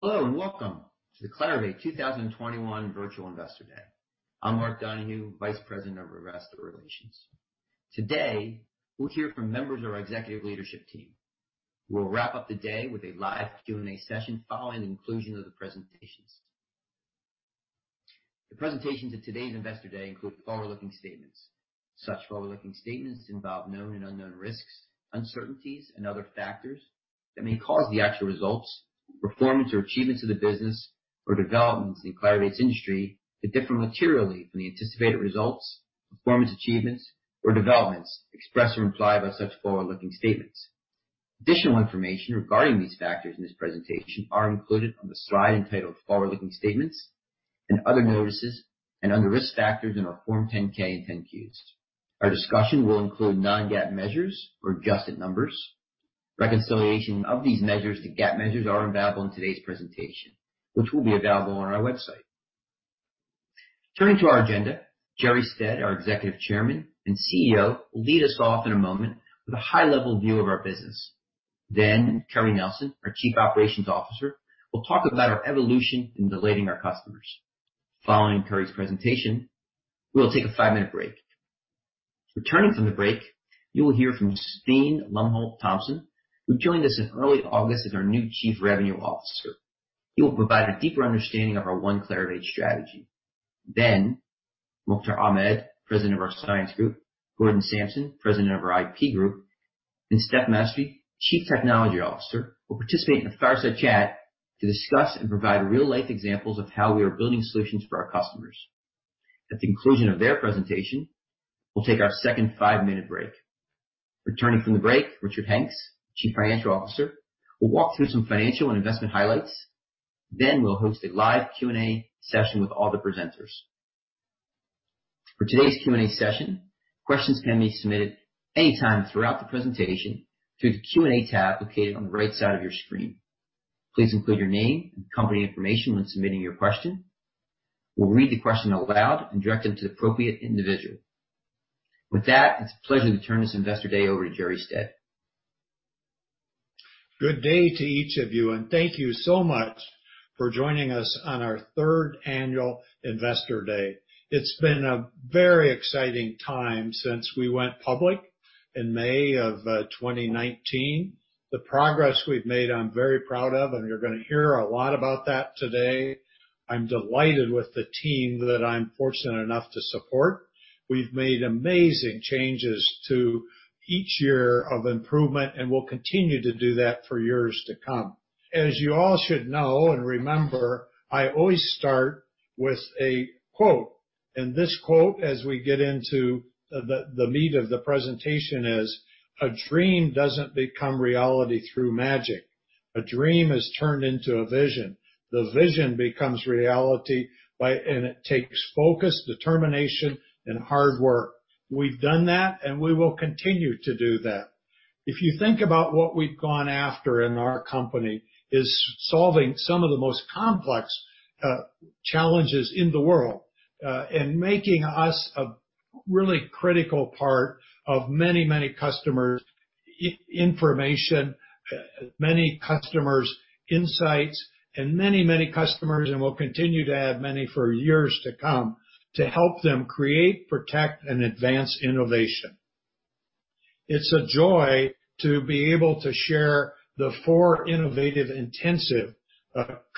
Hello, and welcome to the Clarivate 2021 Virtual Investor Day. I'm Mark Donohue, Vice President of Investor Relations. Today, we'll hear from members of our executive leadership team. We'll wrap up the day with a live Q&A session following the conclusion of the presentations. The presentations at today's Investor Day include forward-looking statements. Such forward-looking statements involve known and unknown risks, uncertainties and other factors that may cause the actual results, performance or achievements of the business or developments in Clarivate's industry to differ materially from the anticipated results, performance achievements or developments expressed or implied by such forward-looking statements. Additional information regarding these factors in this presentation are included on the slide entitled Forward-Looking Statements and Other Notices and under Risk Factors in our Form 10-K and 10-Qs. Our discussion will include non-GAAP measures or adjusted numbers. Reconciliation of these measures to GAAP measures are available in today's presentation, which will be available on our website. Turning to our agenda, Jerre Stead, our Executive Chairman and CEO, will lead us off in a moment with a high-level view of our business. Kerri Nelson, our Chief Operations Officer, will talk about our evolution in delighting our customers. Following Kerri's presentation, we will take a five-minute break. Returning from the break, you will hear from Steen Lomholt-Thomsen, who joined us in early August as our new Chief Revenue Officer. He will provide a deeper understanding of our One Clarivate strategy. Mukhtar Ahmed, President of our Science Group, Gordon Samson, President of our IP Group, and Stefano Maestri, Chief Technology Officer, will participate in a fireside chat to discuss and provide real-life examples of how we are building solutions for our customers. At the conclusion of their presentation, we'll take our second five-minute break. Returning from the break, Richard Hanks, Chief Financial Officer, will walk through some financial and investment highlights. Then we'll host a live Q&A session with all the presenters. For today's Q&A session, questions can be submitted anytime throughout the presentation through the Q&A tab located on the right side of your screen. Please include your name and company information when submitting your question. We'll read the question aloud and direct it to the appropriate individual. With that, it's a pleasure to turn this Investor Day over to Jerre Stead. Good day to each of you, and thank you so much for joining us on our third annual Investor Day. It's been a very exciting time since we went public in May of 2019. The progress we've made, I'm very proud of, and you're gonna hear a lot about that today. I'm delighted with the team that I'm fortunate enough to support. We've made amazing changes to each year of improvement, and we'll continue to do that for years to come. As you all should know and remember, I always start with a quote. This quote, as we get into the meat of the presentation, is, "A dream doesn't become reality through magic. A dream is turned into a vision. The vision becomes reality by and it takes focus, determination, and hard work." We've done that, and we will continue to do that. If you think about what we've gone after in our company is solving some of the most complex challenges in the world, and making us a really critical part of many customers' information, many customers' insights, and many customers, and will continue to add many for years to come to help them create, protect, and advance innovation. It's a joy to be able to share the four innovative, intensive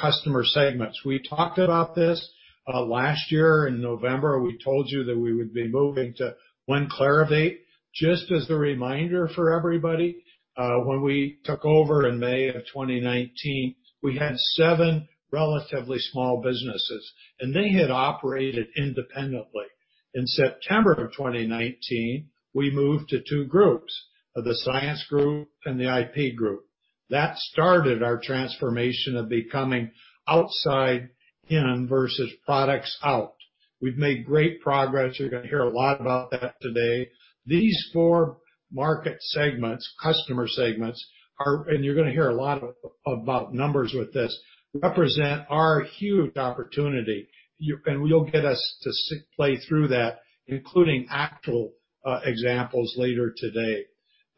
customer segments. We talked about this last year in November. We told you that we would be moving to One Clarivate. Just as a reminder for everybody, when we took over in May 2019, we had seven relatively small businesses, and they had operated independently. In September 2019, we moved to two groups, the Science Group and the IP Group. That started our transformation of becoming outside in versus products out. We've made great progress. You're gonna hear a lot about that today. These four market segments, customer segments are, and you're gonna hear a lot about numbers with this, represent our huge opportunity. You'll get us to play through that, including actual examples later today.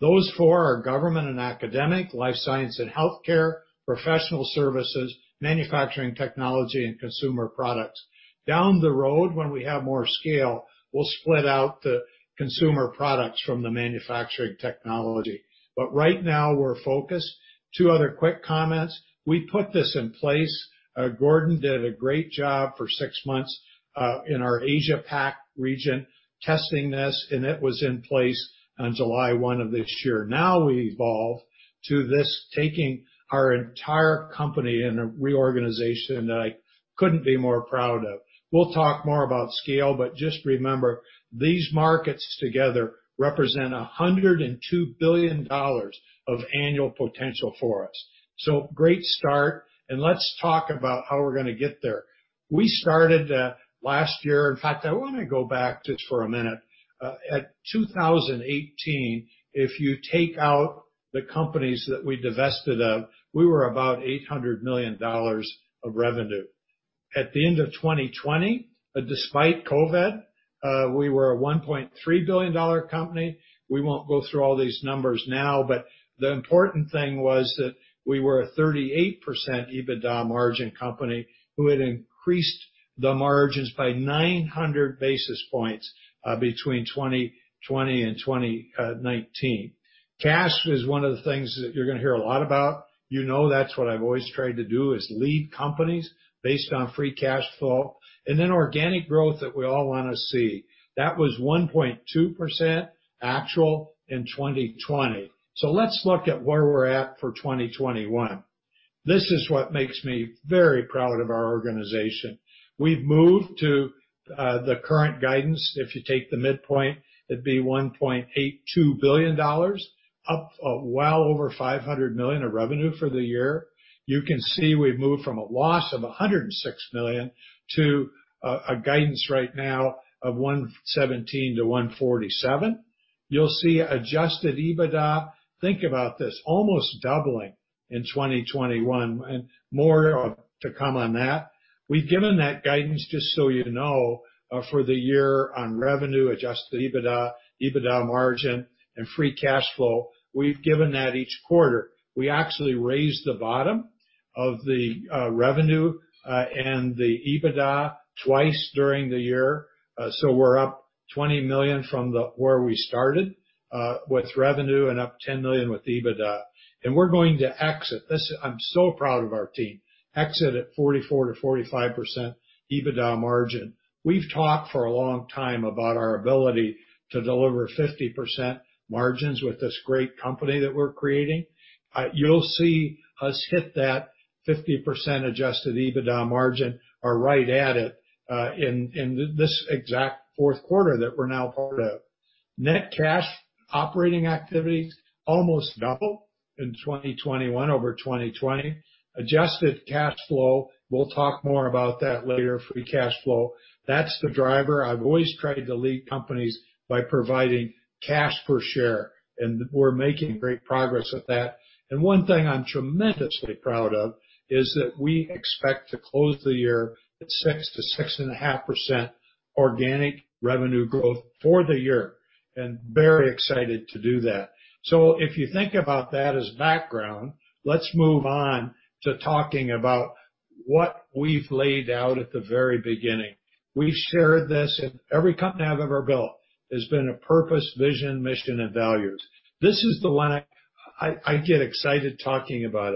Those four are government and academic, life science and healthcare, professional services, manufacturing, technology and consumer products. Down the road, when we have more scale, we'll split out the consumer products from the manufacturing technology. Right now, we're focused. Two other quick comments. We put this in place. Gordon did a great job for six-months in our Asia Pac region testing this, and it was in place on July one of this year. Now we evolve to this, taking our entire company in a reorganization that I couldn't be more proud of. We'll talk more about scale, but just remember, these markets together represent $102 billion of annual potential for us. Great start, and let's talk about how we're gonna get there. We started last year. In fact, I wanna go back just for a minute. At 2018, if you take out the companies that we divested of, we were about $800 million of revenue. At the end of 2020, despite COVID, we were a $1.3 billion company. We won't go through all these numbers now, but the important thing was that we were a 38% EBITDA margin company who had increased the margins by 900 basis points between 2020 and 2019. Cash is one of the things that you're gonna hear a lot about. You know that's what I've always tried to do, is lead companies based on free cash flow. Organic growth that we all wanna see. That was 1.2% actual in 2020. Let's look at where we're at for 2021. This is what makes me very proud of our organization. We've moved to the current guidance. If you take the midpoint, it'd be $1.82 billion, up well over $500 million of revenue for the year. You can see we've moved from a loss of $106 million to a guidance right now of $117 million-147 million. You'll see adjusted EBITDA, think about this, almost doubling in 2021 and more to come on that. We've given that guidance, just so you know, for the year on revenue, adjusted EBITDA margin, and free cash flow. We've given that each quarter. We actually raised the bottom of the revenue and the EBITDA twice during the year. We're up $20 million from where we started with revenue and up $10 million with EBITDA. We're going to exit. I'm so proud of our team. Exit at 44%-45% EBITDA margin. We've talked for a long time about our ability to deliver 50% margins with this great company that we're creating. You'll see us hit that 50% adjusted EBITDA margin, or right at it, in this exact Q4 that we're now part of. Net cash operating activities almost double in 2021 over 2020. Adjusted cash flow, we'll talk more about that later, free cash flow. That's the driver. I've always tried to lead companies by providing cash per share, and we're making great progress with that. One thing I'm tremendously proud of is that we expect to close the year at 6%-6.5% organic revenue growth for the year, and very excited to do that. If you think about that as background, let's move on to talking about what we've laid out at the very beginning. We've shared this in every company I've ever built. There's been a purpose, vision, mission, and values. This is the one I get excited talking about,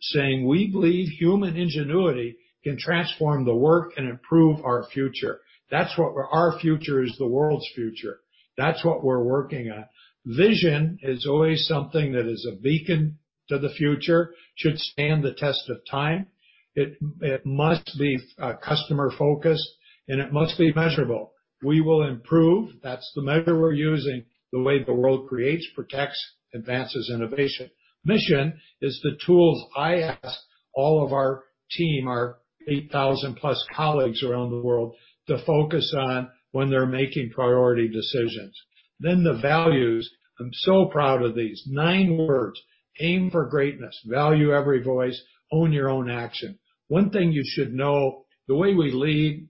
saying, We believe human ingenuity can transform the world and improve our future. That's what our future is the world's future. That's what we're working on. Vision is always something that is a beacon to the future, should stand the test of time. It must be customer-focused, and it must be measurable. We will improve, that's the measure we're using, the way the world creates, protects, advances innovation. Mission is the tools I ask all of our team, our 8,000+ colleagues around the world, to focus on when they're making priority decisions. The values, I'm so proud of these. Nine words: Aim for greatness, value every voice, own your own action. One thing you should know, the way we lead,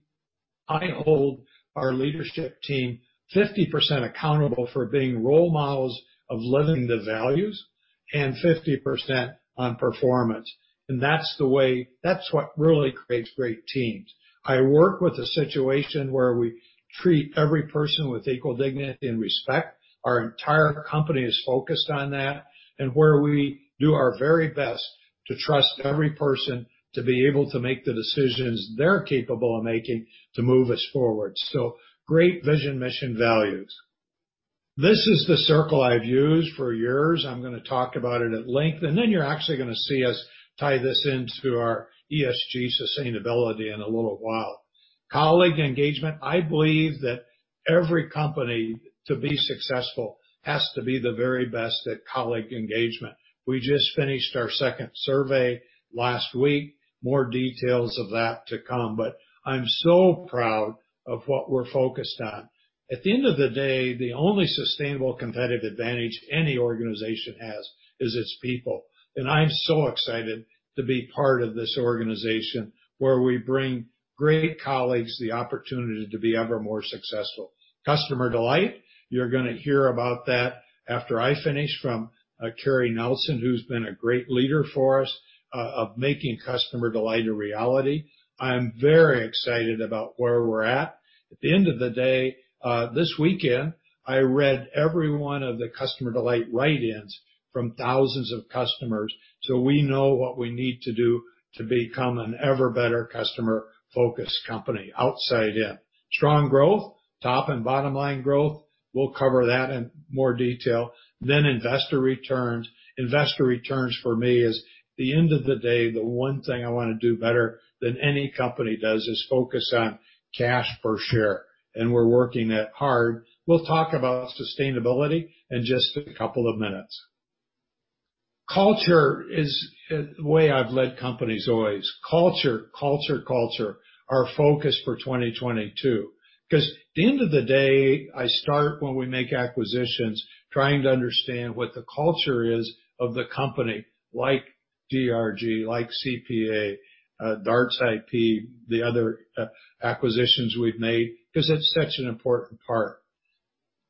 I hold our leadership team 50% accountable for being role models of living the values and 50% on performance. That's the way, that's what really creates great teams. I work with a situation where we treat every person with equal dignity and respect. Our entire company is focused on that. Where we do our very best to trust every person to be able to make the decisions they're capable of making to move us forward. Great vision, mission, values. This is the circle I've used for years. I'm gonna talk about it at length, and then you're actually gonna see us tie this into our ESG sustainability in a little while. Colleague engagement. I believe that every company, to be successful, has to be the very best at colleague engagement. We just finished our second survey last week. More details of that to come, but I'm so proud of what we're focused on. At the end of the day, the only sustainable competitive advantage any organization has is its people, and I'm so excited to be part of this organization where we bring great colleagues the opportunity to be ever more successful. Customer delight, you're gonna hear about that after I finish, from Kerri Nelson, who's been a great leader for us of making customer delight a reality. I'm very excited about where we're at. At the end of the day, this weekend, I read every one of the customer delight write-ins from thousands of customers, so we know what we need to do to become an ever-better customer-focused company, outside in. Strong growth, top and bottom line growth. We'll cover that in more detail. Then investor returns. Investor returns for me is the end of the day the one thing I wanna do better than any company does is focus on cash per share, and we're working at it hard. We'll talk about sustainability in just a couple of minutes. Culture is the way I've led companies always. Culture, culture, our focus for 2022. 'Cause at the end of the day, I start when we make acquisitions trying to understand what the culture is of the company, like DRG, like CPA, Darts-ip, the other acquisitions we've made, 'cause it's such an important part.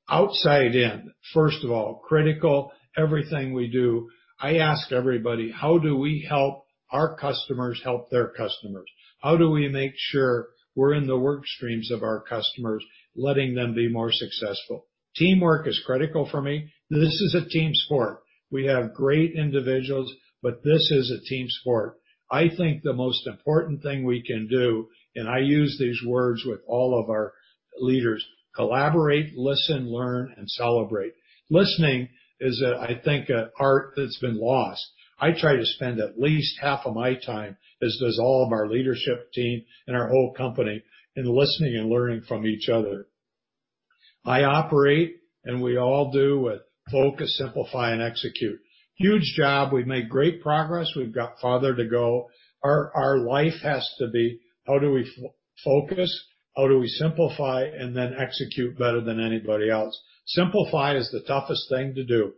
Outside in, first of all, critical, everything we do, I ask everybody how do we help our customers help their customers. How do we make sure we're in the work streams of our customers, letting them be more successful? Teamwork is critical for me. This is a team sport. We have great individuals, but this is a team sport. I think the most important thing we can do, and I use these words with all of our leaders: collaborate, listen, learn, and celebrate. Listening is, I think, an art that's been lost. I try to spend at least half of my time, as does all of our leadership team and our whole company, in listening and learning from each other. I operate, and we all do, with focus, simplify and execute. Huge job. We've made great progress. We've got farther to go. Our life has to be: how do we focus, how do we simplify and then execute better than anybody else? Simplify is the toughest thing to do,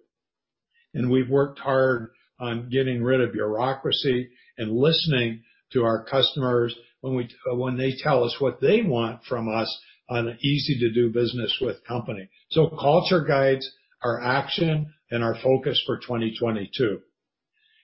and we've worked hard on getting rid of bureaucracy and listening to our customers when they tell us what they want from us, an easy to do business with company. Culture guides our action and our focus for 2022.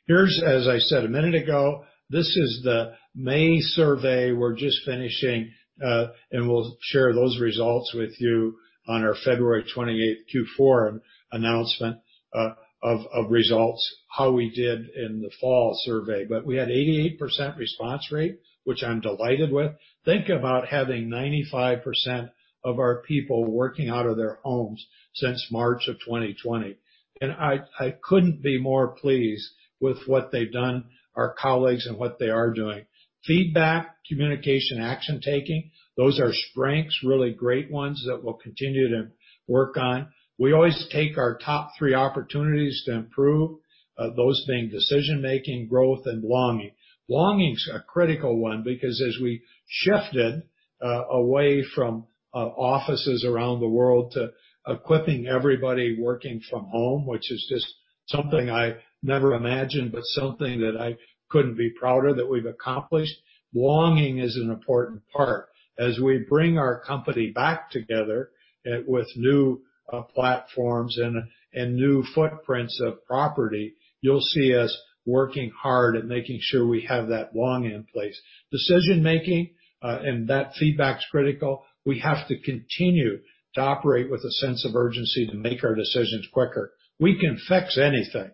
Here's, as I said a minute ago, this is the May survey we're just finishing, and we'll share those results with you on our February 28 Q4 announcement of results, how we did in the fall survey. We had 88% response rate, which I'm delighted with. Think about having 95% of our people working out of their homes since March 2020. I couldn't be more pleased with what they've done, our colleagues, and what they are doing. Feedback, communication, action-taking, those are strengths, really great ones that we'll continue to work on. We always take our top three opportunities to improve, those being decision-making, growth and belonging. Belonging's a critical one because as we shifted away from offices around the world to equipping everybody working from home, which is just something I never imagined, but something that I couldn't be prouder that we've accomplished. Belonging is an important part. As we bring our company back together with new platforms and new footprints of property, you'll see us working hard at making sure we have that belonging in place. Decision-making and that feedback's critical. We have to continue to operate with a sense of urgency to make our decisions quicker. We can fix anything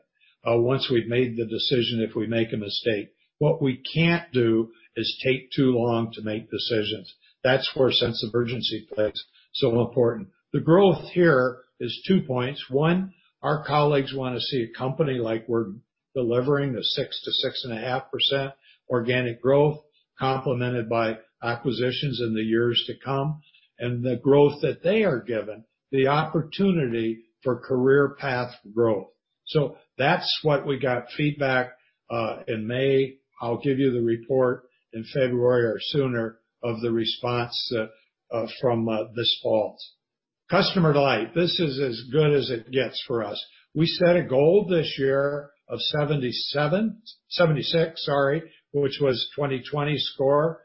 once we've made the decision, if we make a mistake. What we can't do is take too long to make decisions. That's where a sense of urgency plays so important. The growth here is two points. One, our colleagues wanna see a company like we're delivering the 6%-6.5% organic growth, complemented by acquisitions in the years to come, and the growth that they are given, the opportunity for career path growth. That's what we got feedback in May. I'll give you the report in February or sooner of the response from this fall. Customer delight. This is as good as it gets for us. We set a goal this year of 76, sorry, which was 2020's score.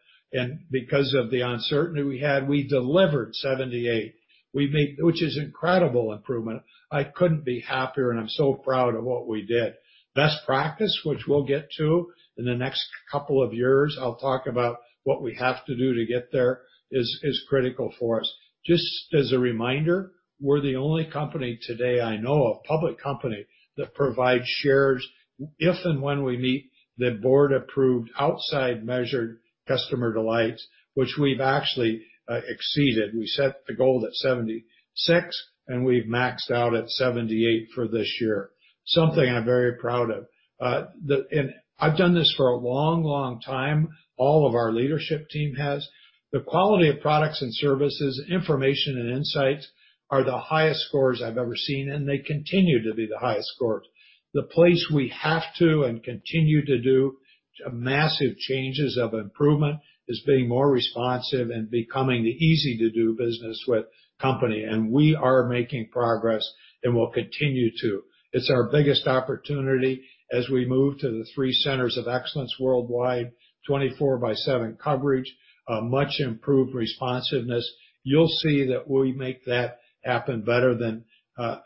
Because of the uncertainty we had, we delivered 78, which is incredible improvement. I couldn't be happier, and I'm so proud of what we did. Best practice, which we'll get to in the next couple of years, I'll talk about what we have to do to get there, is critical for us. Just as a reminder, we're the only company today I know of, public company, that provides shares if and when we meet the board-approved, outside measured customer delight, which we've actually exceeded. We set the goal at 76, and we've maxed out at 78 for this year. Something I'm very proud of. I've done this for a long, long time. All of our leadership team has. The quality of products and services, information and insights are the highest scores I've ever seen, and they continue to be the highest scores. The place we have to and continue to do massive changes of improvement is being more responsive and becoming the easy to do business with company. We are making progress, and we'll continue to. It's our biggest opportunity as we move to the three centers of excellence worldwide, 24/7 coverage, much improved responsiveness. You'll see that we make that happen better than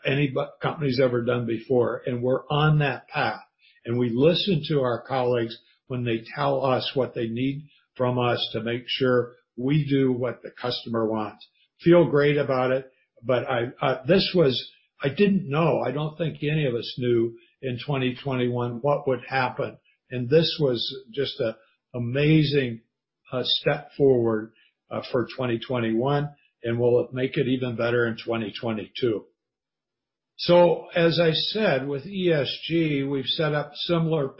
any company's ever done before. We're on that path. We listen to our colleagues when they tell us what they need from us to make sure we do what the customer wants. I feel great about it, but I didn't know, I don't think any of us knew in 2021 what would happen. This was just an amazing step forward for 2021, and we'll make it even better in 2022. As I said, with ESG, we've set up similar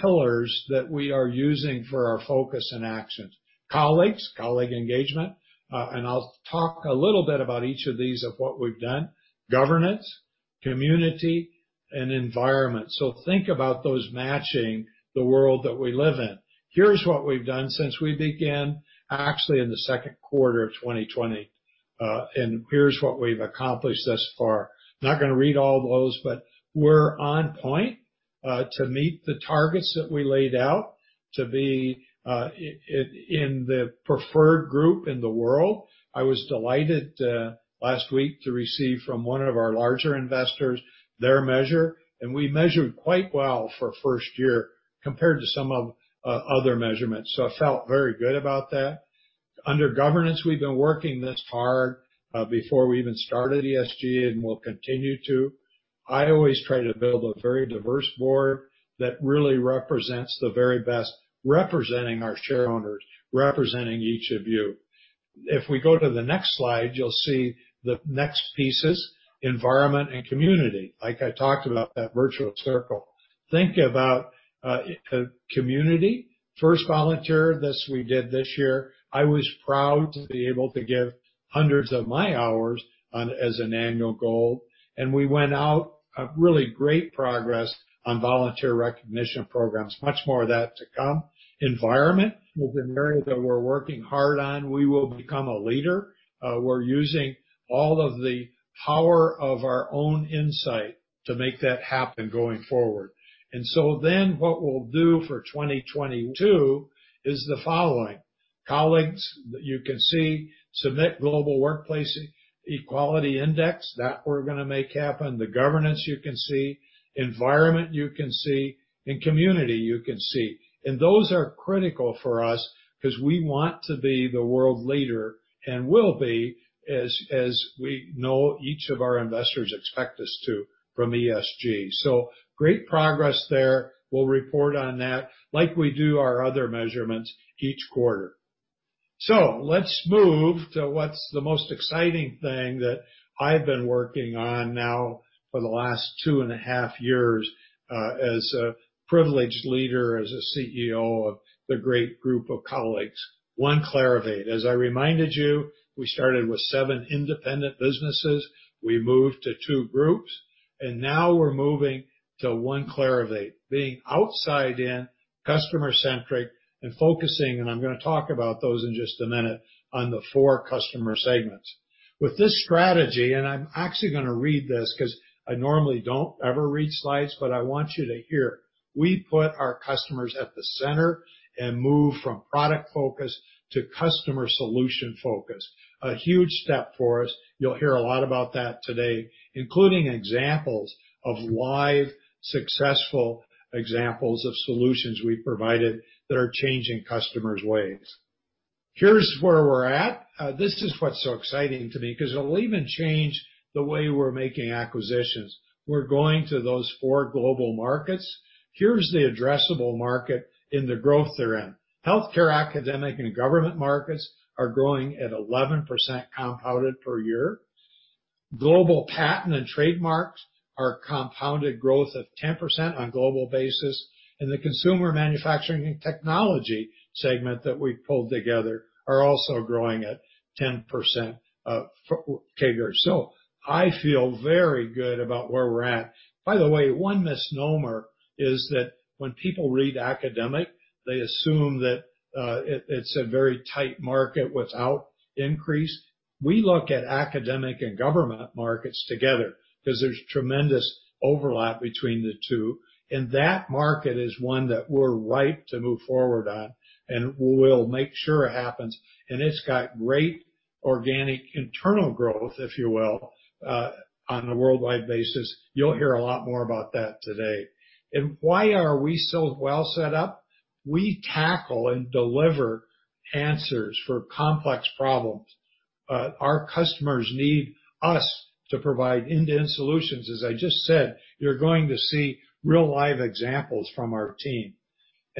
pillars that we are using for our focus and actions. Colleagues, colleague engagement, and I'll talk a little bit about each of these of what we've done. Governance, community, and environment. Think about those matching the world that we live in. Here's what we've done since we began, actually in the Q2 of 2020. Here's what we've accomplished thus far. Not gonna read all those, but we're on point to meet the targets that we laid out to be in the preferred group in the world. I was delighted last week to receive from one of our larger investors their measure, and we measured quite well for first year compared to some of other measurements, so I felt very good about that. Under governance, we've been working this hard before we even started ESG, and we'll continue to. I always try to build a very diverse board that really represents the very best, representing our shareowners, representing each of you. If we go to the next slide, you'll see the next pieces, environment and community. Like I talked about that virtual circle. Think about a community. First volunteer, this we did this year. I was proud to be able to give hundreds of my hours on as an annual goal, and we went out, really great progress on volunteer recognition programs. Much more of that to come. Environment will be an area that we're working hard on. We will become a leader. We're using all of the power of our own insight to make that happen going forward. What we'll do for 2022 is the following. Colleagues, you can see submit Global Workplace Equality Index. That we're gonna make happen. The governance, you can see. Environment, you can see. Community, you can see. Those are critical for us 'cause we want to be the world leader, and will be as we know each of our investors expect us to from ESG. Great progress there. We'll report on that like we do our other measurements each quarter. Let's move to what's the most exciting thing that I've been working on now for the last two and a half years, as a privileged leader, as a CEO of the great group of colleagues, One Clarivate. As I reminded you, we started with seven independent businesses. We moved to two groups, and now we're moving to One Clarivate, being outside in, customer-centric and focusing, and I'm gonna talk about those in just a minute, on the four customer segments. With this strategy, I'm actually gonna read this 'cause I normally don't ever read slides, but I want you to hear. We put our customers at the center and move from product focus to customer solution focus. A huge step for us. You'll hear a lot about that today, including examples of live, successful examples of solutions we've provided that are changing customers' ways. Here's where we're at. This is what's so exciting to me 'cause it'll even change the way we're making acquisitions. We're going to those four global markets. Here's the addressable market and the growth they're in. Healthcare, academic, and government markets are growing at 11% compounded per year. Global patent and trademarks are compounded growth of 10% on global basis. The consumer manufacturing and technology segment that we pulled together are also growing at 10% per year. I feel very good about where we're at. By the way, one misnomer is that when people read academic, they assume that it's a very tight market without increase. We look at academic and government markets together 'cause there's tremendous overlap between the two, and that market is one that we're ripe to move forward on, and we'll make sure it happens. It's got great organic internal growth, if you will, on a worldwide basis. You'll hear a lot more about that today. Why are we so well set up? We tackle and deliver answers for complex problems. Our customers need us to provide end-to-end solutions. As I just said, you're going to see real live examples from our team.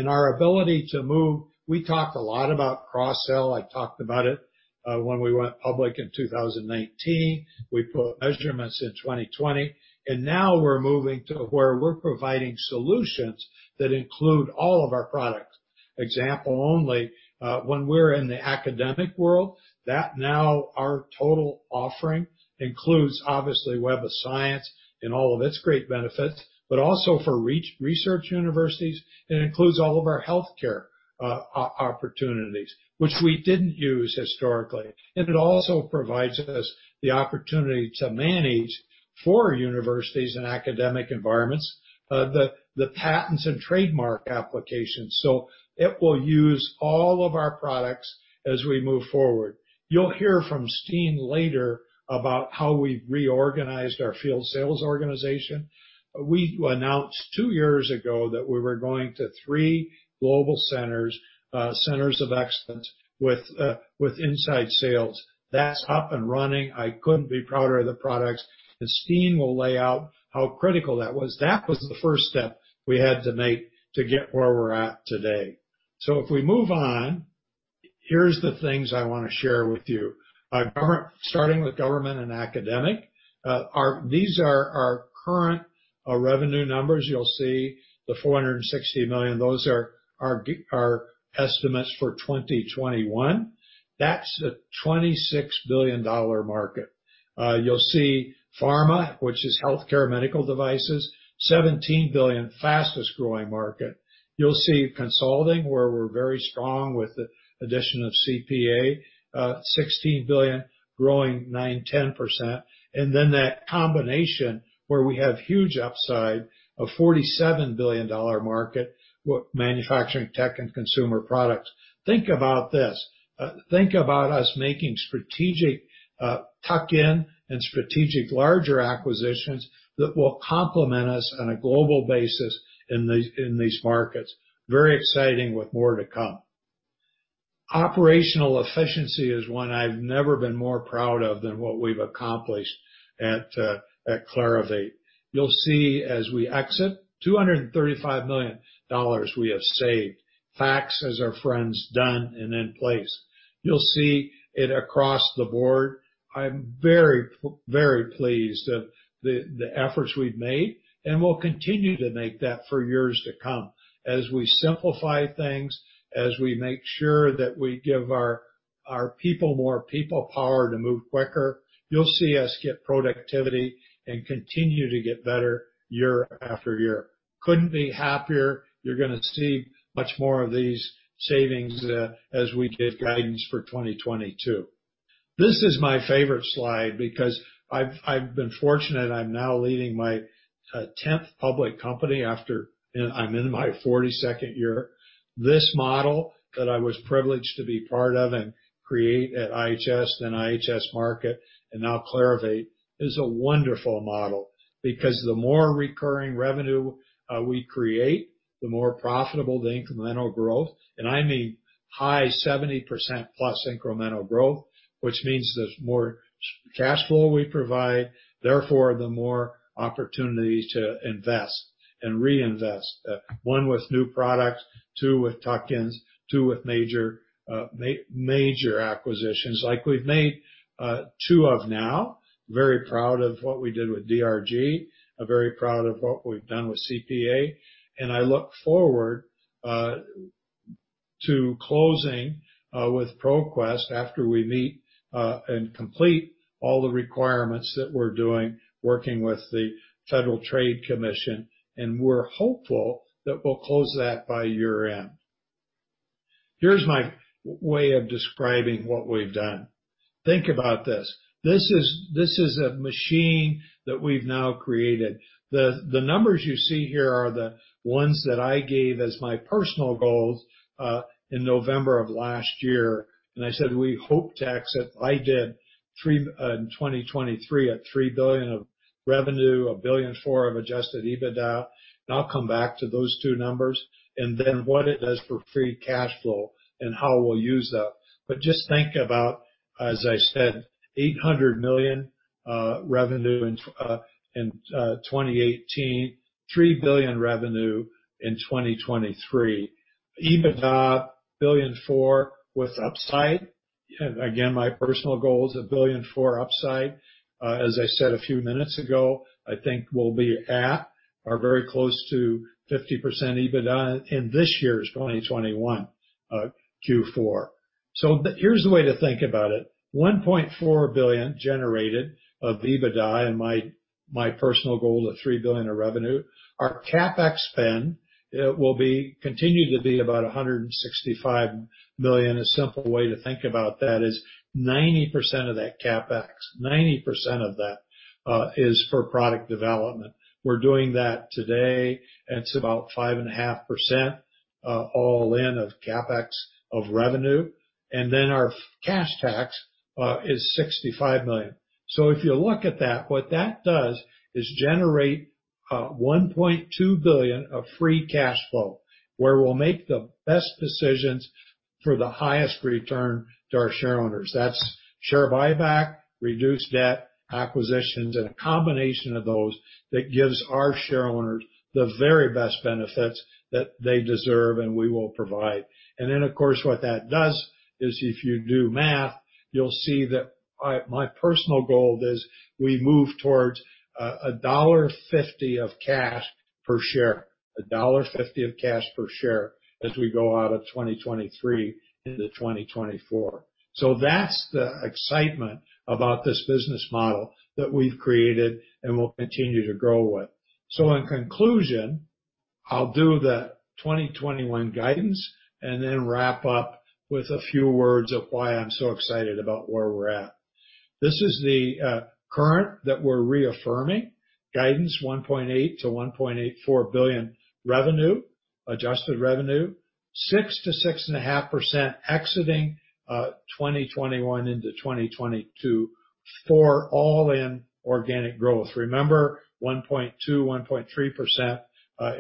Our ability to move, we talked a lot about cross-sell. I talked about it when we went public in 2019. We put measurements in 2020, and now we're moving to where we're providing solutions that include all of our products. Example only, when we're in the academic world, that now our total offering includes, obviously, Web of Science and all of its great benefits, but also for research universities, it includes all of our healthcare opportunities, which we didn't use historically. It also provides us the opportunity to manage for universities and academic environments the patents and trademark applications. So it will use all of our products as we move forward. You'll hear from Steen later about how we reorganized our field sales organization. We announced two-years ago that we were going to three global centers of excellence with inside sales. That's up and running. I couldn't be prouder of the products, and Steen will lay out how critical that was. That was the first step we had to make to get where we're at today. If we move on, here's the things I wanna share with you. Starting with government and academic, our current revenue numbers, you'll see the $460 million. Those are estimates for 2021. That's a $26 billion market. You'll see pharma, which is healthcare medical devices, $17 billion, fastest-growing market. You'll see consulting, where we're very strong with the addition of CPA, $16 billion, growing 9%-10%. And then that combination where we have huge upside of $47 billion market with manufacturing, tech, and consumer products. Think about this. Think about us making strategic, tuck-in and strategic larger acquisitions that will complement us on a global basis in these, in these markets. Very exciting with more to come. Operational efficiency is one I've never been more proud of than what we've accomplished at Clarivate. You'll see as we exit, $235 million we have saved. FACTS is our friend done and in place. You'll see it across the board. I'm very pleased of the efforts we've made, and we'll continue to make that for years to come. As we simplify things, as we make sure that we give our people more people power to move quicker, you'll see us get productivity and continue to get better year after year. Couldn't be happier. You're gonna see much more of these savings, as we give guidance for 2022. This is my favorite slide because I've been fortunate. I'm now leading my 10th public company, and I'm in my 42nd year. This model that I was privileged to be part of and create at IHS, then IHS Markit, and now Clarivate, is a wonderful model. Because the more recurring revenue we create, the more profitable the incremental growth, and I mean high 70% plus incremental growth, which means there's more cash flow we provide, therefore, the more opportunities to invest and reinvest, one, with new products, two, with tuck-ins, two, with major acquisitions like we've made, two of now. Very proud of what we did with DRG. I'm very proud of what we've done with CPA, and I look forward to closing with ProQuest after we meet and complete all the requirements that we're doing working with the Federal Trade Commission, and we're hopeful that we'll close that by year-end. Here's my way of describing what we've done. Think about this. This is a machine that we've now created. The numbers you see here are the ones that I gave as my personal goals in November of last year, and I said, we hope to exit in 2023 at $3 billion of revenue, $1.4 billion of adjusted EBITDA. I'll come back to those two numbers, and then what it does for free cash flow and how we'll use that. Just think about, as I said, $800 million revenue in 2018, $3 billion revenue in 2023. EBITDA $1.4 billion with upside. Again, my personal goal is $1.4 billion upside. As I said a few minutes ago, I think we'll be at or very close to 50% EBITDA in this year's 2021 Q4. Here's the way to think about it. $1.4 billion generated of EBITDA in my personal goal of $3 billion of revenue. Our CapEx spend will continue to be about $165 million. A simple way to think about that is 90% of that CapEx, 90% of that, is for product development. We're doing that today, and it's about 5.5% all in of CapEx of revenue. Our cash tax is $65 million. If you look at that, what that does is generate $1.2 billion of free cash flow, where we'll make the best decisions for the highest return to our shareowners. That's share buyback, reduced debt, acquisitions, and a combination of those that gives our shareowners the very best benefits that they deserve and we will provide. Of course, what that does is if you do math, you'll see that my personal goal is we move towards a $1.50 of cash per share, a $1.50 of cash per share as we go out of 2023 into 2024. That's the excitement about this business model that we've created and will continue to grow with. In conclusion, I'll do the 2021 guidance and then wrap up with a few words of why I'm so excited about where we're at. This is the current that we're reaffirming. Guidance $1.8 billion-1.84 billion revenue, adjusted revenue. 6%-6.5% exiting 2021 into 2022 for all-in organic growth. Remember, 1.2%-1.3%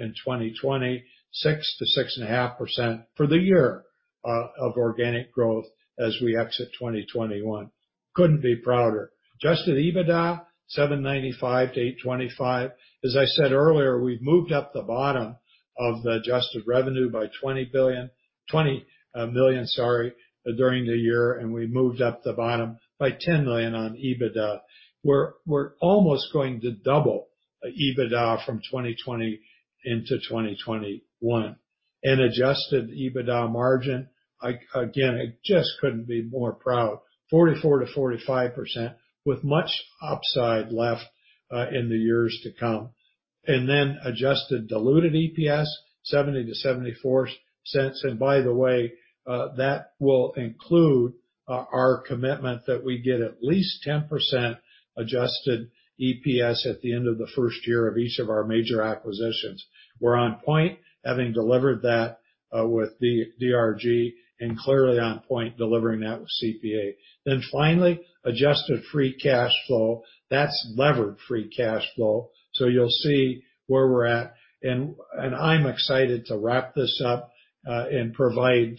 in 2020, 6%-6.5% for the year of organic growth as we exit 2021. Couldn't be prouder. Adjusted EBITDA $795 million-825 million. As I said earlier, we've moved up the bottom of the adjusted revenue by $20 million, sorry, during the year, and we moved up the bottom by $10 million on EBITDA. We're almost going to double EBITDA from 2020 into 2021. Adjusted EBITDA margin, again, I just couldn't be more proud. 44%-45% with much upside left in the years to come. Adjusted diluted EPS $0.70-0.74. By the way, that will include our commitment that we get at least 10% adjusted EPS at the end of the first year of each of our major acquisitions. We're on point, having delivered that with the DRG and clearly on point delivering that with CPA. Finally, adjusted free cash flow. That's levered free cash flow. You'll see where we're at and I'm excited to wrap this up and provide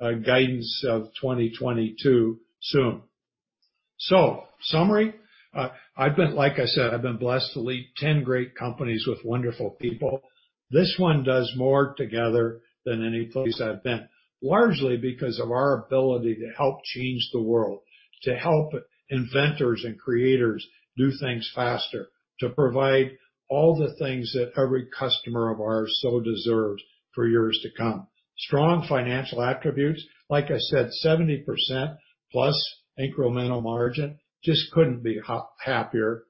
a guidance of 2022 soon. Summary. I've been like I said, I've been blessed to lead 10 great companies with wonderful people. This one does more together than any place I've been, largely because of our ability to help change the world, to help inventors and creators do things faster, to provide all the things that every customer of ours so deserves for years to come. Strong financial attributes, like I said, 70%+ incremental margin, just couldn't be happier.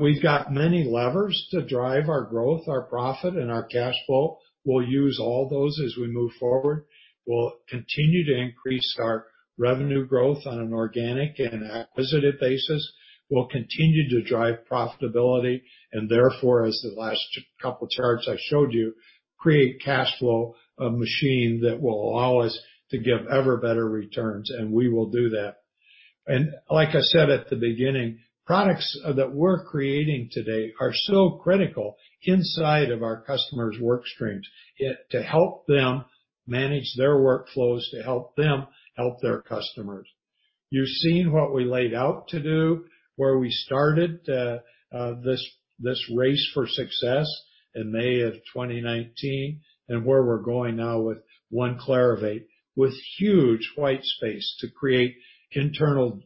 We've got many levers to drive our growth, our profit and our cash flow. We'll use all those as we move forward. We'll continue to increase our revenue growth on an organic and an acquisitive basis. We'll continue to drive profitability and therefore, as the last couple charts I showed you, create cash flow, a machine that will allow us to give ever better returns, and we will do that. Like I said at the beginning, products that we're creating today are so critical inside of our customers' work streams to help them manage their workflows, to help them help their customers. You've seen what we laid out to do, where we started, this race for success in May 2019 and where we're going now with One Clarivate, with huge white space to create internal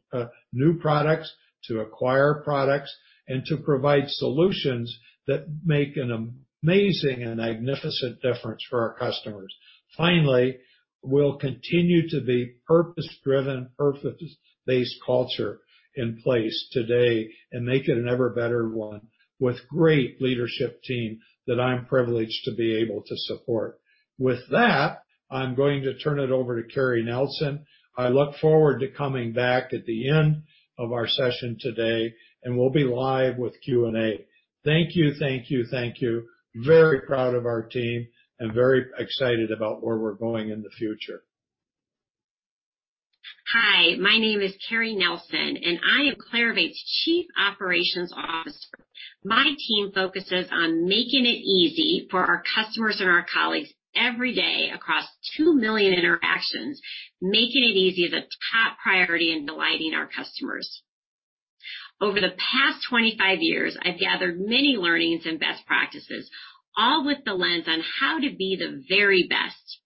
new products, to acquire products, and to provide solutions that make an amazing and magnificent difference for our customers. Finally, we'll continue to be purpose-driven, purpose-based culture in place today and make it an ever better one with great leadership team that I'm privileged to be able to support. With that, I'm going to turn it over to Kerri Nelson. I look forward to coming back at the end of our session today, and we'll be live with Q&A. Thank you, thank you, thank you. Very proud of our team and very excited about where we're going in the future. Hi, my name is Kerri Nelson, and I am Clarivate's Chief Operations Officer. My team focuses on making it easy for our customers and our colleagues every day across 2 million interactions. Making it easy is a top priority in delighting our customers. Over the past 25 years, I've gathered many learnings and best practices, all with the lens on how to be the very best.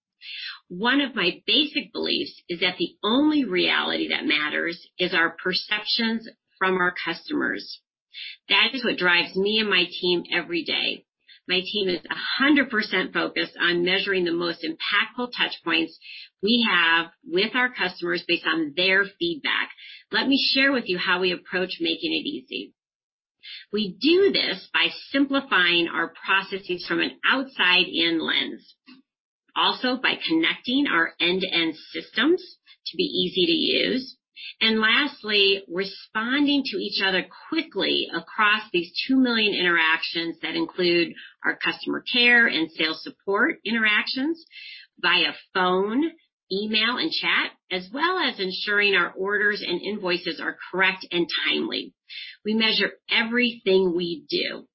One of my basic beliefs is that the only reality that matters is our perceptions from our customers. That is what drives me and my team every day. My team is 100% focused on measuring the most impactful touch points we have with our customers based on their feedback. Let me share with you how we approach making it easy. We do this by simplifying our processes from an outside-in lens, also by connecting our end-to-end systems to be easy to use, and lastly, responding to each other quickly across these 2 million interactions that include our customer care and sales support interactions via phone, email, and chat, as well as ensuring our orders and invoices are correct and timely. We measure everything we do,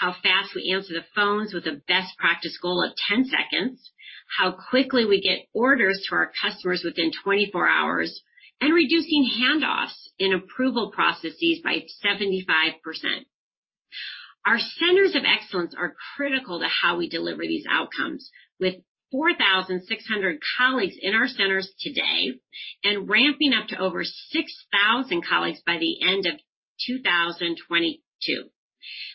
how fast we answer the phones with a best practice goal of 10 seconds, how quickly we get orders to our customers within 24 hours, and reducing handoffs in approval processes by 75%. Our centers of excellence are critical to how we deliver these outcomes with 4,600 colleagues in our centers today and ramping up to over 6,000 colleagues by the end of 2022.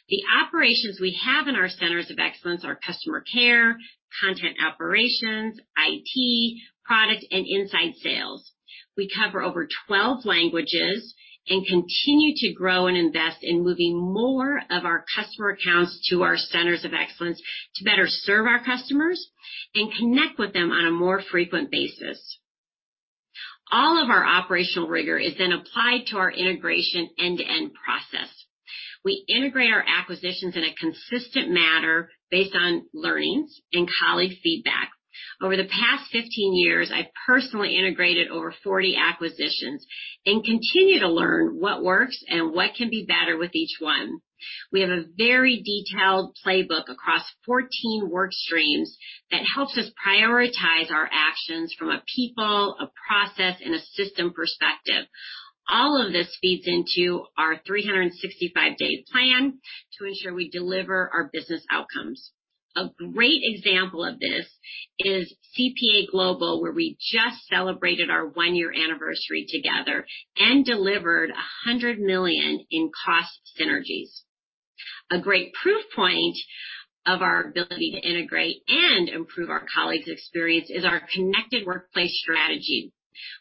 The operations we have in our centers of excellence are customer care, content operations, IT, product, and inside sales. We cover over 12 languages and continue to grow and invest in moving more of our customer accounts to our centers of excellence to better serve our customers and connect with them on a more frequent basis. All of our operational rigor is then applied to our integration end-to-end process. We integrate our acquisitions in a consistent manner based on learnings and colleague feedback. Over the past 15 years, I've personally integrated over 40 acquisitions and continue to learn what works and what can be better with each one. We have a very detailed playbook across 14 work streams that helps us prioritize our actions from a people, a process, and a system perspective. All of this feeds into our 365-day plan to ensure we deliver our business outcomes. A great example of this is CPA Global, where we just celebrated our one-year anniversary together and delivered $100 million in cost synergies. A great proof point of our ability to integrate and improve our colleagues' experience is our connected workplace strategy,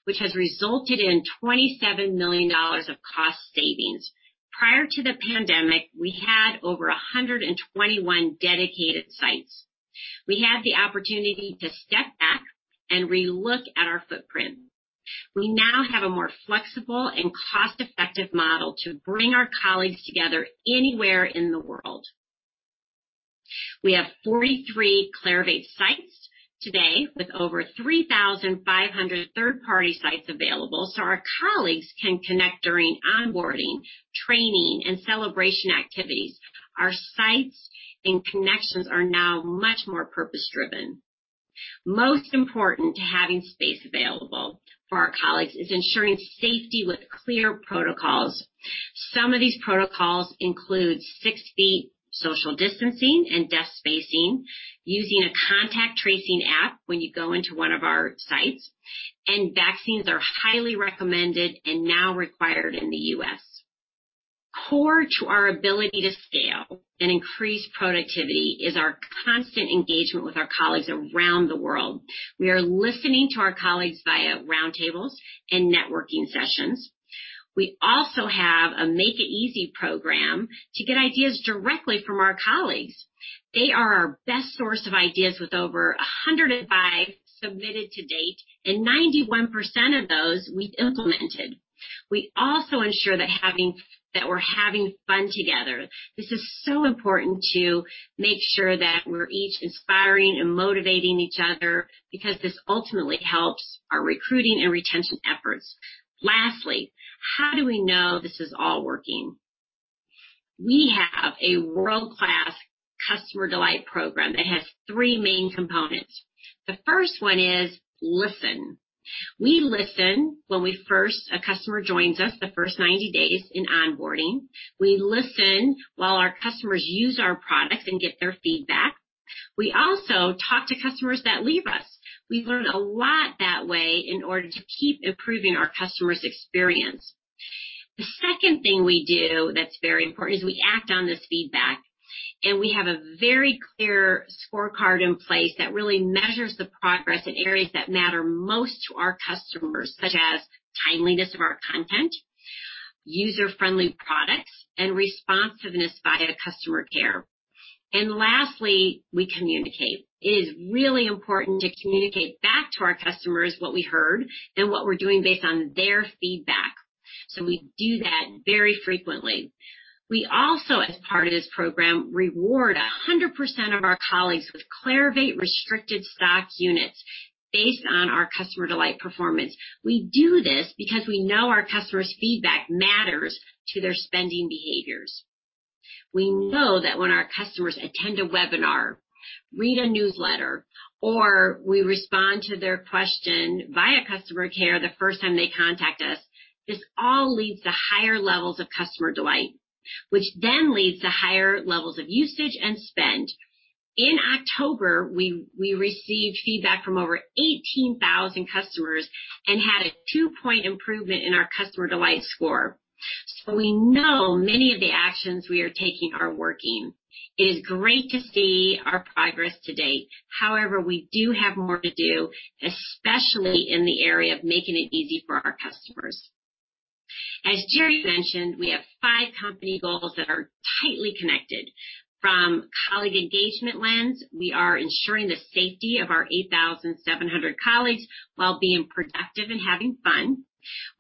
which has resulted in $27 million of cost savings. Prior to the pandemic, we had over 121 dedicated sites. We had the opportunity to step back and re-look at our footprint. We now have a more flexible and cost-effective model to bring our colleagues together anywhere in the world. We have 43 Clarivate sites today with over 3,500 third-party sites available, so our colleagues can connect during onboarding, training, and celebration activities. Our sites and connections are now much more purpose-driven. Most important to having space available for our colleagues is ensuring safety with clear protocols. Some of these protocols include six feet social distancing and desk spacing, using a contact tracing app when you go into one of our sites, and vaccines are highly recommended and now required in the U.S. Core to our ability to scale and increase productivity is our constant engagement with our colleagues around the world. We are listening to our colleagues via roundtables and networking sessions. We also have a Make It Easy program to get ideas directly from our colleagues. They are our best source of ideas with over 105 submitted to date and 91% of those we've implemented. We also ensure that we're having fun together. This is so important to make sure that we're each inspiring and motivating each other because this ultimately helps our recruiting and retention efforts. Lastly, how do we know this is all working? We have a world-class customer delight program that has three main components. The first one is listen. We listen when a customer joins us, the first 90 days in onboarding. We listen while our customers use our products and get their feedback. We also talk to customers that leave us. We learn a lot that way in order to keep improving our customers' experience. The second thing we do that's very important is we act on this feedback, and we have a very clear scorecard in place that really measures the progress in areas that matter most to our customers, such as timeliness of our content, user-friendly products, and responsiveness via customer care. Lastly, we communicate. It is really important to communicate back to our customers what we heard and what we're doing based on their feedback. We do that very frequently. We also, as part of this program, reward 100% of our colleagues with Clarivate restricted stock units based on our customer delight performance. We do this because we know our customers' feedback matters to their spending behaviors. We know that when our customers attend a webinar, read a newsletter, or we respond to their question via customer care the first time they contact us, this all leads to higher levels of customer delight, which then leads to higher levels of usage and spend. In October, we received feedback from over 18,000 customers and had a 2-point improvement in our customer delight score. We know many of the actions we are taking are working. It is great to see our progress to date. However, we do have more to do, especially in the area of Make It Easy for our customers. As Jerre mentioned, we have five company goals that are tightly connected. From colleague engagement lens, we are ensuring the safety of our 8,700 colleagues while being productive and having fun.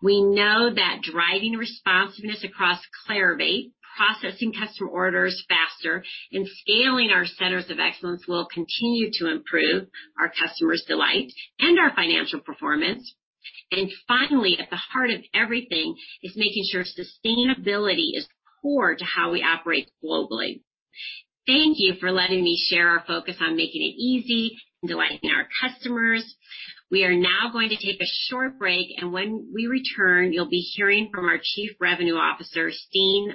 We know that driving responsiveness across Clarivate, processing customer orders faster, and scaling our centers of excellence will continue to improve our customers' delight and our financial performance. Finally, at the heart of everything is making sure sustainability is core to how we operate globally. Thank you for letting me share our focus on Make It Easy, delighting our customers. We are now going to take a short break, and when we return, you'll be hearing from our Chief Revenue Officer, Steen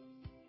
Lomholt-Thomsen.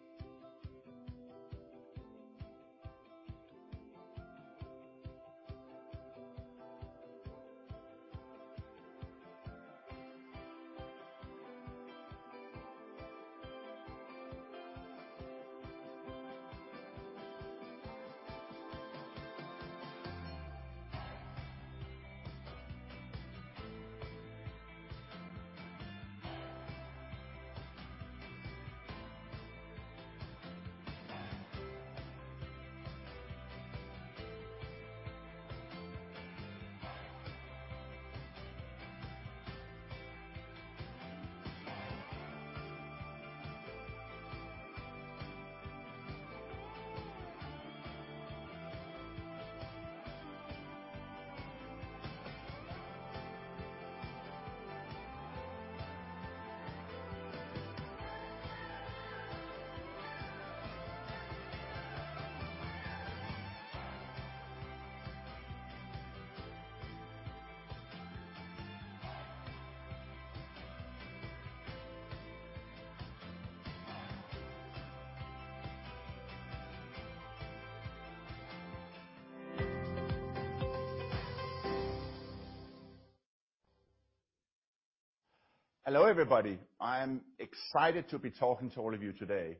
Hello, everybody. I am excited to be talking to all of you today,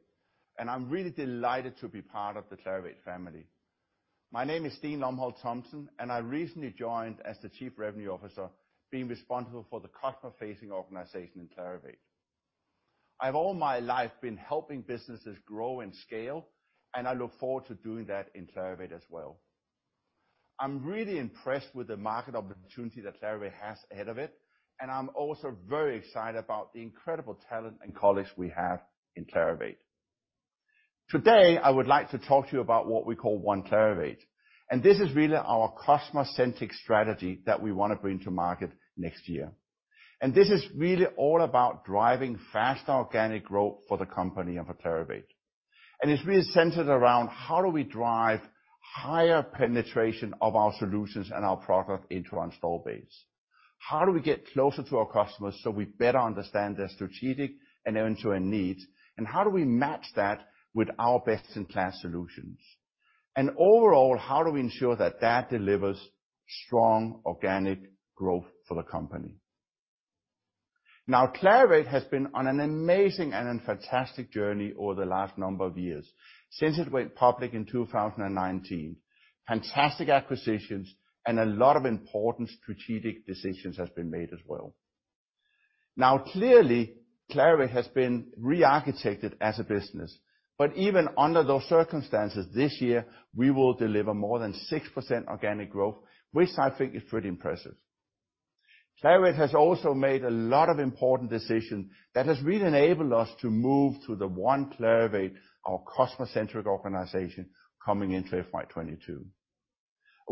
and I'm really delighted to be part of the Clarivate family. My name is Steen Lomholt-Thomsen, and I recently joined as the Chief Revenue Officer, being responsible for the customer-facing organization in Clarivate. I've all my life been helping businesses grow and scale, and I look forward to doing that in Clarivate as well. I'm really impressed with the market opportunity that Clarivate has ahead of it, and I'm also very excited about the incredible talent and colleagues we have in Clarivate. Today, I would like to talk to you about what we call One Clarivate, and this is really our customer-centric strategy that we wanna bring to market next year. This is really all about driving fast organic growth for the company and for Clarivate. It's really centered around how do we drive higher penetration of our solutions and our product into our install base? How do we get closer to our customers so we better understand their strategic and end-to-end needs, and how do we match that with our best-in-class solutions? Overall, how do we ensure that that delivers strong organic growth for the company? Now, Clarivate has been on an amazing and fantastic journey over the last number of years since it went public in 2019. Fantastic acquisitions and a lot of important strategic decisions has been made as well. Now, clearly, Clarivate has been rearchitected as a business, but even under those circumstances, this year, we will deliver more than 6% organic growth, which I think is pretty impressive. Clarivate has also made a lot of important decision that has really enabled us to move to the One Clarivate, our customer-centric organization, coming into FY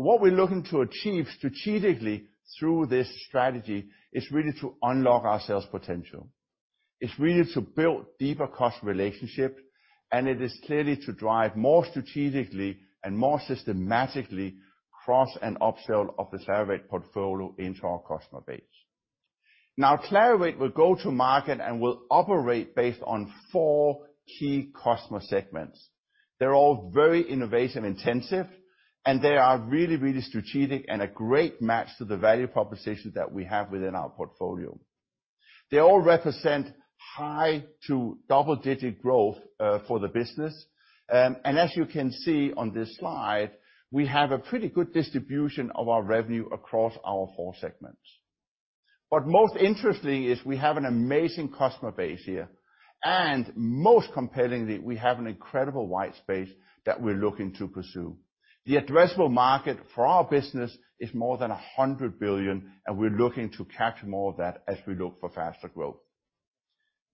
2022. What we're looking to achieve strategically through this strategy is really to unlock our sales potential. It's really to build deeper customer relationship, and it is clearly to drive more strategically and more systematically cross and upsell of the Clarivate portfolio into our customer base. Now, Clarivate will go to market and will operate based on four key customer segments. They all very innovation-intensive, and they are really, really strategic and a great match to the value proposition that we have within our portfolio. They all represent high to double-digit growth, for the business. As you can see on this slide, we have a pretty good distribution of our revenue across our four segments. Most interesting is we have an amazing customer base here, and most compellingly, we have an incredible white space that we're looking to pursue. The addressable market for our business is more than $100 billion, and we're looking to capture more of that as we look for faster growth.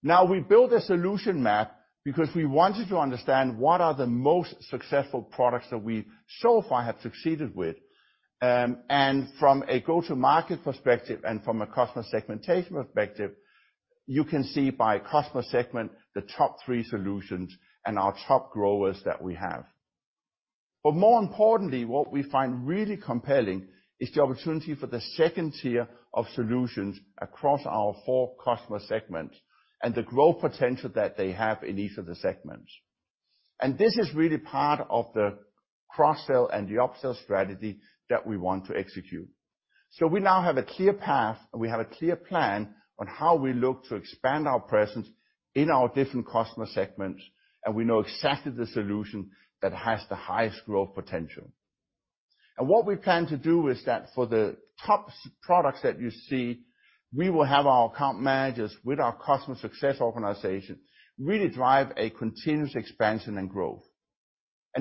Now, we built a solution map because we wanted to understand what are the most successful products that we so far have succeeded with. From a go-to-market perspective and from a customer segmentation perspective, you can see by customer segment the top three solutions and our top growers that we have. More importantly, what we find really compelling is the opportunity for the second tier of solutions across our four customer segments and the growth potential that they have in each of the segments. This is really part of the cross-sell and the upsell strategy that we want to execute. We now have a clear path, and we have a clear plan on how we look to expand our presence in our different customer segments, and we know exactly the solution that has the highest growth potential. What we plan to do is that for the top products that you see, we will have our account managers with our customer success organization really drive a continuous expansion and growth.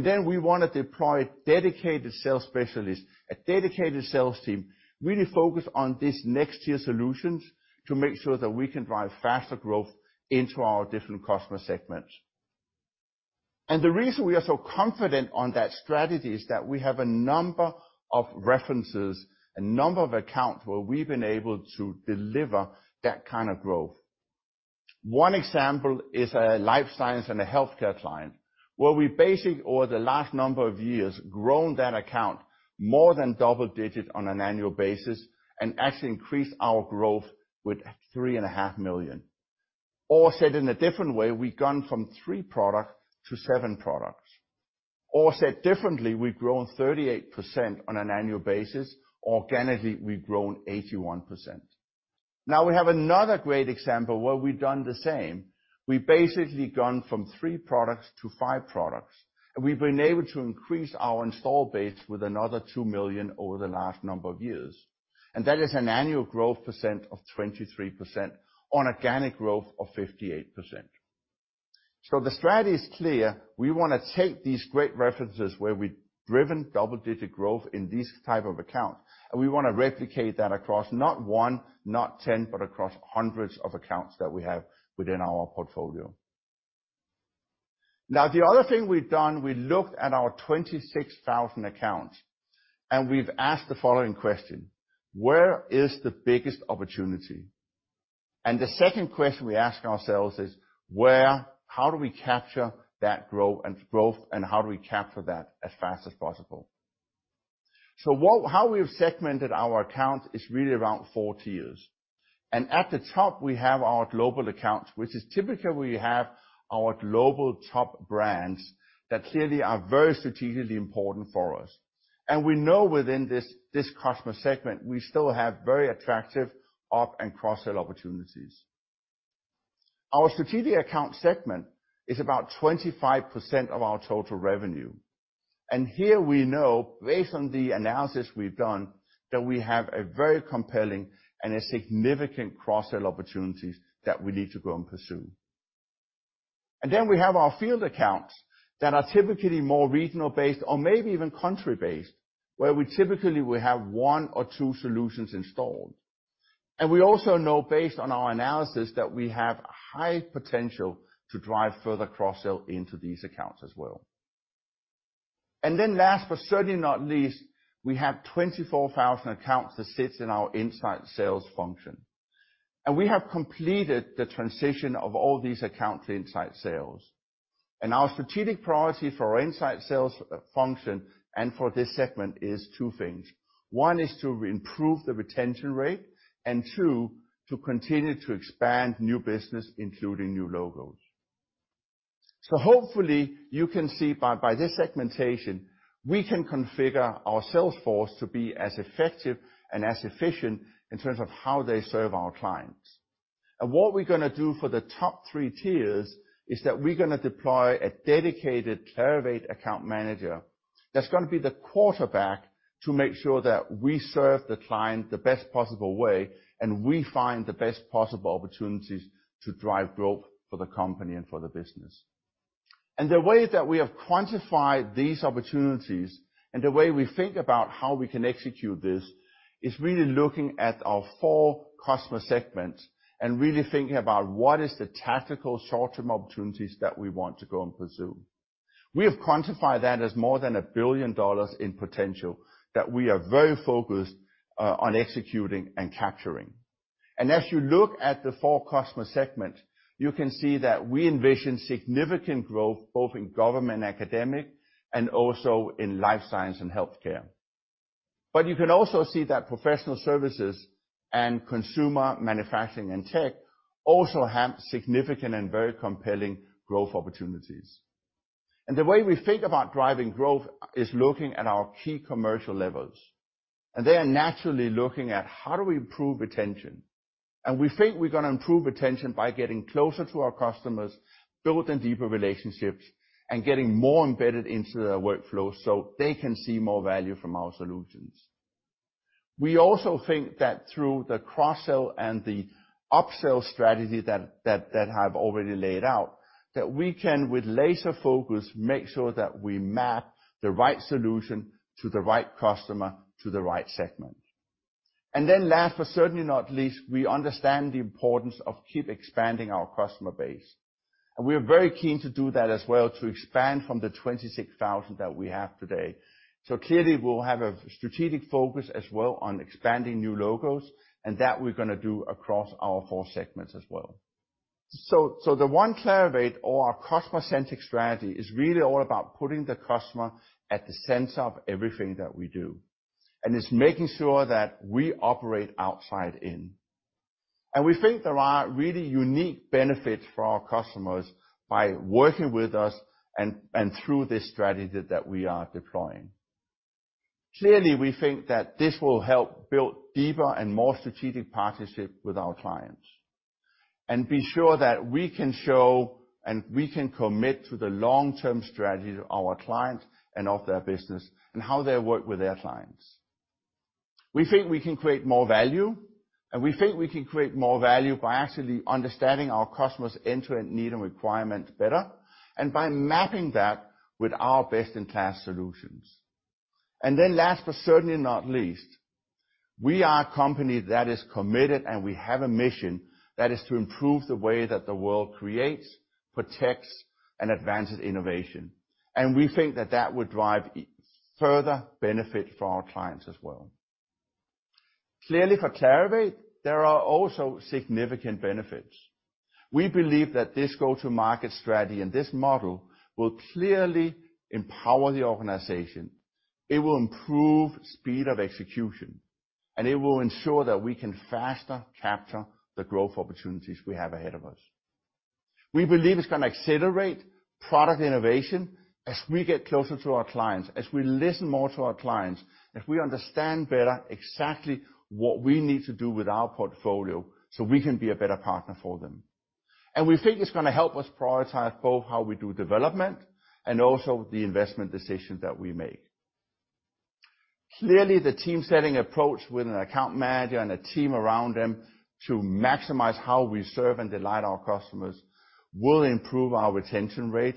Then we wanna deploy dedicated sales specialists, a dedicated sales team, really focus on these next tier solutions to make sure that we can drive faster growth into our different customer segments. The reason we are so confident on that strategy is that we have a number of references, a number of accounts where we've been able to deliver that kind of growth. One example is a life science and a healthcare client, where we basically, over the last number of years, grown that account more than double-digit on an annual basis and actually increased our growth with $3.5 million. Or said in a different way, we've gone from three product to seven products. Or said differently, we've grown 38% on an annual basis. Organically, we've grown 81%. Now we have another great example where we've done the same. We've basically gone from three products to five products, and we've been able to increase our install base with another $2 million over the last number of years. That is an annual growth percent of 23% on organic growth of 58%. The strategy is clear. We wanna take these great references where we've driven double-digit growth in these type of accounts, and we wanna replicate that across not one, not 10, but across hundreds of accounts that we have within our portfolio. Now, the other thing we've done, we looked at our 26,000 accounts, and we've asked the following question: where is the biggest opportunity? The second question we ask ourselves is how do we capture that growth and how do we capture that as fast as possible? How we have segmented our accounts is really around four tiers. At the top, we have our global accounts, which is typically where we have our global top brands that clearly are very strategically important for us. We know within this customer segment, we still have very attractive up- and cross-sell opportunities. Our strategic account segment is about 25% of our total revenue. Here we know, based on the analysis we've done, that we have a very compelling and a significant cross-sell opportunities that we need to go and pursue. Then we have our field accounts that are typically more regional-based or maybe even country-based, where we typically will have one or two solutions installed. We also know based on our analysis, that we have high potential to drive further cross-sell into these accounts as well. Then last but certainly not least, we have 24,000 accounts that sits in our inside sales function. We have completed the transition of all these accounts to inside sales. Our strategic priority for our inside sales function and for this segment is two things. One is to improve the retention rate, and two, to continue to expand new business, including new logos. Hopefully, you can see by this segmentation, we can configure our sales force to be as effective and as efficient in terms of how they serve our clients. What we're gonna do for the top three tiers is that we're gonna deploy a dedicated Clarivate account manager that's gonna be the quarterback to make sure that we serve the client the best possible way and we find the best possible opportunities to drive growth for the company and for the business. The way that we have quantified these opportunities and the way we think about how we can execute this is really looking at our four customer segments and really thinking about what is the tactical short-term opportunities that we want to go and pursue. We have quantified that as more than $1 billion in potential that we are very focused on executing and capturing. As you look at the four customer segments, you can see that we envision significant growth both in government, academic, and also in life science and healthcare. You can also see that professional services and consumer manufacturing and tech also have significant and very compelling growth opportunities. The way we think about driving growth is looking at our key commercial levers, and they are naturally looking at how do we improve retention. We think we're gonna improve retention by getting closer to our customers, building deeper relationships, and getting more embedded into their workflows, so they can see more value from our solutions. We also think that through the cross-sell and the upsell strategy that I've already laid out, that we can, with laser focus, make sure that we map the right solution to the right customer to the right segment. Then last, but certainly not least, we understand the importance of keep expanding our customer base, and we are very keen to do that as well to expand from the 26,000 that we have today. Clearly, we'll have a strategic focus as well on expanding new logos, and that we're gonna do across our four segments as well. The One Clarivate or our customer-centric strategy is really all about putting the customer at the center of everything that we do, and it's making sure that we operate outside in. We think there are really unique benefits for our customers by working with us and through this strategy that we are deploying. Clearly, we think that this will help build deeper and more strategic partnerships with our clients, and be sure that we can show and we can commit to the long-term strategy of our clients and of their business and how they work with their clients. We think we can create more value, and we think we can create more value by actually understanding our customers' end-to-end needs and requirements better, and by mapping that with our best-in-class solutions. Last, but certainly not least, we are a company that is committed, and we have a mission that is to improve the way that the world creates, protects, and advances innovation. We think that that would drive further benefit for our clients as well. Clearly, for Clarivate, there are also significant benefits. We believe that this go-to-market strategy and this model will clearly empower the organization. It will improve speed of execution, and it will ensure that we can faster capture the growth opportunities we have ahead of us. We believe it's gonna accelerate product innovation as we get closer to our clients, as we listen more to our clients, as we understand better exactly what we need to do with our portfolio, so we can be a better partner for them. We think it's gonna help us prioritize both how we do development and also the investment decisions that we make. Clearly, the team-setting approach with an account manager and a team around them to maximize how we serve and delight our customers will improve our retention rate.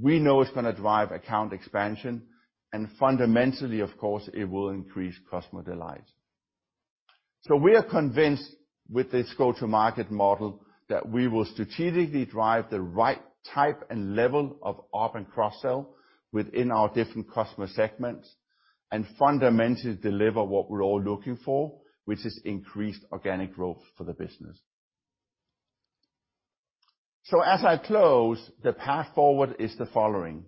We know it's gonna drive account expansion, and fundamentally, of course, it will increase customer delight. We are convinced with this go-to-market model that we will strategically drive the right type and level of up and cross-sell within our different customer segments, and fundamentally deliver what we're all looking for, which is increased organic growth for the business. As I close, the path forward is the following.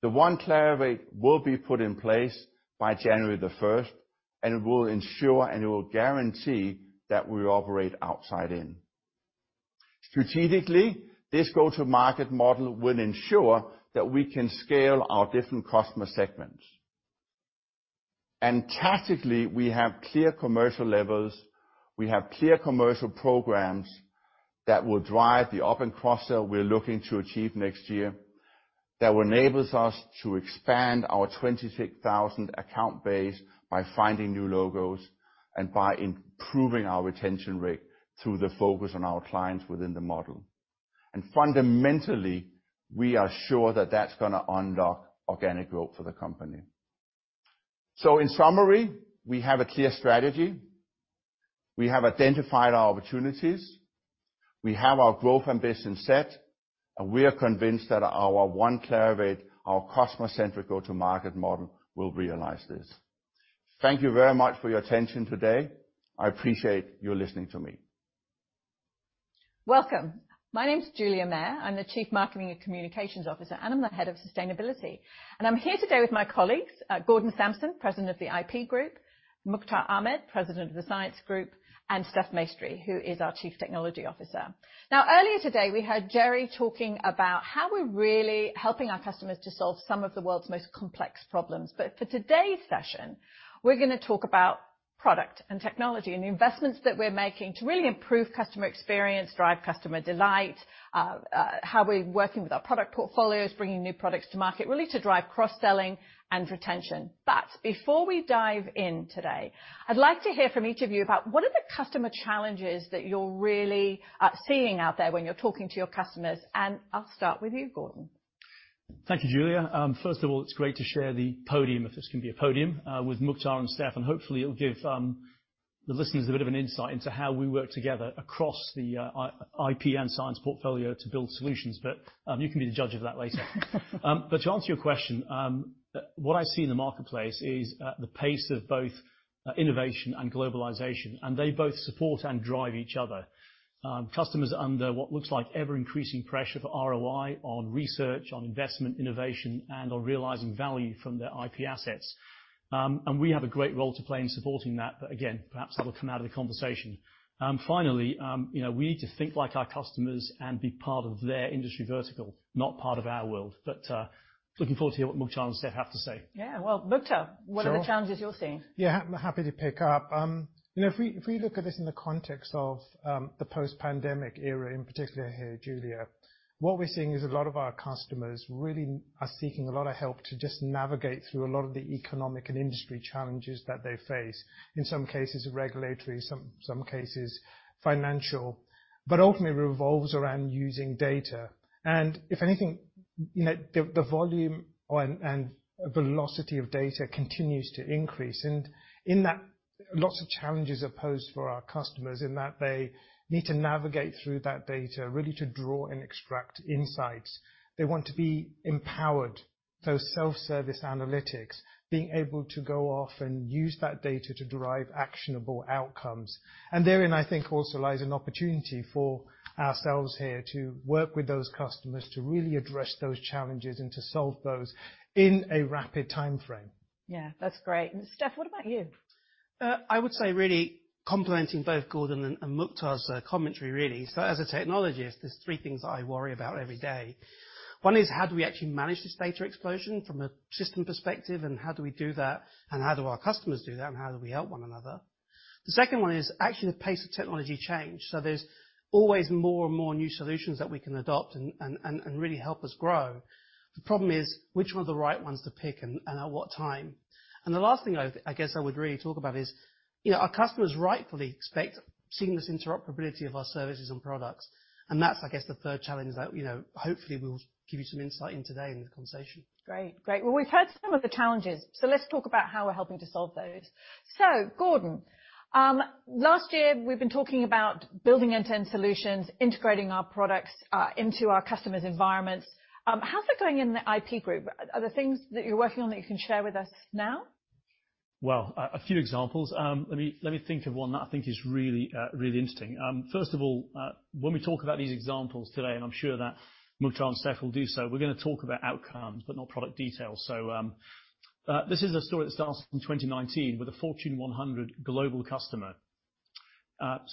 The One Clarivate will be put in place by January 1, and it will ensure, and it will guarantee that we operate outside in. Strategically, this go-to-market model will ensure that we can scale our different customer segments. Tactically, we have clear commercial levels. We have clear commercial programs that will drive the up and cross-sell we're looking to achieve next year, that enables us to expand our 26,000 account base by finding new logos and by improving our retention rate through the focus on our clients within the model. Fundamentally, we are sure that that's gonna unlock organic growth for the company. In summary, we have a clear strategy. We have identified our opportunities. We have our growth ambition set, and we are convinced that our One Clarivate, our customer-centric go-to-market model will realize this. Thank you very much for your attention today. I appreciate you listening to me. Welcome. My name is Julia Mair. I'm the Chief Marketing and Communications Officer, and I'm the Head of Sustainability. I'm here today with my colleagues, Gordon Samson, President of the IP Group, Mukhtar Ahmed, President of the Science Group, and Stefano Maestri, who is our Chief Technology Officer. Earlier today, we heard Jerre talking about how we're really helping our customers to solve some of the world's most complex problems. For today's session, we're gonna talk about product and technology and the investments that we're making to really improve customer experience, drive customer delight, how we're working with our product portfolios, bringing new products to market, really to drive cross-selling and retention. Before we dive in today, I'd like to hear from each of you about what are the customer challenges that you're really seeing out there when you're talking to your customers, and I'll start with you, Gordon. Thank you, Julia. First of all, it's great to share the podium, if this can be a podium, with Mukhtar and Stef, and hopefully it'll give the listeners a bit of an insight into how we work together across the IP and science portfolio to build solutions, but you can be the judge of that later. To answer your question, what I see in the marketplace is the pace of both innovation and globalization, and they both support and drive each other. Customers are under what looks like ever-increasing pressure for ROI on research, on investment, innovation, and on realizing value from their IP assets. We have a great role to play in supporting that, but again, perhaps that'll come out of the conversation. Finally, you know, we need to think like our customers and be part of their industry vertical, not part of our world. Looking forward to hear what Mukhtar and Stef have to say. Yeah. Well, Mukhtar- Sure. What are the challenges you're seeing? Yeah, happy to pick up. You know, if we look at this in the context of the post-pandemic era in particular here, Julia, what we're seeing is a lot of our customers really are seeking a lot of help to just navigate through a lot of the economic and industry challenges that they face, in some cases regulatory, some cases financial. Ultimately it revolves around using data. If anything, you know, the volume and velocity of data continues to increase. In that, lots of challenges are posed for our customers in that they need to navigate through that data really to draw and extract insights. They want to be empowered, those self-service analytics, being able to go off and use that data to derive actionable outcomes. Therein, I think, also lies an opportunity for ourselves here to work with those customers to really address those challenges and to solve those in a rapid timeframe. Yeah. That's great. Stef, what about you? I would say really complementing both Gordon and Mukhtar's commentary really. As a technologist, there's three things that I worry about every day. One is how do we actually manage this data explosion from a system perspective, and how do we do that, and how do our customers do that, and how do we help one another? The second one is actually the pace of technology change. There's always more and more new solutions that we can adopt and really help us grow. The problem is which one are the right ones to pick and at what time. The last thing I guess I would really talk about is, you know, our customers rightfully expect seamless interoperability of our services and products. That's, I guess, the third challenge that, you know, hopefully we'll give you some insight in today in the conversation. Great. Well, we've heard some of the challenges, so let's talk about how we're helping to solve those. Gordon, last year we've been talking about building end-to-end solutions, integrating our products into our customers' environments. How's that going in the IP Group? Are there things that you're working on that you can share with us now? Well, a few examples. Let me think of one that I think is really, really interesting. First of all, when we talk about these examples today, and I'm sure that Mukhtar and Stef will do so, we're gonna talk about outcomes, but not product details. This is a story that starts from 2019 with a Fortune 100 global customer.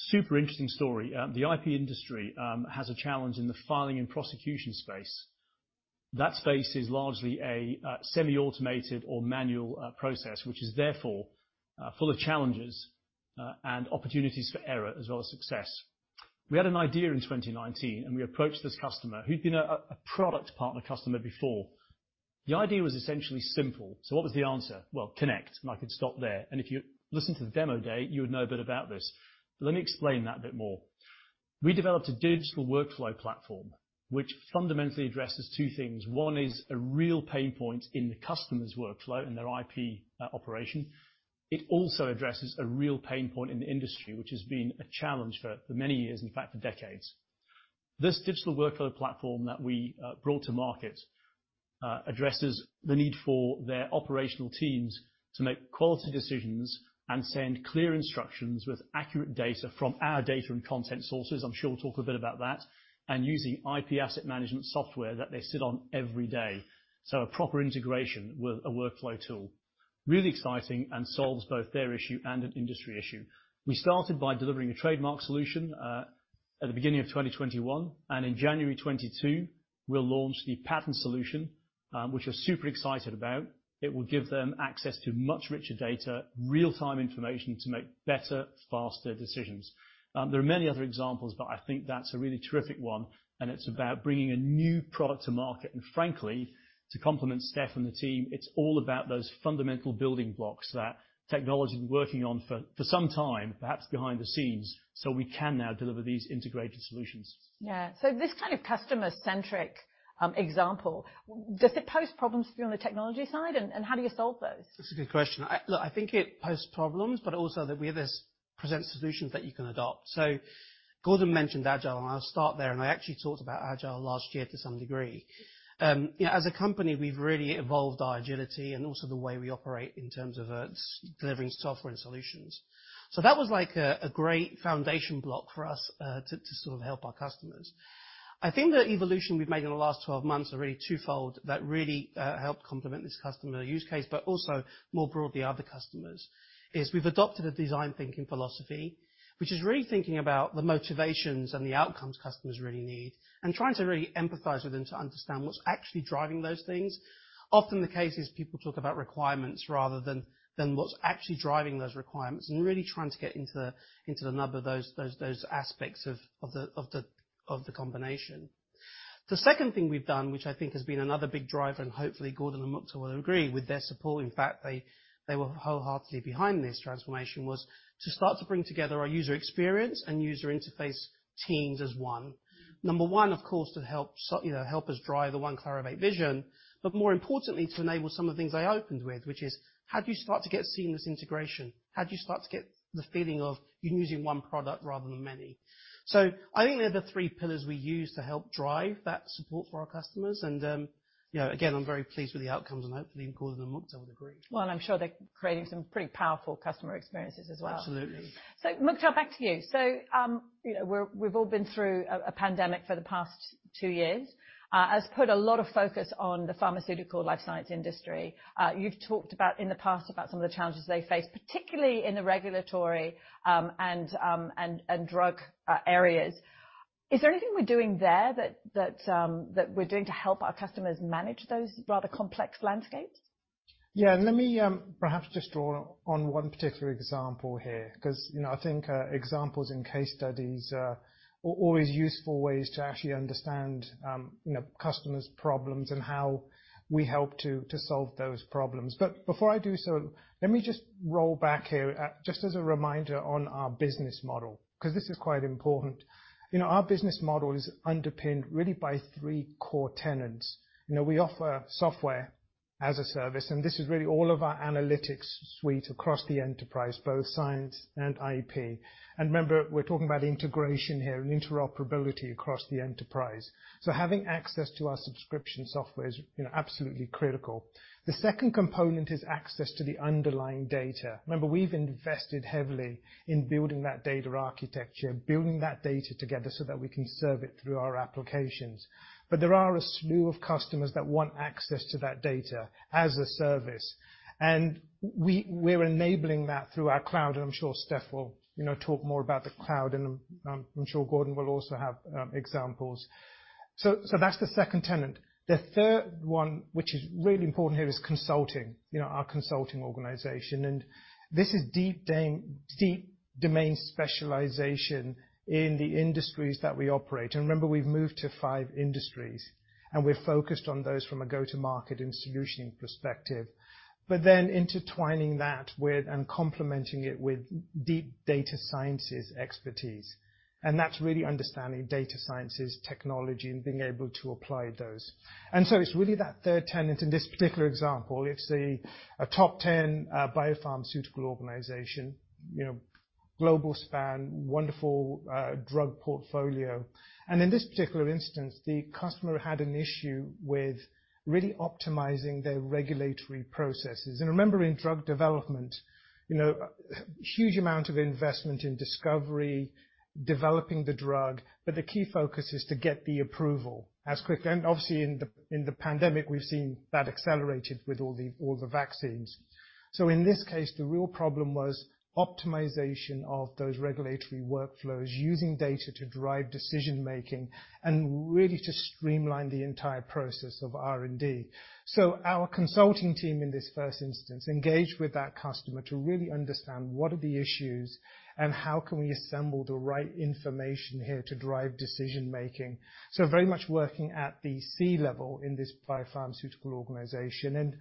Super interesting story. The IP industry has a challenge in the filing and prosecution space. That space is largely a semi-automated or manual process, which is therefore full of challenges and opportunities for error as well as success. We had an idea in 2019, and we approached this customer who'd been a product partner customer before. The idea was essentially simple. What was the answer? Well, Connect, and I could stop there, and if you listened to the demo day, you would know a bit about this. But let me explain that a bit more. We developed a digital workflow platform which fundamentally addresses two things. One is a real pain point in the customer's workflow and their IP operation. It also addresses a real pain point in the industry, which has been a challenge for many years, in fact, for decades. This digital workflow platform that we brought to market addresses the need for their operational teams to make quality decisions and send clear instructions with accurate data from our data and content sources. I'm sure we'll talk a bit about that, and using IP asset management software that they sit on every day. A proper integration with a workflow tool. Really exciting and solves both their issue and an industry issue. We started by delivering a trademark solution at the beginning of 2021, and in January 2022 we'll launch the patent solution, which we're super excited about. It will give them access to much richer data, real-time information to make better, faster decisions. There are many other examples, but I think that's a really terrific one, and it's about bringing a new product to market. Frankly, to complement Stef and the team, it's all about those fundamental building blocks that technology's been working on for some time, perhaps behind the scenes, so we can now deliver these integrated solutions. Yeah. This kind of customer-centric example, does it pose problems for you on the technology side, and how do you solve those? That's a good question. Look, I think it poses problems, but also that we have this present solutions that you can adopt. Gordon mentioned Agile, and I'll start there, and I actually talked about Agile last year to some degree. You know, as a company, we've really evolved our agility and also the way we operate in terms of, delivering software and solutions. That was like a great foundation block for us, to sort of help our customers. I think the evolution we've made in the last 12-months are really twofold that really helped complement this customer use case, but also more broadly, other customers, is we've adopted a design thinking philosophy, which is really thinking about the motivations and the outcomes customers really need and trying to really empathize with them to understand what's actually driving those things. Often the case is people talk about requirements rather than what's actually driving those requirements and really trying to get into the nub of those aspects of the combination. The second thing we've done, which I think has been another big driver and hopefully Gordon and Mukhtar will agree with their support, in fact, they were wholeheartedly behind this transformation, was to start to bring together our user experience and user interface teams as one. Number one, of course, to help, you know, help us drive the One Clarivate vision, but more importantly, to enable some of the things I opened with, which is how do you start to get seamless integration? How do you start to get the feeling of you're using one product rather than many? I think they're the three pillars we use to help drive that support for our customers and, you know, again, I'm very pleased with the outcomes, and hopefully in quarter Mukhtar will agree. Well, I'm sure they're creating some pretty powerful customer experiences as well. Absolutely. Mukhtar, back to you. You know, we've all been through a pandemic for the past two-years that has put a lot of focus on the pharmaceutical and life sciences industry. You've talked in the past about some of the challenges they face, particularly in the regulatory and drug areas. Is there anything we're doing there to help our customers manage those rather complex landscapes? Yeah. Let me perhaps just draw on one particular example here, 'cause you know, I think examples and case studies are always useful ways to actually understand you know, customers' problems and how we help to solve those problems. But before I do so, let me just roll back here just as a reminder on our business model, 'cause this is quite important. You know, our business model is underpinned really by three core tenets. You know, we offer software as a service, and this is really all of our analytics suite across the enterprise, both science and IP. Remember, we're talking about integration here and interoperability across the enterprise. Having access to our subscription software is you know, absolutely critical. The second component is access to the underlying data. Remember, we've invested heavily in building that data architecture, building that data together so that we can serve it through our applications. There are a slew of customers that want access to that data as a service, and we're enabling that through our cloud, and I'm sure Stef will, you know, talk more about the cloud, and I'm sure Gordon will also have examples. So that's the second tenet. The third one, which is really important here, is consulting. You know, our consulting organization. This is deep domain specialization in the industries that we operate. Remember, we've moved to five industries, and we're focused on those from a go-to-market and solution perspective. Then intertwining that with and complementing it with data sciences expertise, and that's really understanding data sciences technology and being able to apply those. It's really that third tenet in this particular example. It's a top 10 biopharmaceutical organization, you know, global span, wonderful drug portfolio. In this particular instance, the customer had an issue with really optimizing their regulatory processes. Remember, in drug development, you know, huge amount of investment in discovery, developing the drug, but the key focus is to get the approval and obviously in the pandemic, we've seen that accelerated with all the vaccines. In this case, the real problem was optimization of those regulatory workflows using data to drive decision-making and really to streamline the entire process of R&D. Our consulting team, in this first instance, engaged with that customer to really understand what are the issues and how can we assemble the right information here to drive decision-making. Very much working at the C-level in this biopharmaceutical organization.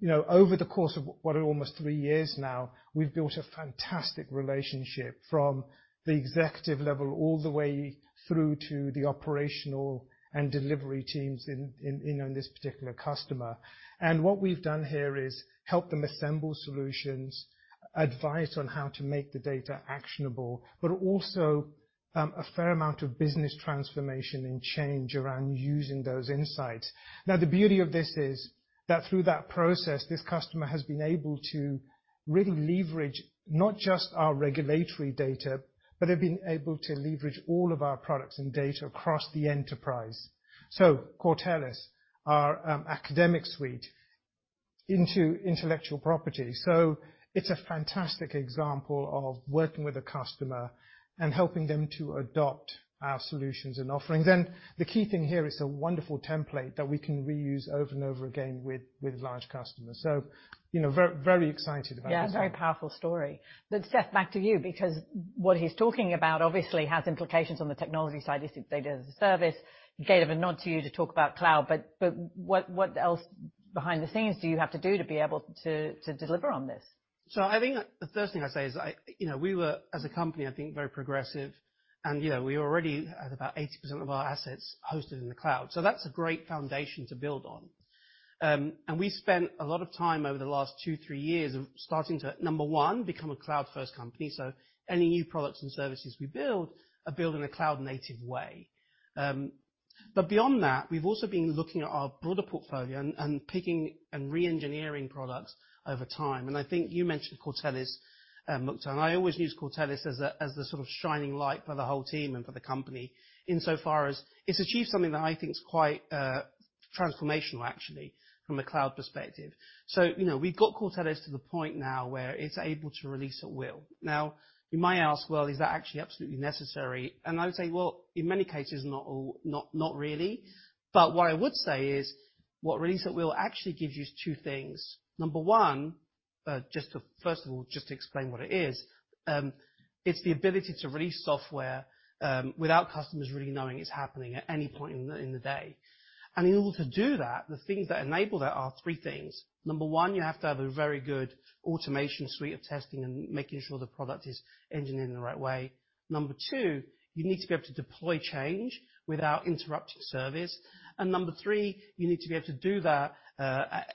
You know, over the course of what are almost three years now, we've built a fantastic relationship from the executive level all the way through to the operational and delivery teams in on this particular customer. What we've done here is help them assemble solutions, advise on how to make the data actionable, but also a fair amount of business transformation and change around using those insights. Now, the beauty of this is that through that process, this customer has been able to really leverage not just our regulatory data, but have been able to leverage all of our products and data across the enterprise. Cortellis, our academic suite into intellectual property. It's a fantastic example of working with a customer and helping them to adopt our solutions and offerings. The key thing here is a wonderful template that we can reuse over and over again with large customers. You know, very excited about this one. Yeah. It's a very powerful story. Stef, back to you, because what he's talking about obviously has implications on the technology side. This is data as a service. You gave a nod to you to talk about cloud, but what else behind the scenes do you have to do to be able to deliver on this? I think the first thing is, you know, we were, as a company, I think very progressive and, you know, we already had about 80% of our assets hosted in the cloud, so that's a great foundation to build on. We spent a lot of time over the last two-three years starting to, number one, become a cloud-first company. Any new products and services we build are built in a cloud-native way. But beyond that, we've also been looking at our broader portfolio and picking and re-engineering products over time. I think you mentioned Cortellis, Mukhtar, and I always use Cortellis as the sort of shining light for the whole team and for the company in so far as it's achieved something that I think is quite transformational actually from a cloud perspective. You know, we've got Cortellis to the point now where it's able to release at will. Now, you might ask, "Well, is that actually absolutely necessary?" I would say, well, in many cases, not all, not really. But what I would say is what release at will actually gives you two things. Number one, first of all, just to explain what it is, it's the ability to release software without customers really knowing it's happening at any point in the day. In order to do that, the things that enable that are three things. Number one, you have to have a very good automation suite of testing and making sure the product is engineered in the right way. Number two, you need to be able to deploy change without interrupting service. Number three, you need to be able to do that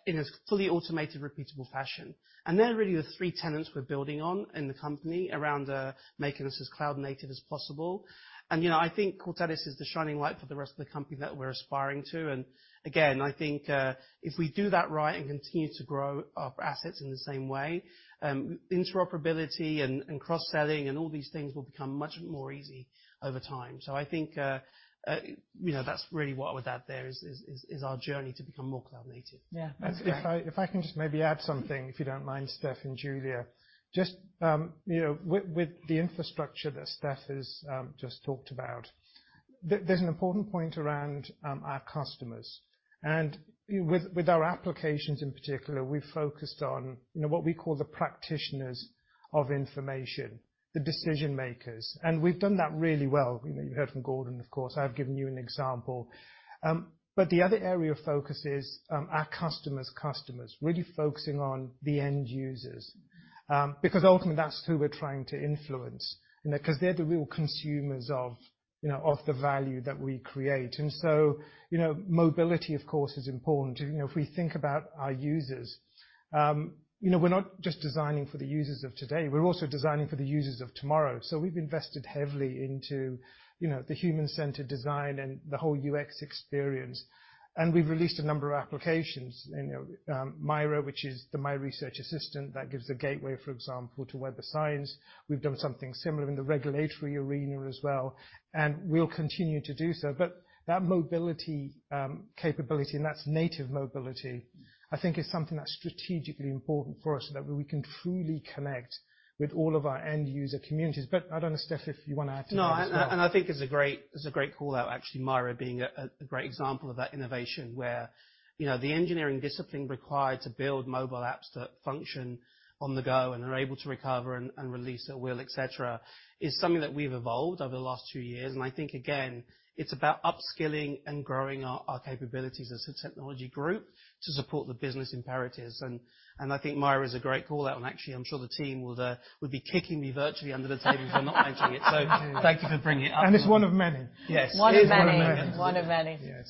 in a fully automated, repeatable fashion. They're really the three tenets we're building on in the company around making us as cloud-native as possible. You know, I think Cortellis is the shining light for the rest of the company that we're aspiring to. Again, I think if we do that right and continue to grow our assets in the same way, interoperability and cross-selling and all these things will become much more easy over time. I think you know, that's really what I would add there is our journey to become more cloud-native. Yeah. That's great. If I can just maybe add something, if you don't mind, Stef and Julia. Just, you know, with the infrastructure that Stef has just talked about, there's an important point around our customers. With our applications in particular, we've focused on, you know, what we call the practitioners of information, the decision makers. We've done that really well. You know, you heard from Gordon, of course. I've given you an example. The other area of focus is our customers' customers. Really focusing on the end users. Because ultimately, that's who we're trying to influence, you know. 'Cause they're the real consumers of, you know, of the value that we create. You know, mobility, of course, is important. You know, if we think about our users, you know, we're not just designing for the users of today, we're also designing for the users of tomorrow. We've invested heavily into, you know, the human-centered design and the whole UX experience. We've released a number of applications. You know, MIRA, which is the My Research Assistant that gives the gateway, for example, to Web of Science. We've done something similar in the regulatory arena as well, and we'll continue to do so. That mobility capability, and that's native mobility, I think is something that's strategically important for us, that we can truly connect with all of our end user communities. I don't know, Stef, if you wanna add to that as well. No. I think it's a great call out, actually, MIRA being a great example of that innovation where, you know, the engineering discipline required to build mobile apps that function on the go and are able to recover and release at will, et cetera, is something that we've evolved over the last two-years. I think, again, it's about upskilling and growing our capabilities as a technology group to support the business imperatives. I think MIRA is a great call out. Actually, I'm sure the team will be kicking me virtually under the table for not mentioning it. Thank you for bringing it up. It's one of many. Yes. One of many. It is one of many. One of many. Yes.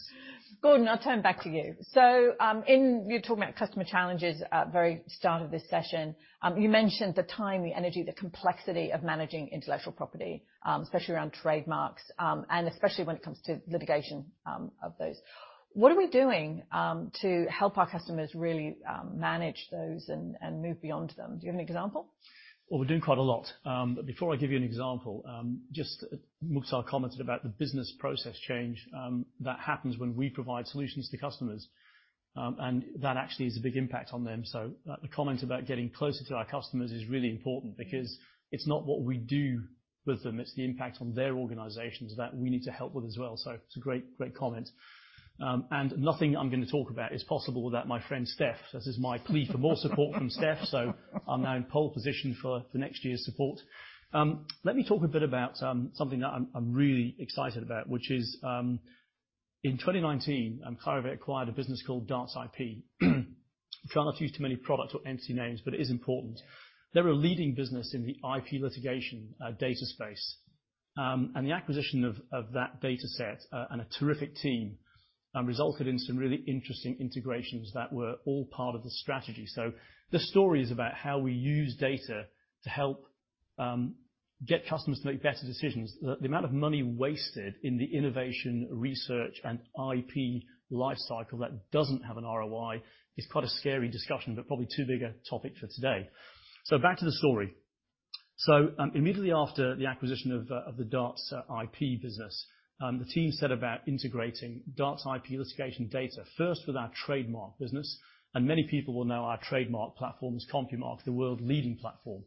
Gordon, I'll turn back to you. You were talking about customer challenges at the very start of this session. You mentioned the time, the energy, the complexity of managing intellectual property, especially around trademarks, and especially when it comes to litigation, of those. What are we doing to help our customers really manage those and move beyond them? Do you have an example? Well, we're doing quite a lot. Before I give you an example, just Mukhtar commented about the business process change that happens when we provide solutions to customers. That actually is a big impact on them. The comment about getting closer to our customers is really important because it's not what we do with them, it's the impact on their organizations that we need to help with as well. It's a great comment. Nothing I'm gonna talk about is possible without my friend Stef. This is my plea for more support from Stef. I'm now in pole position for next year's support. Let me talk a bit about something that I'm really excited about, which is, in 2019, Clarivate acquired a business called Darts-ip. Try not to use too many products or entity names, but it is important. They're a leading business in the IP litigation data space. The acquisition of that data set and a terrific team resulted in some really interesting integrations that were all part of the strategy. The story is about how we use data to help get customers to make better decisions. The amount of money wasted in the innovation, research, and IP life cycle that doesn't have an ROI is quite a scary discussion, but probably too big a topic for today. Back to the story. Immediately after the acquisition of the Darts-ip business, the team set about integrating Darts-ip litigation data, first with our trademark business. Many people will know our trademark platform as CompuMark, the world-leading platform.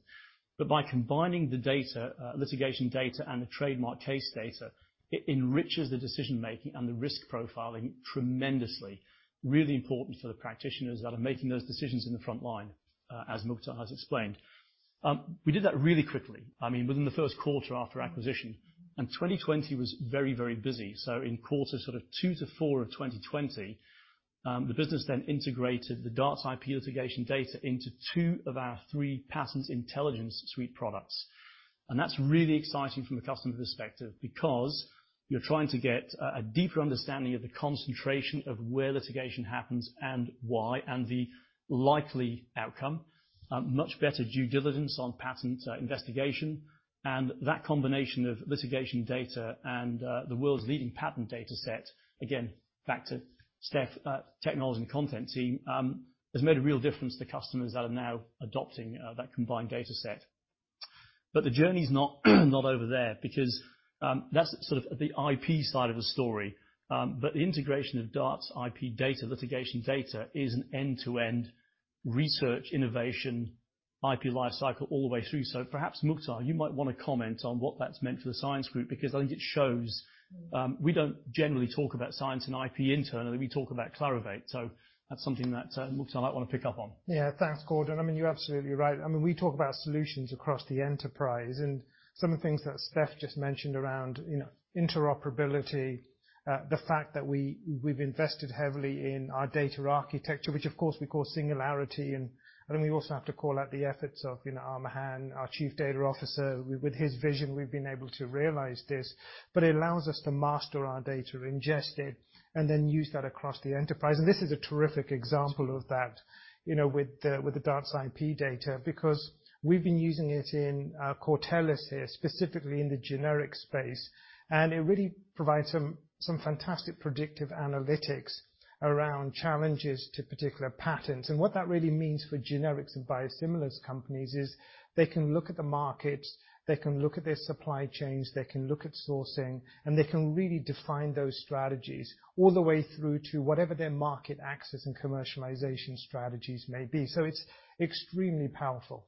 By combining the data, litigation data and the trademark case data, it enriches the decision-making and the risk profiling tremendously. Really important to the practitioners that are making those decisions in the front line, as Mukhtar has explained. We did that really quickly, I mean, within the Q1 after acquisition. 2020 was very, very busy. In quarters two to four of 2020, the business then integrated the Darts-ip litigation data into two of our three patent intelligence suite products. That's really exciting from a customer perspective because you're trying to get a deeper understanding of the concentration of where litigation happens and why, and the likely outcome. Much better due diligence on patent investigation. That combination of litigation data and the world's leading patent data set, again, back to Stef, technology and content team, has made a real difference to customers that are now adopting that combined data set. The journey's not over there because that's sort of the IP side of the story. The integration of Darts-ip data, litigation data is an end-to-end research, innovation IP lifecycle all the way through. Perhaps, Mukhtar, you might wanna comment on what that's meant for the science group, because I think it shows we don't generally talk about science and IP internally. We talk about Clarivate. That's something that Mukhtar might wanna pick up on. Yeah. Thanks, Gordon. I mean, you're absolutely right. I mean, we talk about solutions across the enterprise and some of the things that Stef just mentioned around, you know, interoperability, the fact that we've invested heavily in our data architecture, which of course we call Singularity. We also have to call out the efforts of, you know, uncertain, our Chief Data Officer. With his vision, we've been able to realize this, but it allows us to master our data, ingest it, and then use that across the enterprise. This is a terrific example of that, you know, with the Darts-IP data, because we've been using it in Cortellis here, specifically in the generic space. It really provides some fantastic predictive analytics around challenges to particular patents. What that really means for generics and biosimilars companies is they can look at the market, they can look at their supply chains, they can look at sourcing, and they can really define those strategies all the way through to whatever their market access and commercialization strategies may be. It's extremely powerful.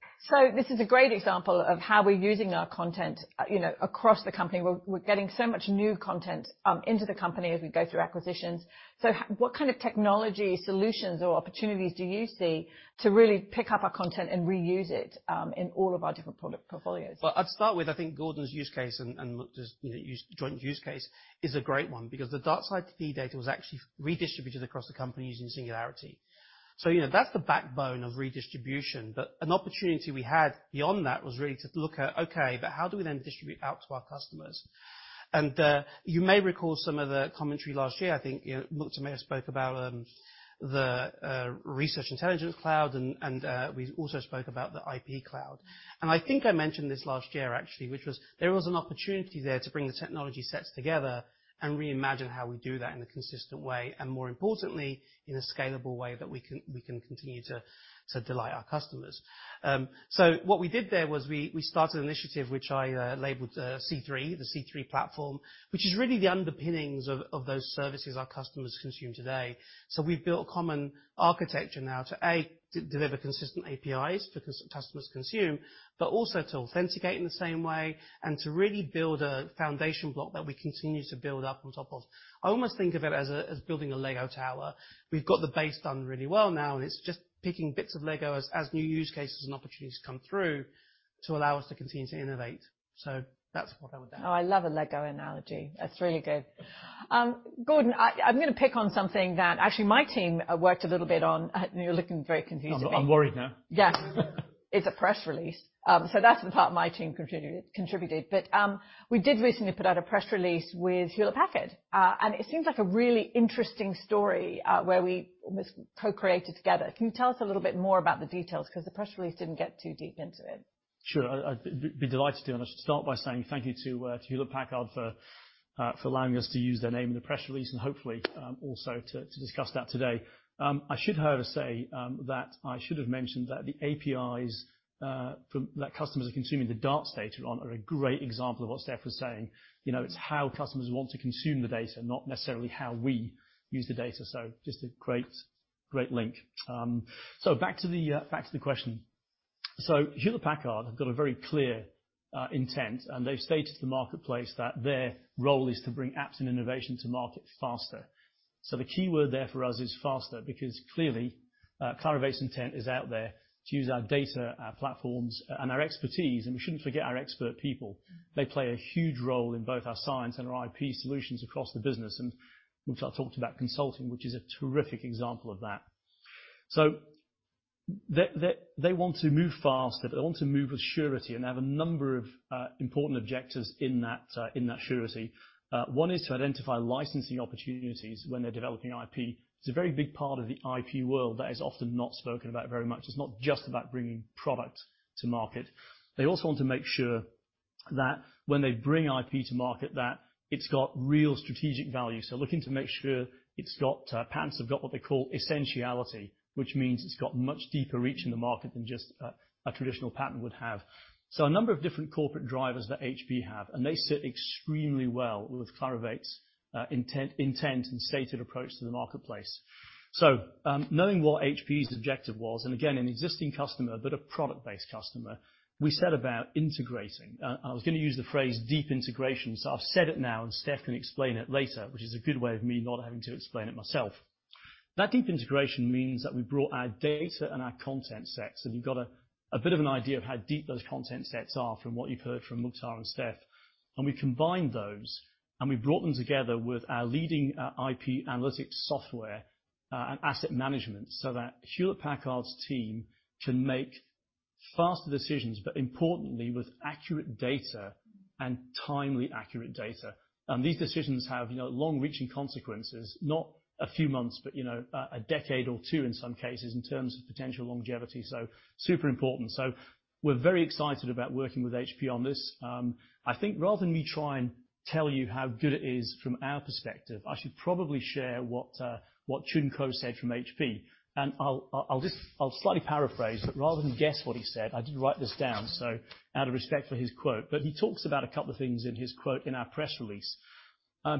This is a great example of how we're using our content, you know, across the company. We're getting so much new content into the company as we go through acquisitions. What kind of technology solutions or opportunities do you see to really pick up our content and reuse it in all of our different product portfolios? Well, I'd start with, I think Gordon's use case and Mukhtar's, you know, joint use case is a great one because the Darts-ip data was actually redistributed across the company using Singularity. You know, that's the backbone of redistribution. An opportunity we had beyond that was really to look at, okay, but how do we then distribute out to our customers? You may recall some of the commentary last year. I think, you know, Mukhtar may have spoke about the Research Intelligence Cloud and we also spoke about the IP Cloud. I think I mentioned this last year actually, which there was an opportunity there to bring the technology sets together and reimagine how we do that in a consistent way, and more importantly, in a scalable way that we can continue to delight our customers. What we did there was we started an initiative which I labeled C3, the C3 platform, which is really the underpinnings of those services our customers consume today. We've built common architecture now to deliver consistent APIs for customers to consume, but also to authenticate in the same way and to really build a foundation block that we continue to build up on top of. I almost think of it as building a Lego tower. We've got the base done really well now, and it's just picking bits of Lego as new use cases and opportunities come through to allow us to continue to innovate. That's what I would say. Oh, I love a Lego analogy. That's really good. Gordon, I'm gonna pick on something that actually my team worked a little bit on. You're looking very confused at me. I'm worried now. Yeah. It's a press release. That's the part my team contributed. We did recently put out a press release with HP. It seems like a really interesting story, where we almost co-created together. Can you tell us a little bit more about the details? 'Cause the press release didn't get too deep into it. Sure. I'd be delighted to. I should start by saying thank you to HP for allowing us to use their name in the press release and hopefully also to discuss that today. I should however say that I should have mentioned that the APIs that customers are consuming the Darts-ip data on are a great example of what Stef was saying. You know, it's how customers want to consume the data, not necessarily how we use the data. So just a great link. So back to the question. HP have got a very clear intent, and they've stated to the marketplace that their role is to bring apps and innovation to market faster. The key word there for us is faster because clearly, Clarivate's intent is out there to use our data, our platforms, and our expertise, and we shouldn't forget our expert people. They play a huge role in both our science and our IP solutions across the business, and which I talked about consulting, which is a terrific example of that. They want to move faster, they want to move with surety and have a number of important objectives in that surety. One is to identify licensing opportunities when they're developing IP. It's a very big part of the IP world that is often not spoken about very much. It's not just about bringing product to market. They also want to make sure that when they bring IP to market, that it's got real strategic value. Looking to make sure it's got patents have got what they call essentiality, which means it's got much deeper reach in the market than just a traditional patent would have. A number of different corporate drivers that HP have, and they sit extremely well with Clarivate's intent and stated approach to the marketplace. Knowing what HP's objective was, and again, an existing customer, but a product-based customer, we set about integrating. I was gonna use the phrase deep integration, so I've said it now and Stef can explain it later, which is a good way of me not having to explain it myself. That deep integration means that we brought our data and our content sets, and you've got a bit of an idea of how deep those content sets are from what you've heard from Mukhtar and Stef. We combined those, and we brought them together with our leading IP analytics software and asset management so that Hewlett-Packard's team can make faster decisions, but importantly, with accurate data and timely accurate data. These decisions have, you know, long-reaching consequences, not a few months, but, you know, a decade or two in some cases in terms of potential longevity. Super important. We're very excited about working with HP on this. I think rather than me try and tell you how good it is from our perspective, I should probably share what Choon Koh said from HP. I'll slightly paraphrase, but rather than guess what he said, I did write this down, so out of respect for his quote, but he talks about a couple of things in his quote in our press release.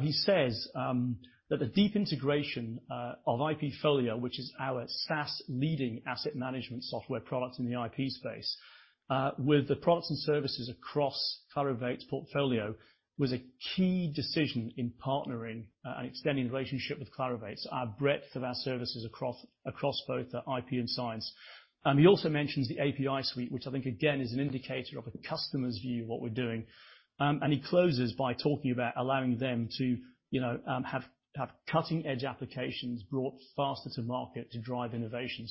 He says that the deep integration of IPfolio, which is our SaaS leading asset management software product in the IP space, with the products and services across Clarivate's portfolio, was a key decision in partnering and extending the relationship with Clarivate, our breadth of services across both the IP and science. He also mentions the API suite, which I think again is an indicator of a customer's view of what we're doing. He closes by talking about allowing them to, you know, have cutting-edge applications brought faster to market to drive innovation.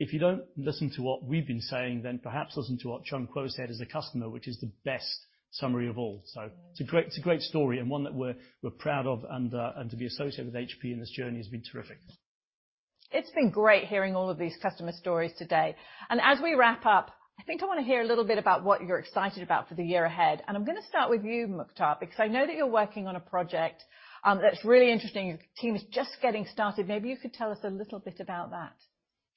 If you don't listen to what we've been saying, then perhaps listen to what Choon Koh said as a customer, which is the best summary of all. It's a great story and one that we're proud of and to be associated with HP in this journey has been terrific. It's been great hearing all of these customer stories today. As we wrap up, I think I wanna hear a little bit about what you're excited about for the year ahead. I'm gonna start with you, Mukhtar, because I know that you're working on a project, that's really interesting. Your team is just getting started. Maybe you could tell us a little bit about that.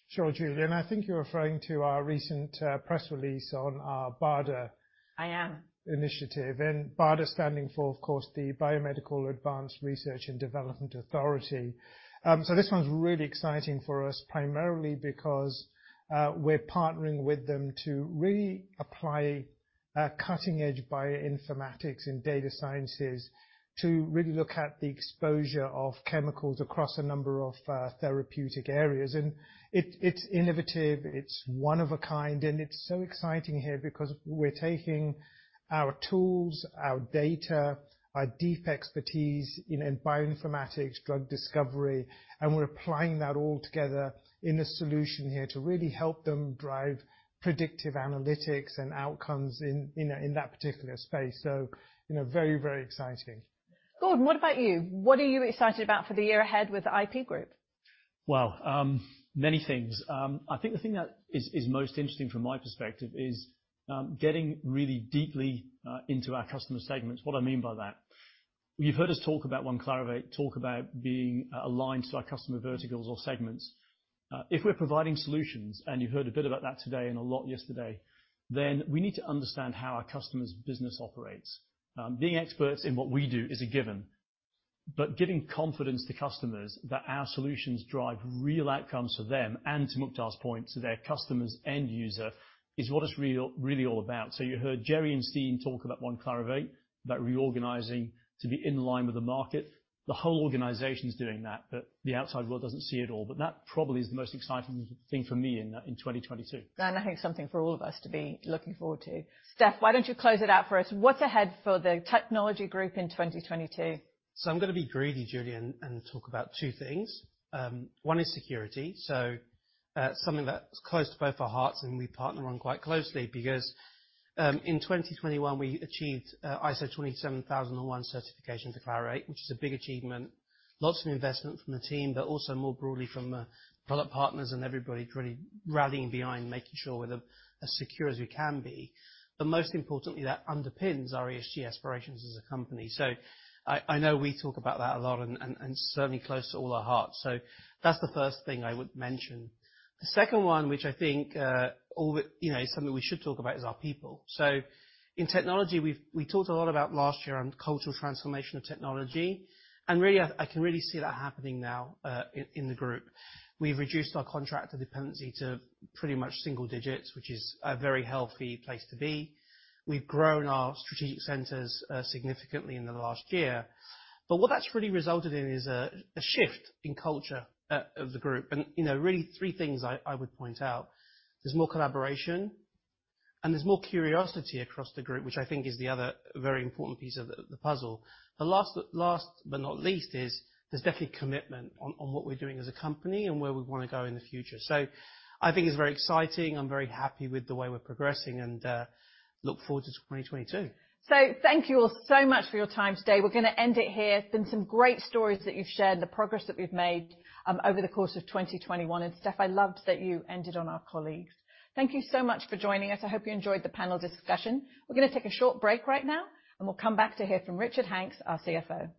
Sure, Julia, I think you're referring to our recent press release on our BARDA- I am initiative, and BARDA standing for, of course, the Biomedical Advanced Research and Development Authority. This one's really exciting for us, primarily because we're partnering with them to really apply cutting-edge bioinformatics and data sciences to really look at the exposure of chemicals across a number of therapeutic areas. It's innovative, it's one of a kind, and it's so exciting here because we're taking our tools, our data, our deep expertise in bioinformatics, drug discovery, and we're applying that all together in a solution here to really help them drive predictive analytics and outcomes in that particular space. You know, very, very exciting. Gordon, what about you? What are you excited about for the year ahead with the IP Group? Well, many things. I think the thing that is most interesting from my perspective is getting really deeply into our customer segments. What I mean by that, you've heard us talk about One Clarivate, talk about being aligned to our customer verticals or segments. If we're providing solutions, and you heard a bit about that today and a lot yesterday, then we need to understand how our customer's business operates. Being experts in what we do is a given, but giving confidence to customers that our solutions drive real outcomes for them, and to Mukhtar's point, to their customer's end user, is what it's really all about. You heard Gerry and Steve talk about One Clarivate, about reorganizing to be in line with the market. The whole organization's doing that, but the outside world doesn't see it all. That probably is the most exciting thing for me in 2022. I think something for all of us to be looking forward to. Stef, why don't you close it out for us? What's ahead for the technology group in 2022? I'm gonna be greedy, Julie, and talk about two things. One is security. Something that's close to both our hearts and we partner on quite closely because in 2021, we achieved ISO 27001 certification to Clarivate, which is a big achievement. Lots of investment from the team, but also more broadly from product partners and everybody really rallying behind making sure we're as secure as we can be. Most importantly, that underpins our ESG aspirations as a company. I know we talk about that a lot and certainly close to all our hearts. That's the first thing I would mention. The second one, which I think, you know, something we should talk about is our people. In technology, we talked a lot about last year on cultural transformation of technology, and really, I can really see that happening now, in the group. We've reduced our contractor dependency to pretty much single digits, which is a very healthy place to be. We've grown our strategic centers significantly in the last year. What that's really resulted in is a shift in culture, of the group. You know, really three things I would point out. There's more collaboration, and there's more curiosity across the group, which I think is the other very important piece of the puzzle. Last but not least is there's definitely commitment on what we're doing as a company and where we wanna go in the future. I think it's very exciting. I'm very happy with the way we're progressing and look forward to 2022. Thank you all so much for your time today. We're gonna end it here. It's been some great stories that you've shared, the progress that we've made over the course of 2021. Stef, I loved that you ended on our colleagues. Thank you so much for joining us. I hope you enjoyed the panel discussion. We're gonna take a short break right now, and we'll come back to hear from Richard Hanks, our CFO.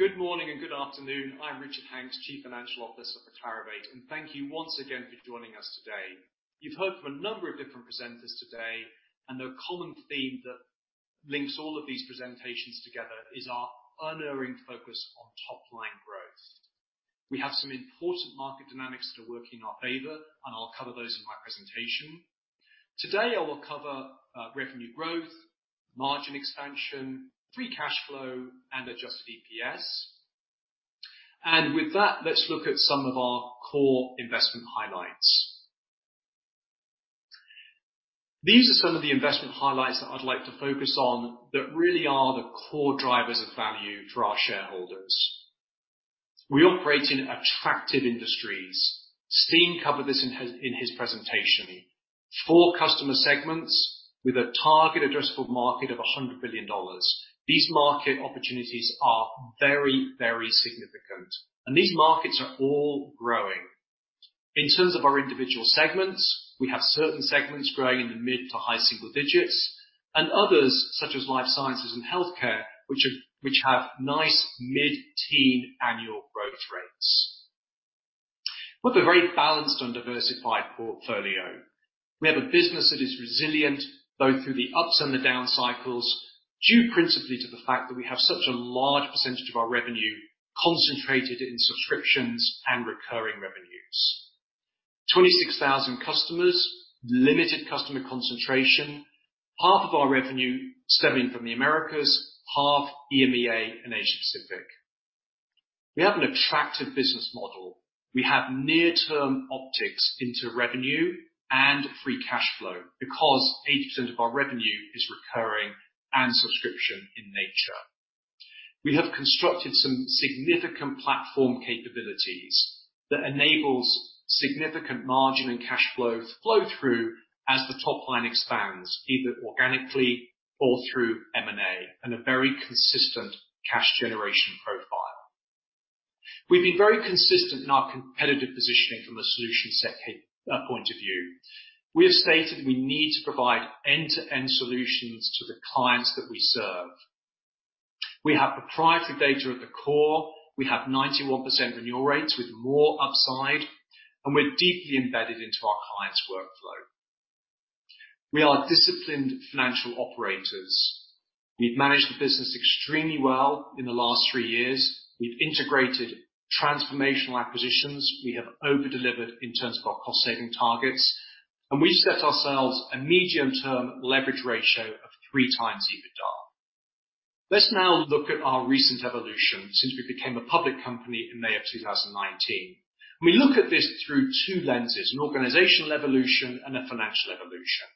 Good morning and good afternoon. I'm Richard Hanks, Chief Financial Officer for Clarivate. Thank you once again for joining us today. You've heard from a number of different presenters today, and the common theme that links all of these presentations together is our unerring focus on top-line growth. We have some important market dynamics that are working in our favor, and I'll cover those in my presentation. Today, I will cover revenue growth, margin expansion, free cash flow, and adjusted EPS. With that, let's look at some of our core investment highlights. These are some of the investment highlights that I'd like to focus on that really are the core drivers of value for our shareholders. We operate in attractive industries. Steen covered this in his presentation. Four customer segments with a target addressable market of $100 billion. These market opportunities are very, very significant, and these markets are all growing. In terms of our individual segments, we have certain segments growing in the mid- to high-single digits, and others, such as life sciences and healthcare, which have nice mid-teen annual growth rates. With a very balanced and diversified portfolio, we have a business that is resilient both through the ups and the down cycles, due principally to the fact that we have such a large percentage of our revenue concentrated in subscriptions and recurring revenues. 26,000 customers, limited customer concentration, half of our revenue stemming from the Americas, half EMEA and Asia Pacific. We have an attractive business model. We have near-term optics into revenue and free cash flow because 80% of our revenue is recurring and subscription in nature. We have constructed some significant platform capabilities that enables significant margin and cash flow through as the top line expands, either organically or through M&A, and a very consistent cash generation profile. We've been very consistent in our competitive positioning from a solution set point of view. We have stated we need to provide end-to-end solutions to the clients that we serve. We have proprietary data at the core, we have 91% renewal rates with more upside, and we're deeply embedded into our clients' workflow. We are disciplined financial operators. We've managed the business extremely well in the last three years. We've integrated transformational acquisitions. We have over-delivered in terms of our cost-saving targets, and we set ourselves a medium-term leverage ratio of 3x EBITDA. Let's now look at our recent evolution since we became a public company in May 2019. We look at this through two lenses, an organizational evolution and a financial evolution.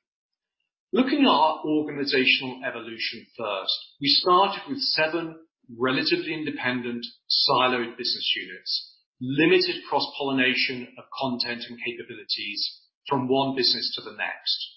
Looking at our organizational evolution first. We started with seven relatively independent siloed business units, limited cross-pollination of content and capabilities from one business to the next.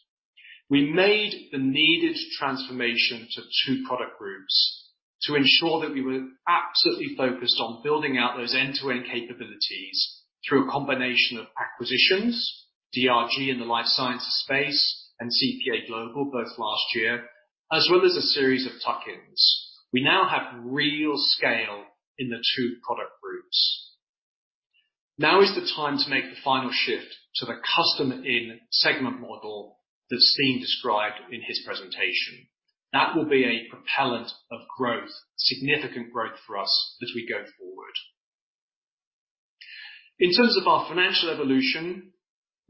We made the needed transformation to two product groups to ensure that we were absolutely focused on building out those end-to-end capabilities through a combination of acquisitions, DRG in the life sciences space, and CPA Global, both last year, as well as a series of tuck-ins. We now have real scale in the two product groups. Now is the time to make the final shift to the customer and segment model that Steen described in his presentation. That will be a propellant of growth, significant growth for us as we go forward. In terms of our financial evolution,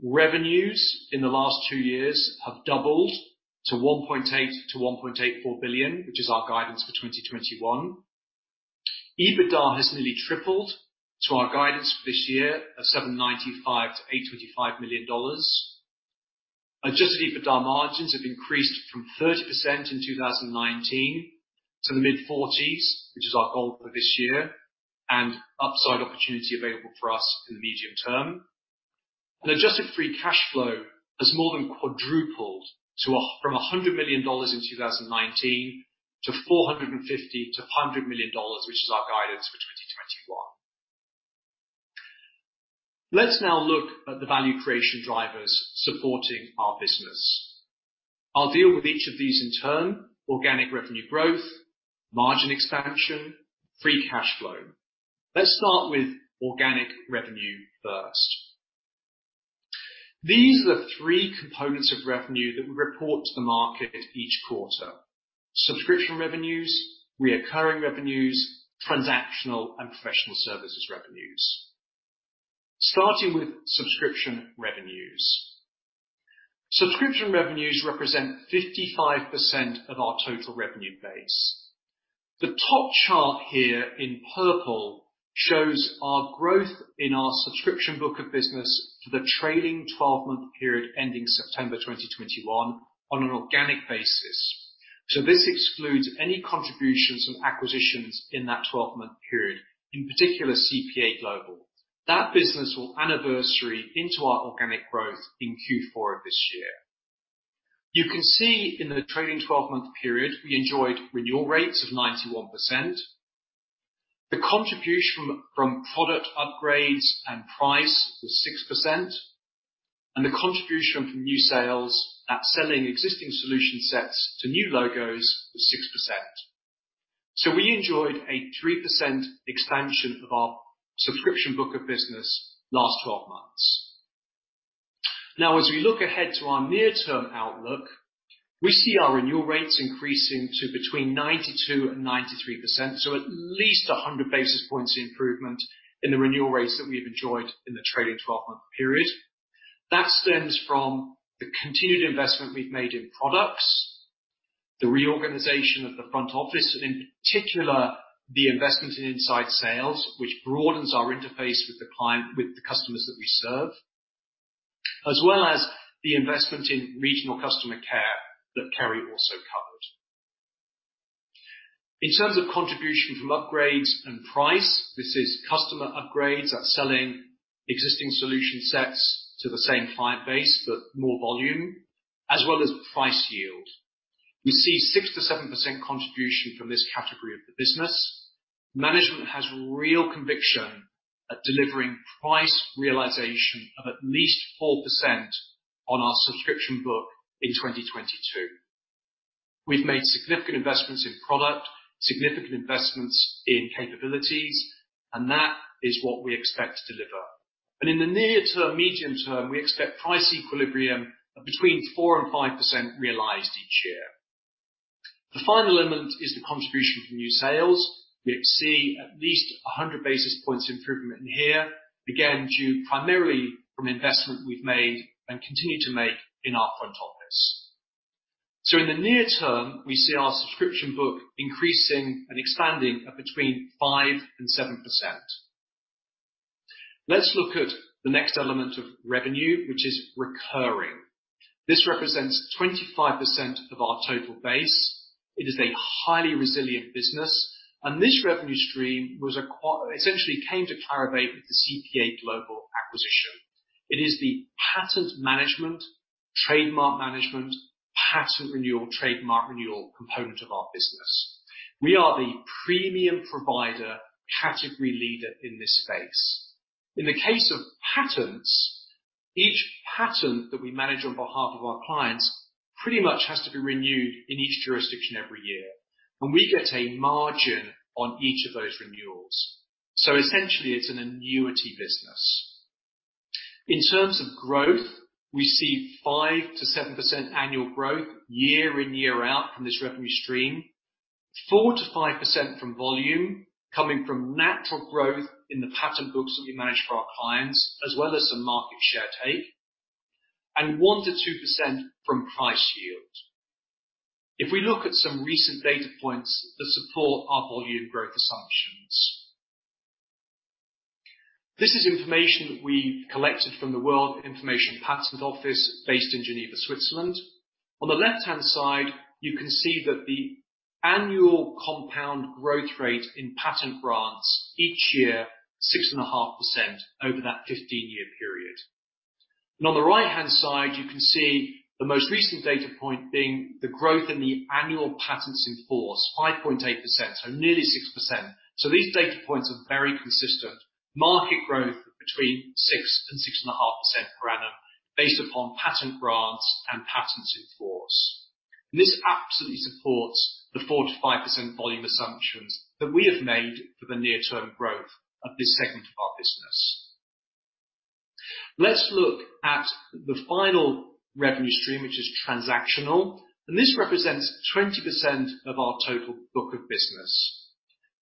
revenues in the last two-years have doubled to $1.8 billion-1.84 billion, which is our guidance for 2021. EBITDA has nearly tripled to our guidance for this year of $795 million-825 million. Adjusted EBITDA margins have increased from 30% in 2019 to the mid-40s, which is our goal for this year, and upside opportunity available for us in the medium-term. Adjusted free cash flow has more than quadrupled from $100 million in 2019 to $450 million-500 million, which is our guidance for 2021. Let's now look at the value creation drivers supporting our business. I'll deal with each of these in turn. Organic revenue growth, margin expansion, free cash flow. Let's start with organic revenue first. These are the three components of revenue that we report to the market each quarter. Subscription revenues, recurring revenues, transactional, and professional services revenues. Starting with subscription revenues. Subscription revenues represent 55% of our total revenue base. The top chart here in purple shows our growth in our subscription book of business for the trailing 12-month period ending September 2021 on an organic basis. This excludes any contributions from acquisitions in that 12-month period, in particular, CPA Global. That business will anniversary into our organic growth in Q4 of this year. You can see in the trailing 12-month period, we enjoyed renewal rates of 91%. The contribution from product upgrades and price was 6%, and the contribution from new sales i.e., selling existing solution sets to new logos was 6%. We enjoyed a 3% expansion of our subscription book of business last 12-months. Now, as we look ahead to our near-term outlook, we see our renewal rates increasing to between 92% and 93%. At least 100 basis points improvement in the renewal rates that we've enjoyed in the trailing 12-month period. That stems from the continued investment we've made in products, the reorganization of the front office, and in particular, the investment in inside sales, which broadens our interface with the client, with the customers that we serve, as well as the investment in regional customer care that Kerri also covered. In terms of contribution from upgrades and price, this is customer upgrades that's selling existing solution sets to the same client base, but more volume, as well as price yield. We see 6%-7% contribution from this category of the business. Management has real conviction at delivering price realization of at least 4% on our subscription book in 2022. We've made significant investments in product, significant investments in capabilities, and that is what we expect to deliver. In the near term, medium-term, we expect price equilibrium of between 4% and 5% realized each year. The final element is the contribution from new sales. We see at least 100 basis points improvement in here, again, due primarily from investment we've made and continue to make in our front office. In the near term, we see our subscription book increasing and expanding at between 5% and 7%. Let's look at the next element of revenue, which is recurring. This represents 25% of our total base. It is a highly resilient business, and this revenue stream essentially came to Clarivate with the CPA Global acquisition. It is the patent management, trademark management, patent renewal, trademark renewal component of our business. We are the premium provider category leader in this space. In the case of patents, each patent that we manage on behalf of our clients pretty much has to be renewed in each jurisdiction every year, and we get a margin on each of those renewals. Essentially, it's an annuity business. In terms of growth, we see 5%-7% annual growth year in, year out from this revenue stream. 4%-5% from volume coming from natural growth in the patent books that we manage for our clients, as well as some market share take. 1%-2% from price yield. If we look at some recent data points that support our volume growth assumptions. This is information we collected from the World Intellectual Property Organization based in Geneva, Switzerland. On the left-hand side, you can see that the annual compound growth rate in patent grants each year, 6.5% over that 15-year period. On the right-hand side, you can see the most recent data point being the growth in the annual patents in force, 5.8%. Nearly 6%. These data points are very consistent. Market growth between 6% and 6.5% per annum based upon patent grants and patents in force. This absolutely supports the 4%-5% volume assumptions that we have made for the near-term growth of this segment of our business. Let's look at the final revenue stream, which is transactional, and this represents 20% of our total book of business.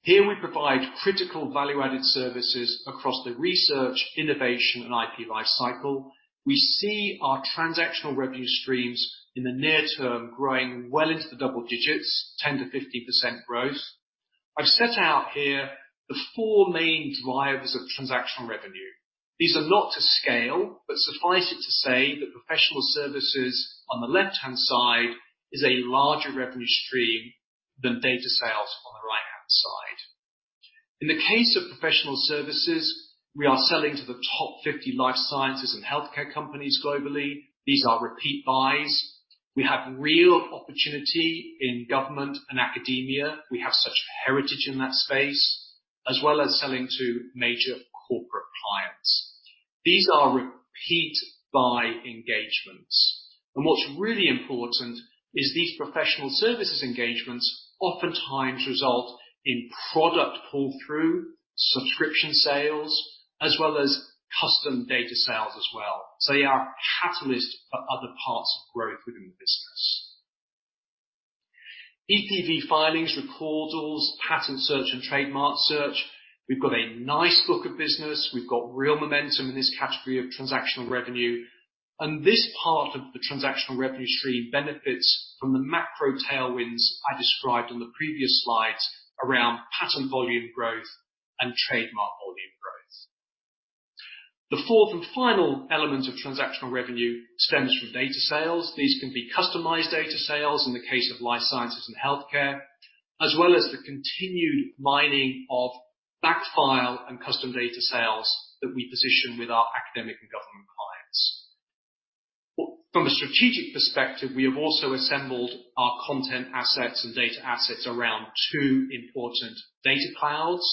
Here we provide critical value-added services across the research, innovation, and IP life cycle. We see our transactional revenue streams in the near term growing well into the double digits, 10%-15% growth. I've set out here the four main drivers of transactional revenue. These are not to scale, but suffice it to say that professional services on the left-hand side is a larger revenue stream than data sales on the right-hand side. In the case of professional services, we are selling to the top 50 life sciences and healthcare companies globally. These are repeat buys. We have real opportunity in government and academia. We have such heritage in that space, as well as selling to major corporate clients. These are repeat buy engagements. What's really important is these professional services engagements oftentimes result in product pull-through, subscription sales, as well as custom data sales as well. They are a catalyst for other parts of growth within the business. EP filings, recordals, patent search, and trademark search. We've got a nice book of business. We've got real momentum in this category of transactional revenue, and this part of the transactional revenue stream benefits from the macro tailwinds I described on the previous slides around patent volume growth and trademark volume growth. The fourth and final element of transactional revenue stems from data sales. These can be customized data sales in the case of life sciences and healthcare, as well as the continued mining of backfile and custom data sales that we position with our academic and government clients. From a strategic perspective, we have also assembled our content assets and data assets around two important data clouds.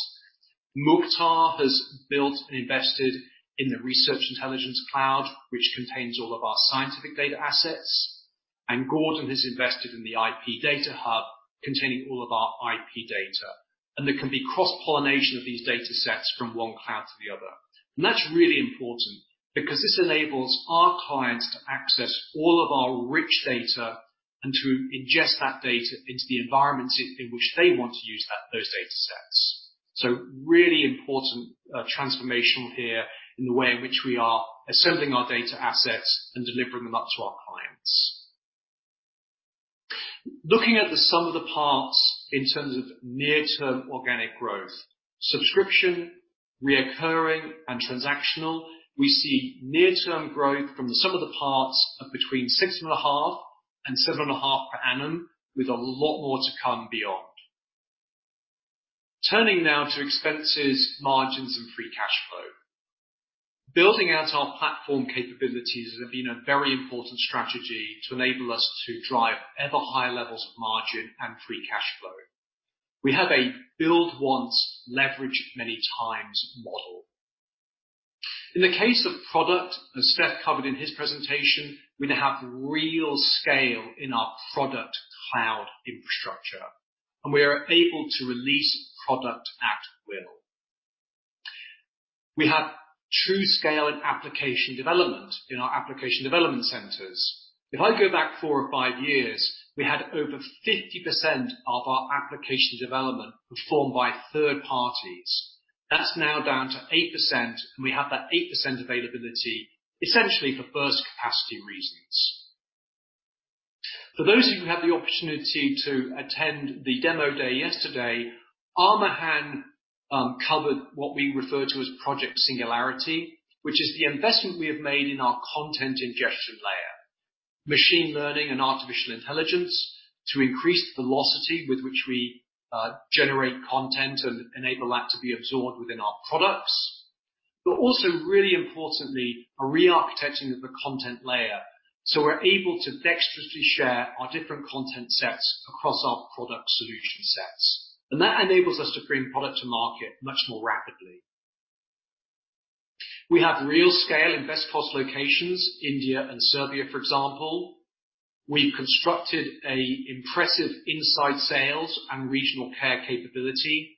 Mukhtar has built and invested in the Research Intelligence Cloud, which contains all of our scientific data assets, and Gordon has invested in the IP Data Hub containing all of our IP data. There can be cross-pollination of these data sets from one cloud to the other. That's really important because this enables our clients to access all of our rich data and to ingest that data into the environments in which they want to use those data sets. Really important transformation here in the way in which we are assembling our data assets and delivering them out to our clients. Looking at the sum of the parts in terms of near-term organic growth. Subscription, recurring, and transactional. We see near-term growth from the sum of the parts of between 6.5% and 7.5% per annum, with a lot more to come beyond. Turning now to expenses, margins, and free cash flow. Building out our platform capabilities has been a very important strategy to enable us to drive ever higher levels of margin and free cash flow. We have a build once, leverage many times model. In the case of product, as Stef covered in his presentation, we now have real scale in our product cloud infrastructure, and we are able to release product at will. We have true scale in application development in our application development centers. If I go back four or five years, we had over 50% of our application development performed by third parties. That's now down to 8%, and we have that 8% availability essentially for burst capacity reasons. For those of you who had the opportunity to attend the demo day yesterday, Armughan covered what we refer to as Project Singularity, which is the investment we have made in our content ingestion layer. Machine learning and artificial intelligence to increase the velocity with which we generate content and enable that to be absorbed within our products. But also, really importantly, a re-architecting of the content layer, so we're able to dexterously share our different content sets across our product solution sets. That enables us to bring product to market much more rapidly. We have real scale in best cost locations, India and Serbia, for example. We've constructed an impressive inside sales and regional care capability,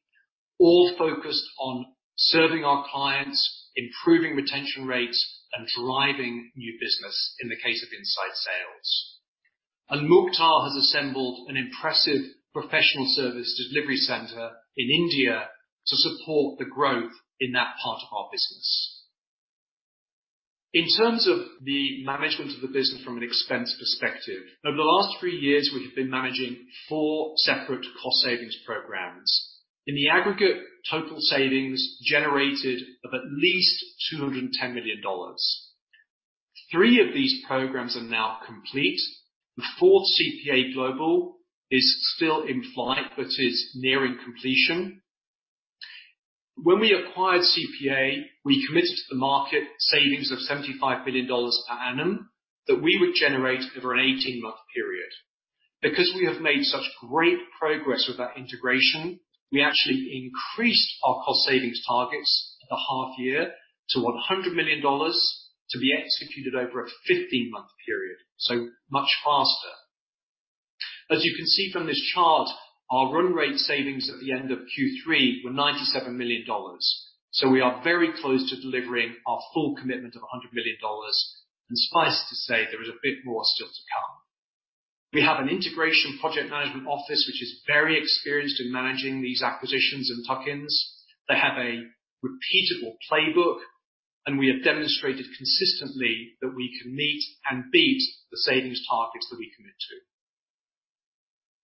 all focused on serving our clients, improving retention rates, and driving new business in the case of inside sales. Mukhtar has assembled an impressive professional service delivery center in India to support the growth in that part of our business. In terms of the management of the business from an expense perspective, over the last three years, we have been managing four separate cost savings programs, in the aggregate total savings generated of at least $210 million. Three of these programs are now complete. The fourth, CPA Global, is still in flight, but is nearing completion. When we acquired CPA, we committed to the market savings of $75 million per annum that we would generate over an eighteen-month period. Because we have made such great progress with that integration, we actually increased our cost savings targets at the half year to $100 million to be executed over a 15-month period, so much faster. As you can see from this chart, our run rate savings at the end of Q3 were $97 million. We are very close to delivering our full commitment of $100 million. Suffice to say, there is a bit more still to come. We have an integration project management office which is very experienced in managing these acquisitions and tuck-ins. They have a repeatable playbook, and we have demonstrated consistently that we can meet and beat the savings targets that we commit to.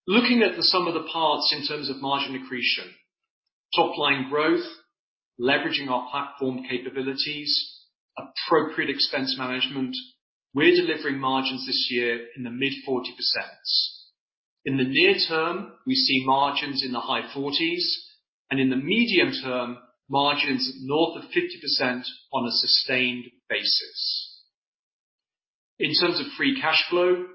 Looking at the sum of the parts in terms of margin accretion, top line growth, leveraging our platform capabilities, appropriate expense management, we're delivering margins this year in the mid-40%. In the near term, we see margins in the high 40s%, and in the medium-term, margins north of 50% on a sustained basis. In terms of free cash flow,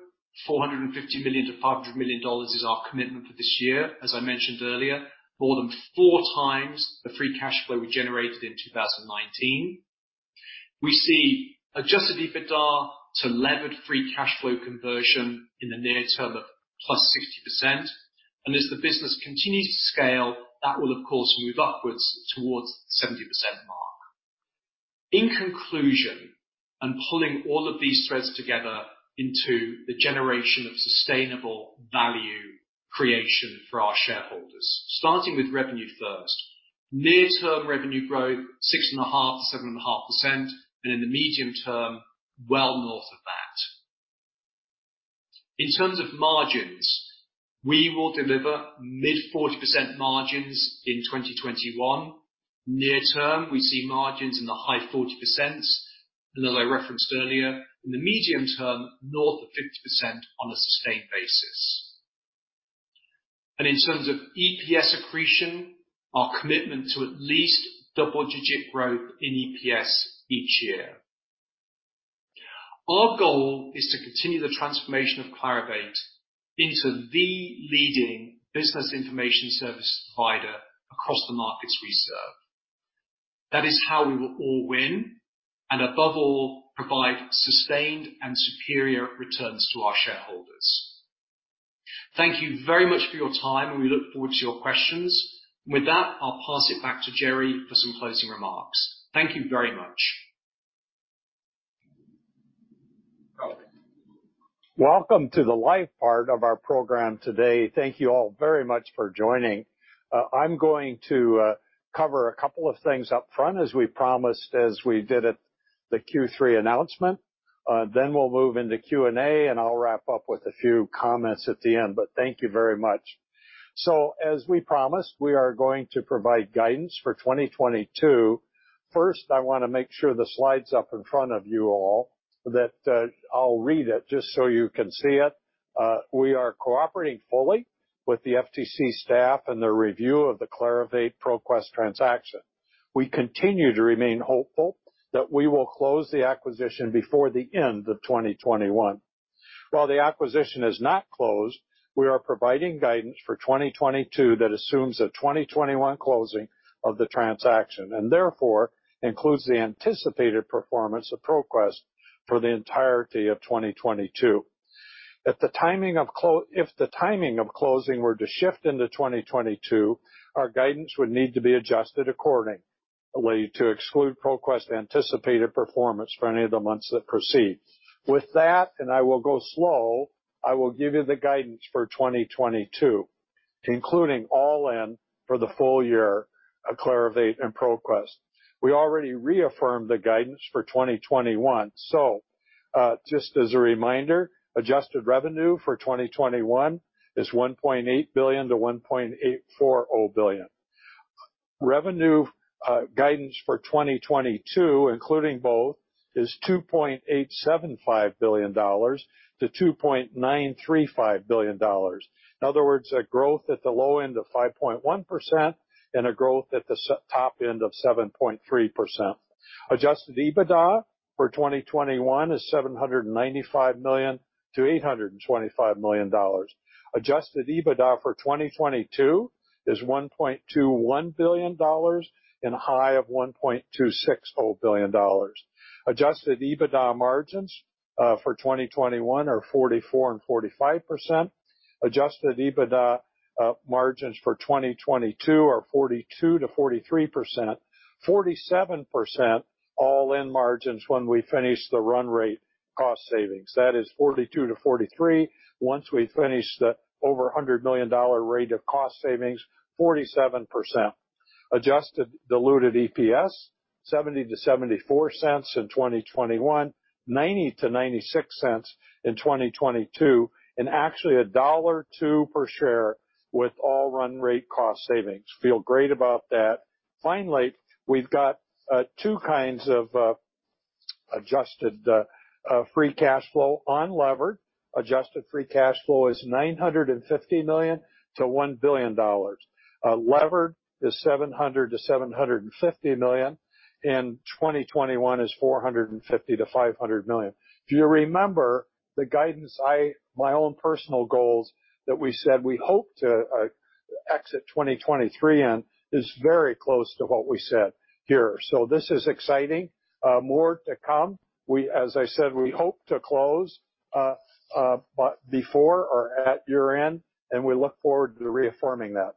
$450 million-500 million is our commitment for this year. As I mentioned earlier, more than fourth times the free cash flow we generated in 2019. We see adjusted EBITDA to levered free cash flow conversion in the near term of +60%. As the business continues to scale, that will of course move upwards towards 70% mark. In conclusion, pulling all of these threads together into the generation of sustainable value creation for our shareholders. Starting with revenue first. Near-term revenue growth, 6.5%-7.5%, and in the medium-term, well north of that. In terms of margins, we will deliver mid-40% margins in 2021. Near term, we see margins in the high 40%s. As I referenced earlier, in the medium-term, north of 50% on a sustained basis. In terms of EPS accretion, our commitment to at least double-digit growth in EPS each year. Our goal is to continue the transformation of Clarivate into the leading business information service provider across the markets we serve. That is how we will all win, and above all, provide sustained and superior returns to our shareholders. Thank you very much for your time, and we look forward to your questions. With that, I'll pass it back to Jerre for some closing remarks. Thank you very much. Welcome to the live part of our program today. Thank you all very much for joining. I'm going to cover a couple of things up front as we promised as we did at the Q3 announcement. Then we'll move into Q&A, and I'll wrap up with a few comments at the end. Thank you very much. As we promised, we are going to provide guidance for 2022. First, I wanna make sure the slide's up in front of you all, that I'll read it just so you can see it. We are cooperating fully with the FTC staff and their review of the Clarivate ProQuest transaction. We continue to remain hopeful that we will close the acquisition before the end of 2021. While the acquisition is not closed, we are providing guidance for 2022 that assumes a 2021 closing of the transaction, and therefore includes the anticipated performance of ProQuest for the entirety of 2022. If the timing of closing were to shift into 2022, our guidance would need to be adjusted accordingly to exclude ProQuest anticipated performance for any of the months that precede. With that, and I will go slow, I will give you the guidance for 2022, including all in for the full year of Clarivate and ProQuest. We already reaffirmed the guidance for 2021. Just as a reminder, adjusted revenue for 2021 is $1.8 billion-1.84 billion. Revenue guidance for 2022, including both is $2.875 billion-2.935 billion. In other words, a growth at the low end of 5.1% and a growth at the top end of 7.3%. Adjusted EBITDA for 2021 is $795 million-825 million. Adjusted EBITDA for 2022 is $1.21 billion and a high of $1.26 billion. Adjusted EBITDA margins for 2021 are 44%-45%. Adjusted EBITDA margins for 2022 are 42%-43%. 47% all-in margins when we finish the run rate cost savings. That is 42%-43% once we finish the over $100 million rate of cost savings, 47%. Adjusted diluted EPS, $0.70-0.74 in 2021, $0.90-0.96 in 2022 and actually $1.02 per share with all run rate cost savings. Feel great about that. Finally, we've got two kinds of adjusted free cash flow. Unlevered adjusted free cash flow is $950 million-1 billion. Levered is $700 million-750 million, and 2021 is $450 million-500 million. If you remember the guidance my own personal goals that we said we hope to exit 2023 in, is very close to what we said here. This is exciting. More to come. We, as I said, we hope to close by before or at year-end, and we look forward to reaffirming that.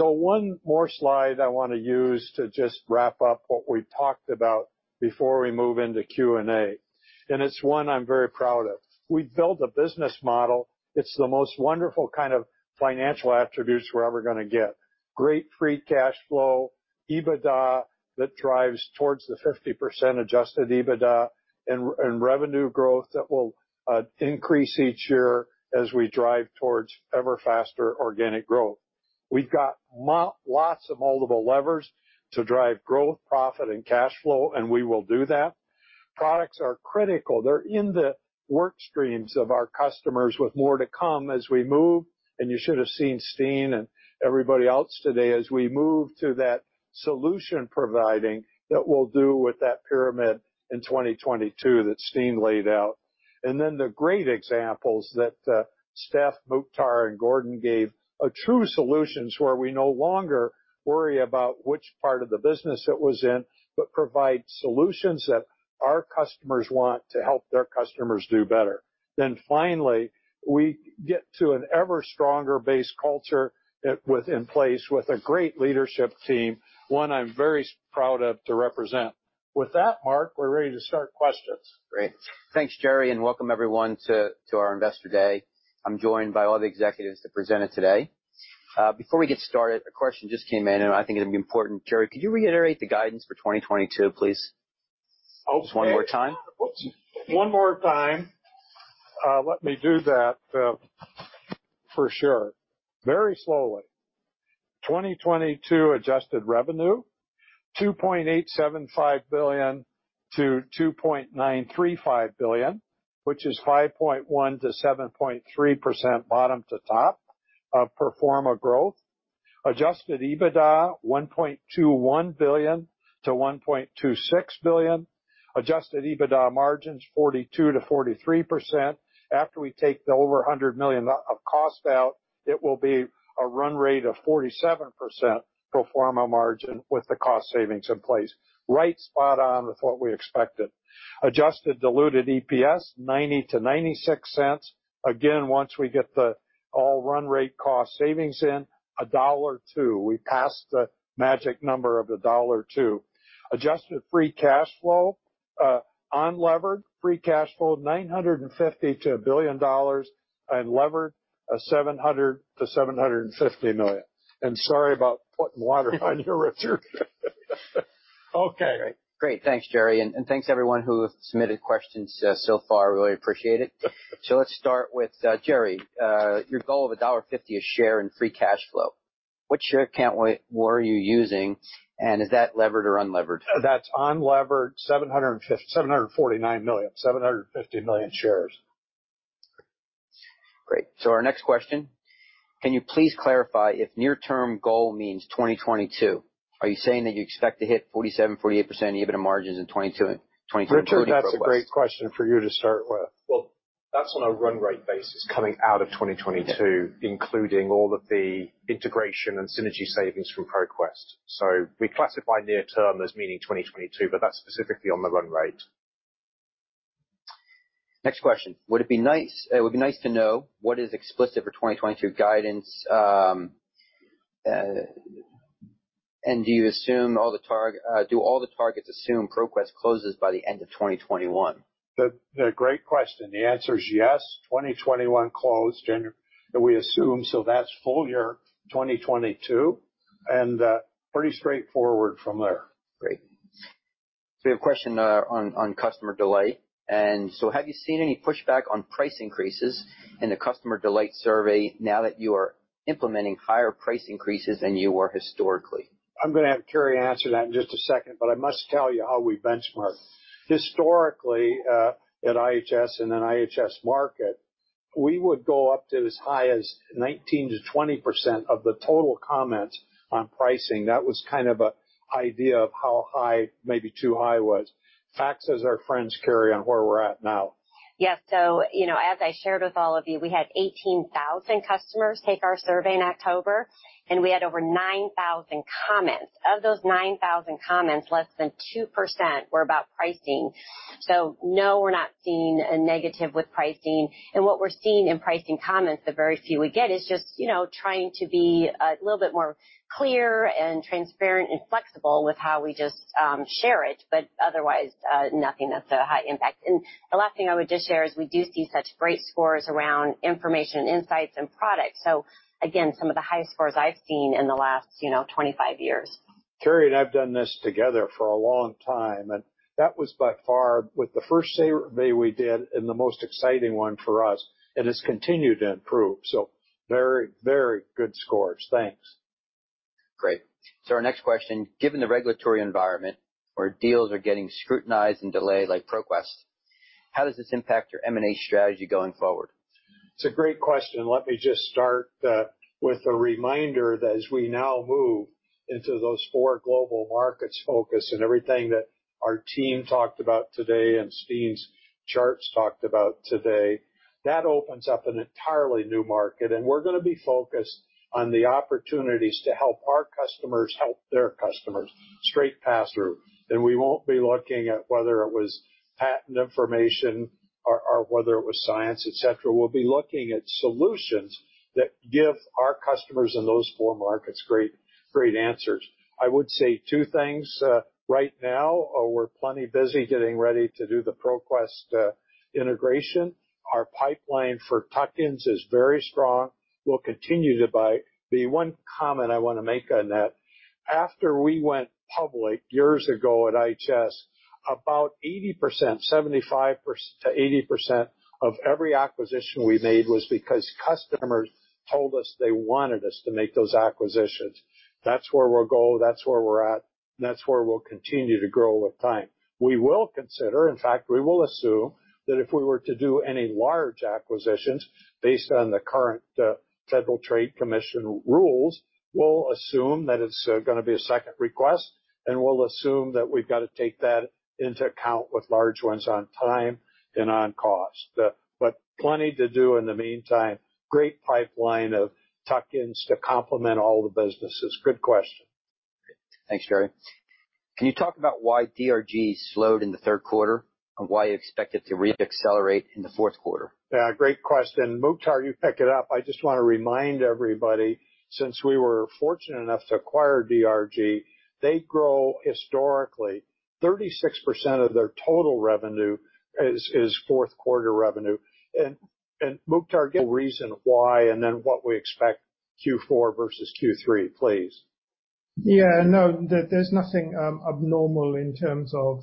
One more slide I wanna use to just wrap up what we talked about before we move into Q&A, and it's one I'm very proud of. We've built a business model. It's the most wonderful kind of financial attributes we're ever gonna get. Great free cash flow, EBITDA that drives towards the 50% adjusted EBITDA and revenue growth that will increase each year as we drive towards ever faster organic growth. We've got lots of multiple levers to drive growth, profit and cash flow, and we will do that. Products are critical. They're in the work streams of our customers with more to come as we move, and you should have seen Steen and everybody else today as we move to that solution providing that we'll do with that pyramid in 2022 that Steen laid out. The great examples that Stef, Mukhtar, and Gordon gave are true solutions where we no longer worry about which part of the business it was in, but provide solutions that our customers want to help their customers do better. Finally, we get to an ever stronger base culture that was in place with a great leadership team, one I'm very proud of to represent. With that, Mark, we're ready to start questions. Great. Thanks, Jerre, and welcome everyone to our Investor Day. I'm joined by all the executives that presented today. Before we get started, a question just came in, and I think it'll be important. Jerre, could you reiterate the guidance for 2022, please? Okay. Just one more time. One more time. Let me do that, for sure. Very slowly. 2022 adjusted revenue, $2.875 billion-2.935 billion, which is 5.1%-7.3% bottom to top of pro forma growth. Adjusted EBITDA, $1.21 billion-1.26 billion. Adjusted EBITDA margins, 42%-43%. After we take the over $100 million of cost out, it will be a run rate of 47% pro forma margin with the cost savings in place. Right, spot on with what we expected. Adjusted diluted EPS, $0.90-0.96. Again, once we get the full run rate cost savings in, $1.02. We passed the magic number of $1.02. Adjusted free cash flow. Unlevered free cash flow, $950 million-1 billion, and levered, $700 million-750 million. Sorry about putting water on you, Richard. Okay. Great. Thanks, Jerre, and thanks everyone who have submitted questions so far. Really appreciate it. Let's start with Jerre, your goal of $1.50 a share in free cash flow. Which share count were you using, and is that levered or unlevered? That's unlevered $749 million. 750 million shares. Great. Our next question, can you please clarify if near term goal means 2022? Are you saying that you expect to hit 47%-48% EBITDA margins in 2022 and 2023? Richard, that's a great question for you to start with. Well, that's on a run rate basis coming out of 2022, including all of the integration and synergy savings from ProQuest. We classify near term as meaning 2022, but that's specifically on the run rate. Next question. Would it be nice to know what is explicit for 2022 guidance. Do all the targets assume ProQuest closes by the end of 2021? The great question. The answer is yes. 2021 closed January, and we assume, so that's full year 2022, and pretty straightforward from there. Great. We have a question on customer delay. Have you seen any pushback on price increases in the customer delight survey now that you are implementing higher price increases than you were historically? I'm gonna have Kerri answer that in just a second, but I must tell you how we benchmark. Historically, at IHS and then IHS Markit, we would go up to as high as 19%-20% of the total comments on pricing. That was kind of an idea of how high, maybe too high, was. FACTS are our friends. Kerri, on where we're at now. Yes. You know, as I shared with all of you, we had 18,000 customers take our survey in October, and we had over 9,000 comments. Of those 9,000 comments, less than 2% were about pricing. No, we're not seeing a negative with pricing. What we're seeing in pricing comments, the very few we get, is just, you know, trying to be a little bit more clear and transparent and flexible with how we just share it, but otherwise, nothing that's a high impact. The last thing I would just share is we do see such great scores around information, insights and products. Again, some of the highest scores I've seen in the last, you know, 25 years. Kerri and I've done this together for a long time, and that was by far the first survey we did and the most exciting one for us, and it's continued to improve. Very, very good scores. Thanks. Great. Our next question. Given the regulatory environment where deals are getting scrutinized and delayed like ProQuest, how does this impact your M&A strategy going forward? It's a great question. Let me just start with a reminder that as we now move into those four global-markets focus and everything that our team talked about today and Steen's charts talked about today, that opens up an entirely new market. We're gonna be focused on the opportunities to help our customers help their customers straight pass-through. We won't be looking at whether it was patent information or whether it was science, et cetera. We'll be looking at solutions that give our customers in those four markets great answers. I would say two things. Right now, we're plenty busy getting ready to do the ProQuest integration. Our pipeline for tuck-ins is very strong. We'll continue to buy. The one comment I wanna make on that, after we went public years ago at IHS, about 80% of every acquisition we made was because customers told us they wanted us to make those acquisitions. That's where we'll go, that's where we're at, and that's where we'll continue to grow with time. We will consider, in fact, we will assume that if we were to do any large acquisitions based on the current Federal Trade Commission rules, we'll assume that it's gonna be a second request, and we'll assume that we've got to take that into account with large ones on time and on cost. Plenty to do in the meantime. Great pipeline of tuck-ins to complement all the businesses. Good question. Thanks, Jerre. Can you talk about why DRG slowed in the Q3 and why you expect it to re-accelerate in the Q4? Yeah, great question. Mukhtar, you pick it up. I just wanna remind everybody, since we were fortunate enough to acquire DRG, they grow historically. 36% of their total revenue is Q4 revenue. Mukhtar give reason why and then what we expect Q4 versus Q3, please. Yeah, no, there's nothing abnormal in terms of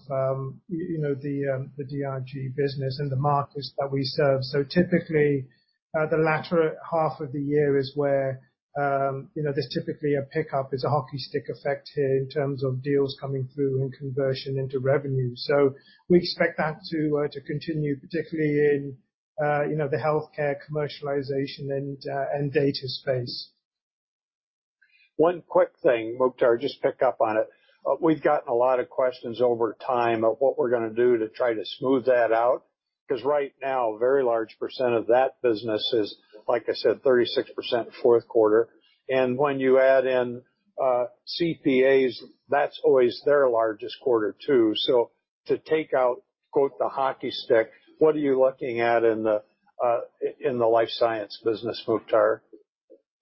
you know, the DRG business and the markets that we serve. Typically, the latter half of the year is where you know, there's typically a pickup. It's a hockey stick effect here in terms of deals coming through and conversion into revenue. We expect that to continue, particularly in you know, the healthcare commercialization and data space. One quick thing, Mukhtar, just pick up on it. We've gotten a lot of questions over time of what we're gonna do to try to smooth that out, 'cause right now, a very large percent of that business is, like I said, 36% Q4. When you add in CPAs, that's always their largest quarter, too. To take out, quote, the hockey stick, what are you looking at in the life science business, Mukhtar?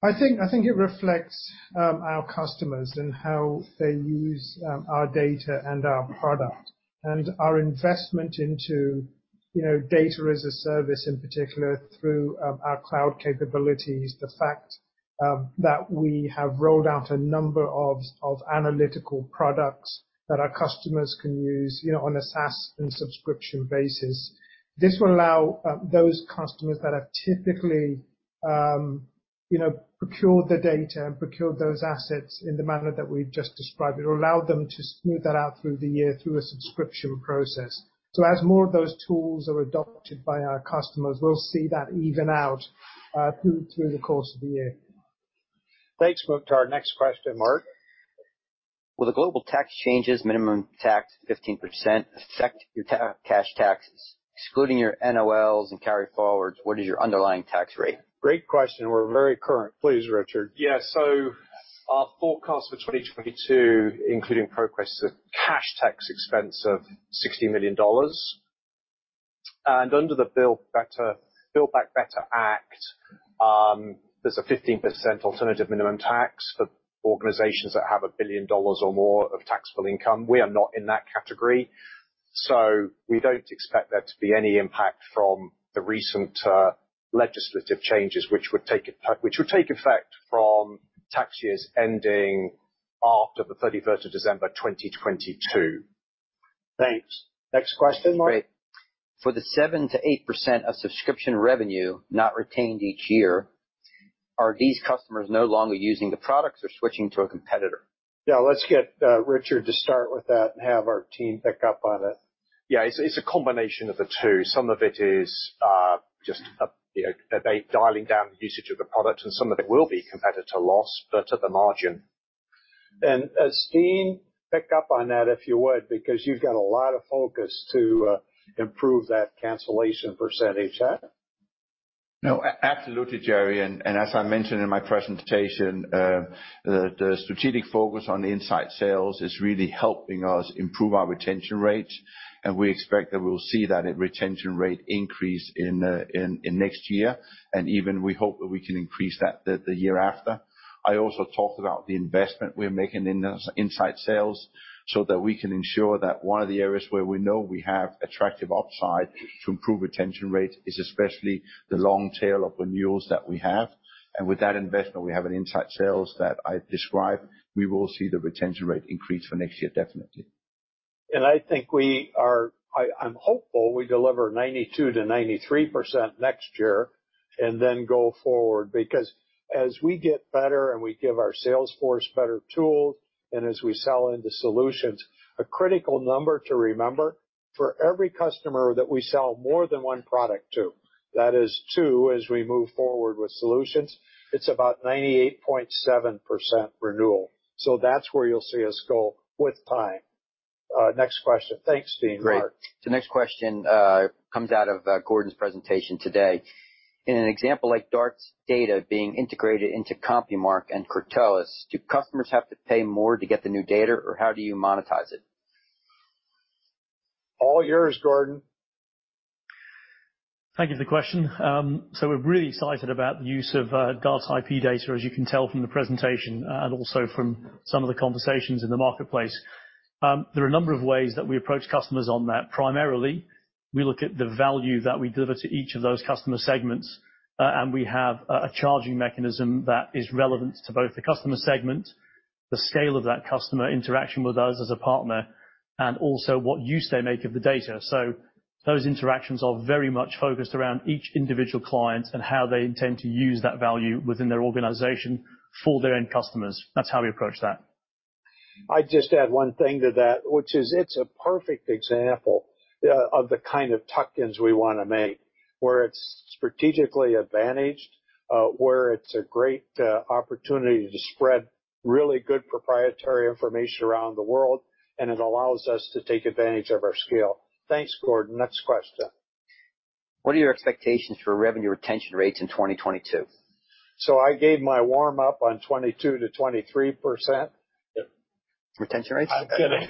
I think it reflects our customers and how they use our data and our product. Our investment into, you know, data as a service, in particular through our cloud capabilities. The fact that we have rolled out a number of analytical products that our customers can use, you know, on a SaaS and subscription basis. This will allow those customers that have typically, you know, procured the data and procured those assets in the manner that we've just described. It allowed them to smooth that out through the year through a subscription process. As more of those tools are adopted by our customers, we'll see that even out through the course of the year. Thanks, Mukhtar. Next question, Mark. Will the global tax changes, minimum tax 15%, affect your cash taxes? Excluding your NOLs and carry-forwards, what is your underlying tax rate? Great question. We're very current. Please, Richard. Our forecast for 2022, including ProQuest's cash tax expense of $60 million. Under the Build Back Better Act, there's a 15% alternative minimum tax for organizations that have $1 billion or more of taxable income. We are not in that category. We don't expect there to be any impact from the recent legislative changes which would take effect from tax years ending after the 31st of December 2022. Thanks. Next question, Mark. Great. For the 7%-8% of subscription revenue not retained each year, are these customers no longer using the products or switching to a competitor? Yeah, let's get Richard to start with that and have our team pick up on it. Yeah, it's a combination of the two. Some of it is just, you know, they're dialing down the usage of the product, and some of it will be competitor loss, but to the margin. As Steen pick up on that, if you would, because you've got a lot of focus to improve that cancellation percentage. No, absolutely, Jerre. As I mentioned in my presentation, the strategic focus on the inside sales is really helping us improve our retention rates. We expect that we'll see that retention rate increase in next year. Even we hope that we can increase that the year after. I also talked about the investment we are making in inside sales so that we can ensure that one of the areas where we know we have attractive upside to improve retention rates is especially the long tail of renewals that we have. With that investment, we have in inside sales that I described. We will see the retention rate increase for next year, definitely. I think I'm hopeful we deliver 92%-93% next year and then go forward. Because as we get better and we give our sales force better tools, and as we sell into solutions, a critical number to remember for every customer that we sell more than one product to, that is two, as we move forward with solutions, it's about 98.7% renewal. That's where you'll see us go with time. Next question. Thanks, Steen. Mark. Great. The next question comes out of Gordon Samson's presentation today. In an example like Darts-ip's data being integrated into CompuMark and Cortellis, do customers have to pay more to get the new data, or how do you monetize it? All yours, Gordon. Thank you for the question. We're really excited about the use of Darts-ip's IP data, as you can tell from the presentation, and also from some of the conversations in the marketplace. There are a number of ways that we approach customers on that. Primarily, we look at the value that we deliver to each of those customer segments. We have a charging mechanism that is relevant to both the customer segment, the scale of that customer interaction with us as a partner, and also what use they make of the data. Those interactions are very much focused around each individual client and how they intend to use that value within their organization for their end customers. That's how we approach that. I'd just add one thing to that, which is it's a perfect example of the kind of tuck-ins we wanna make, where it's strategically advantaged, where it's a great opportunity to spread really good proprietary information around the world, and it allows us to take advantage of our scale. Thanks, Gordon. Next question. What are your expectations for revenue retention rates in 2022? I gave my warm-up on 22%-23%. Retention rates? I'm kidding.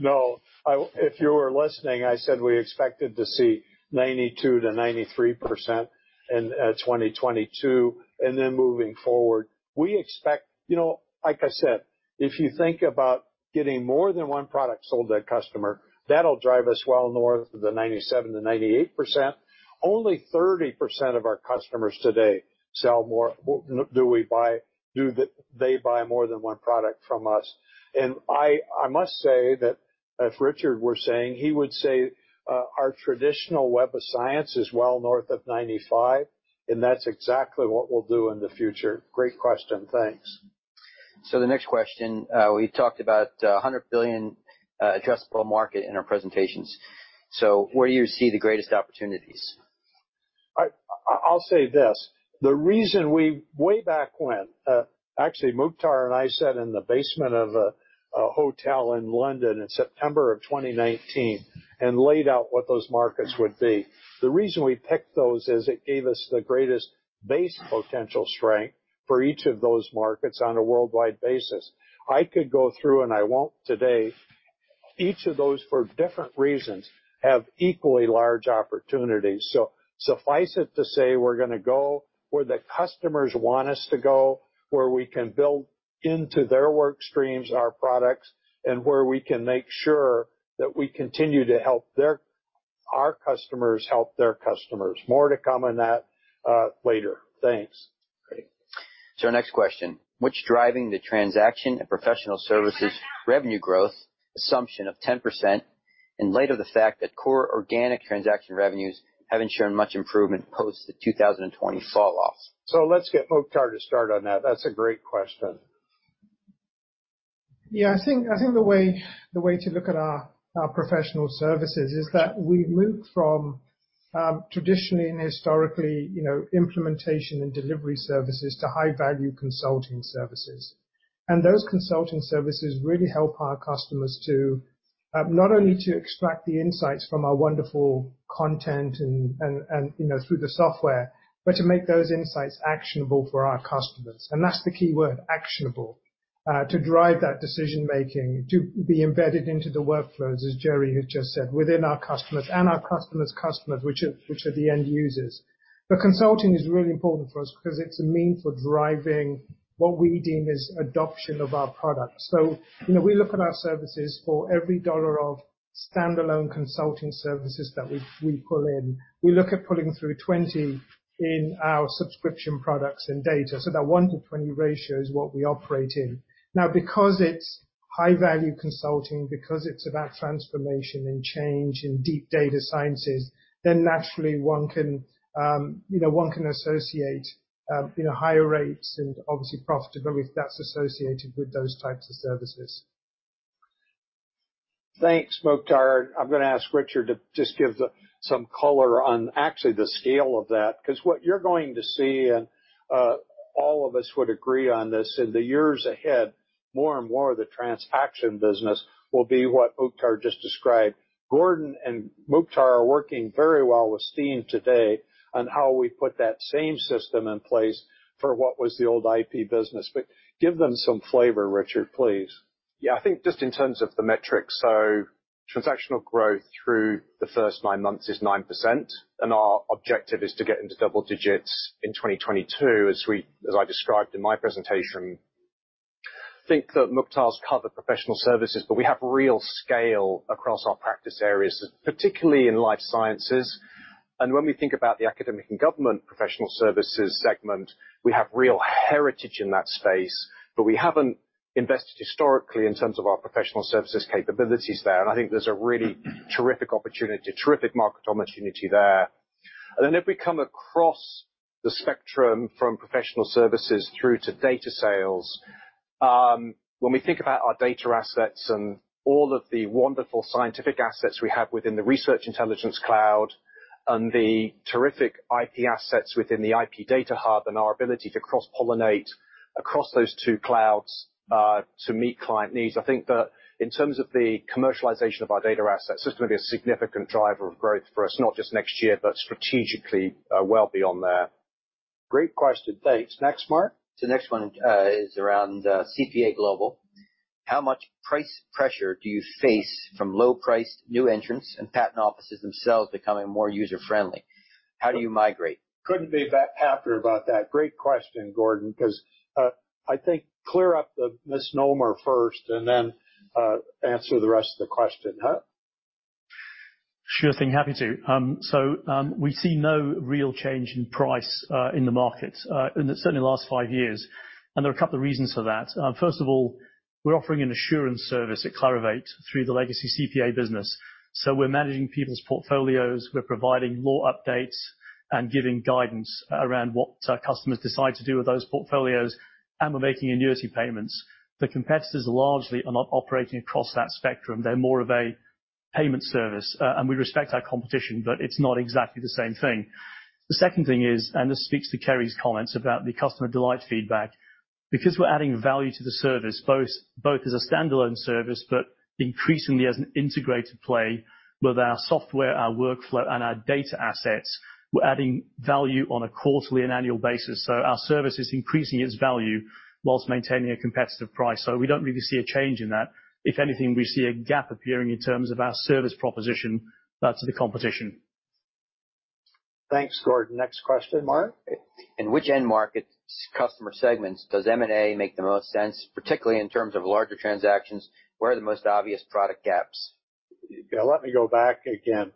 No. If you were listening, I said we expected to see 92%-93% in 2022. Then moving forward, we expect, you know, like I said, if you think about getting more than one product sold to that customer, that'll drive us well north of the 97%-98%. Only 30% of our customers today buy more than one product from us. I must say that if Richard were saying, he would say, our traditional Web of Science is well north of 95%, and that's exactly what we'll do in the future. Great question. Thanks. The next question, we talked about a $100 billion addressable market in our presentations. Where do you see the greatest opportunities? I'll say this. Way back when, actually Mukhtar and I sat in the basement of a hotel in London in September of 2019 and laid out what those markets would be. The reason we picked those is it gave us the greatest base potential strength for each of those markets on a worldwide basis. I could go through, and I won't today. Each of those, for different reasons, have equally large opportunities. Suffice it to say, we're gonna go where the customers want us to go, where we can build into their work streams, our products, and where we can make sure that we continue to help their, our customers help their customers. More to come on that, later. Thanks. Great. Our next question. What's driving the transaction and professional services revenue growth assumption of 10% in light of the fact that core organic transaction revenues haven't shown much improvement post the 2020 fall off? Let's get Mukhtar to start on that. That's a great question. Yeah, I think the way to look at our professional services is that we moved from traditionally and historically, you know, implementation and delivery services to high-value consulting services. Those consulting services really help our customers to not only to extract the insights from our wonderful content and, you know, through the software, but to make those insights actionable for our customers. That's the key word, actionable, to drive that decision-making, to be embedded into the workflows, as Jerre has just said, within our customers and our customers' customers, which are the end users. Consulting is really important for us because it's a means for driving what we deem as adoption of our product. You know, we look at our services for every dollar of standalone consulting services that we pull in. We look at pulling through 20 in our subscription products and data, so that one-20 ratio is what we operate in. Now because it's high value consulting, because it's about transformation and change in deep data sciences, then naturally one can, you know, associate, you know, higher rates and obviously profitability that's associated with those types of services. Thanks, Mukhtar. I'm gonna ask Richard to just give some color on actually the scale of that, 'cause what you're going to see, and, all of us would agree on this, in the years ahead, more and more of the transaction business will be what Mukhtar just described. Gordon and Mukhtar are working very well with Steve today on how we put that same system in place for what was the old IP business. Give them some flavor, Richard, please. Yeah. I think just in terms of the metrics, so transactional growth through the first nine-months is 9%, and our objective is to get into double digits in 2022, as I described in my presentation. I think that Mukhtar's covered professional services, but we have real scale across our practice areas, particularly in life sciences. When we think about the academic and government professional services segment, we have real heritage in that space. But we haven't invested historically in terms of our professional services capabilities there, and I think there's a really terrific opportunity, terrific market opportunity there. If we come across the spectrum from professional services through to data sales, when we think about our data assets and all of the wonderful scientific assets we have within the Research Intelligence Cloud and the terrific IP assets within the IP Data Hub and our ability to cross-pollinate across those two clouds, to meet client needs, I think that in terms of the commercialization of our data assets, that's gonna be a significant driver of growth for us, not just next year, but strategically, well beyond that. Great question. Thanks. Next, Mark. The next one is around CPA Global. How much price pressure do you face from low priced new entrants and patent offices themselves becoming more user-friendly? How do you migrate? Couldn't be that happier about that. Great question, Gordon, 'cause I think clear up the misnomer first, and then answer the rest of the question. Huh? Sure thing. Happy to. We see no real change in price in the market, certainly in the last five years, and there are a couple of reasons for that. First of all, we're offering an assurance service at Clarivate through the legacy CPA business. We're managing people's portfolios, we're providing law updates and giving guidance around what customers decide to do with those portfolios, and we're making annuity payments. The competitors largely are not operating across that spectrum. They're more of a payment service, and we respect our competition, but it's not exactly the same thing. The second thing is, this speaks to Kerri's comments about the customer delight feedback, because we're adding value to the service, both as a standalone service, but increasingly as an integrated play with our software, our workflow, and our data assets, we're adding value on a quarterly and annual basis. Our service is increasing its value while maintaining a competitive price. We don't really see a change in that. If anything, we see a gap appearing in terms of our service proposition to the competition. Thanks, Gordon. Next question, Mark. In which end markets customer segments does M&A make the most sense, particularly in terms of larger transactions, where are the most obvious product gaps? Yeah, let me go back again.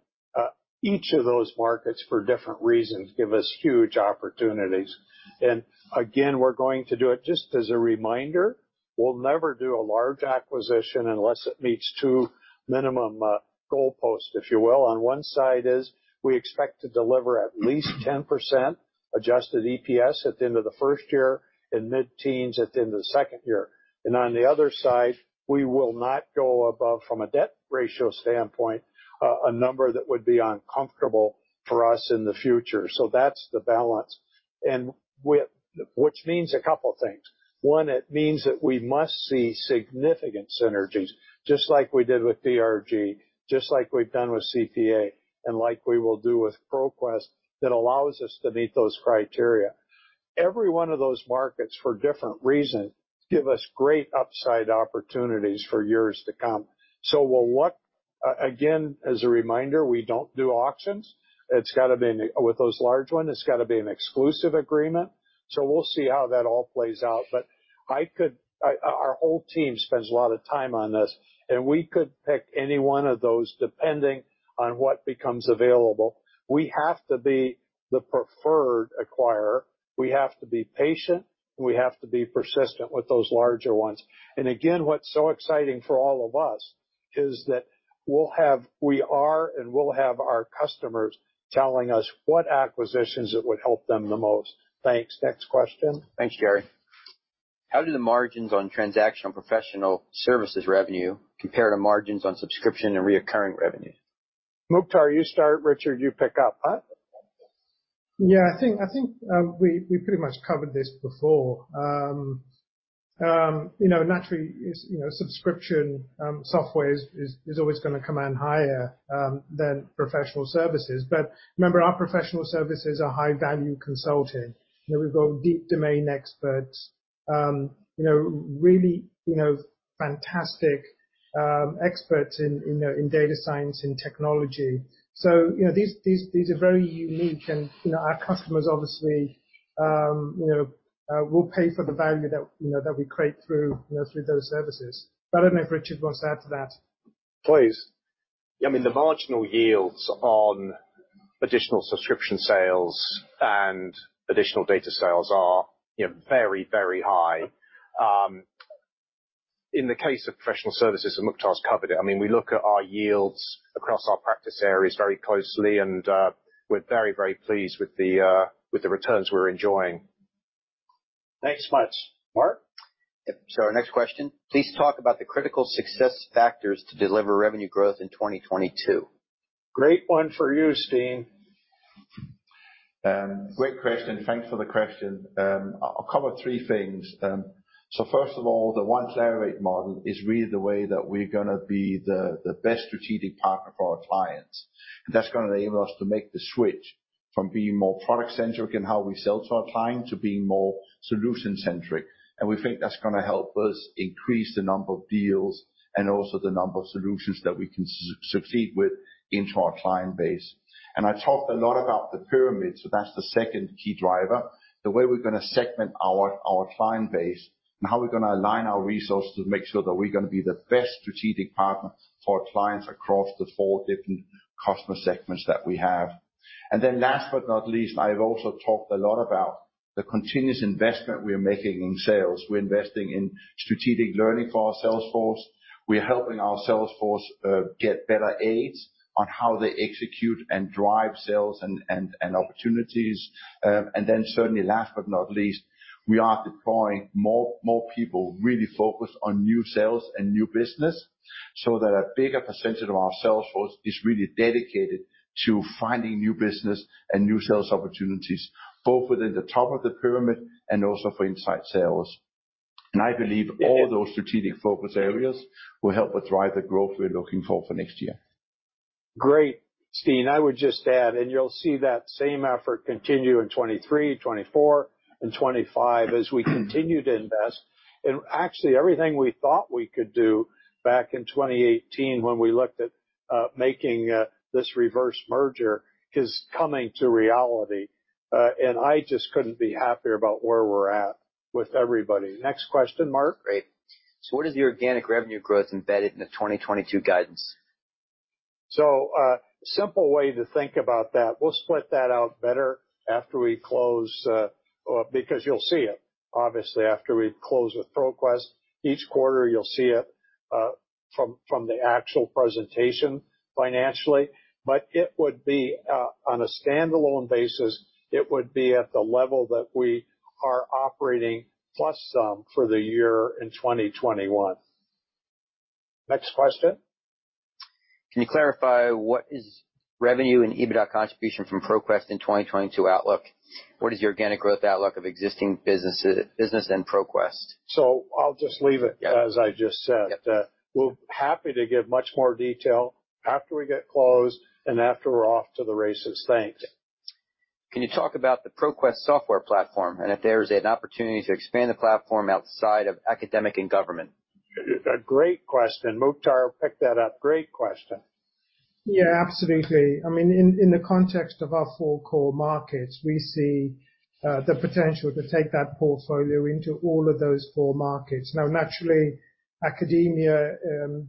Each of those markets for different reasons give us huge opportunities. Again, we're going to do it just as a reminder. We'll never do a large acquisition unless it meets two minimum goalposts, if you will. On one side is we expect to deliver at least 10% adjusted EPS at the end of the first year and mid-teens at the end of the second year. On the other side, we will not go above, from a debt ratio standpoint, a number that would be uncomfortable for us in the future. That's the balance. Which means a couple things. One, it means that we must see significant synergies just like we did with DRG, just like we've done with CPA, and like we will do with ProQuest that allows us to meet those criteria. Every one of those markets for different reasons give us great upside opportunities for years to come. Again, as a reminder, we don't do auctions. With those large one, it's gotta be an exclusive agreement, so we'll see how that all plays out. Our whole team spends a lot of time on this, and we could pick any one of those depending on what becomes available. We have to be the preferred acquirer. We have to be patient, and we have to be persistent with those larger ones. Again, what's so exciting for all of us is that we are and will have our customers telling us what acquisitions that would help them the most. Thanks. Next question. Thanks, Jerre. How do the margins on transactional professional services revenue compare to margins on subscription and recurring revenues? Mukhtar, you start. Richard, you pick up. Huh? Yeah. I think we pretty much covered this before. You know, naturally subscription software is always gonna command higher than professional services. Remember, our professional services are high value consulting. You know, we've got deep domain experts, you know, really, you know, fantastic experts in data science and technology. You know, these are very unique and, you know, our customers obviously will pay for the value that, you know, that we create through those services. I don't know if Richard wants to add to that. Please. I mean, the marginal yields on additional subscription sales and additional data sales are, you know, very, very high. In the case of professional services, and Mukhtar's covered it, I mean, we look at our yields across our practice areas very closely, and we're very, very pleased with the returns we're enjoying. Thanks much. Mark? Yep. Our next question, please talk about the critical success factors to deliver revenue growth in 2022. Great one for you, Steen. Great question. Thanks for the question. I'll cover three things. First of all, the One Clarivate model is really the way that we're gonna be the best strategic partner for our clients. That's gonna enable us to make the switch from being more product-centric in how we sell to our client to being more solution-centric. We think that's gonna help us increase the number of deals and also the number of solutions that we can succeed with into our client base. I talked a lot about the pyramid, so that's the second key driver. The way we're gonna segment our client base and how we're gonna align our resources to make sure that we're gonna be the best strategic partner for our clients across the four different customer segments that we have. Last but not least, I've also talked a lot about the continuous investment we are making in sales. We're investing in strategic learning for our sales force. We are helping our sales force get better aids on how they execute and drive sales and opportunities. Then certainly last but not least, we are deploying more people really focused on new sales and new business so that a bigger percentage of our sales force is really dedicated to finding new business and new sales opportunities, both within the top of the pyramid and also for inside sales. I believe all those strategic focus areas will help drive the growth we're looking for for next year. Great, Steen. I would just add, and you'll see that same effort continue in 2023, 2024, and 2025 as we continue to invest. Actually, everything we thought we could do back in 2018 when we looked at making this reverse merger is coming to reality. I just couldn't be happier about where we're at with everybody. Next question, Mark. Great. What is the organic revenue growth embedded in the 2022 guidance? Simple way to think about that, we'll split that out better after we close, or because you'll see it, obviously, after we close with ProQuest. Each quarter, you'll see it from the actual presentation financially. It would be on a standalone basis at the level that we are operating plus some for the year in 2021. Next question. Can you clarify what is revenue and EBITDA contribution from ProQuest in 2022 outlook? What is the organic growth outlook of existing businesses and ProQuest? I'll just leave it. Yep. as I just said. Yep. We're happy to give much more detail after we get closed and after we're off to the races. Thanks. Can you talk about the ProQuest software platform and if there's an opportunity to expand the platform outside of academic and government? A great question. Mukhtar will pick that up. Great question. Yeah, absolutely. I mean, in the context of our four core markets, we see the potential to take that portfolio into all of those four markets. Now, naturally, academia,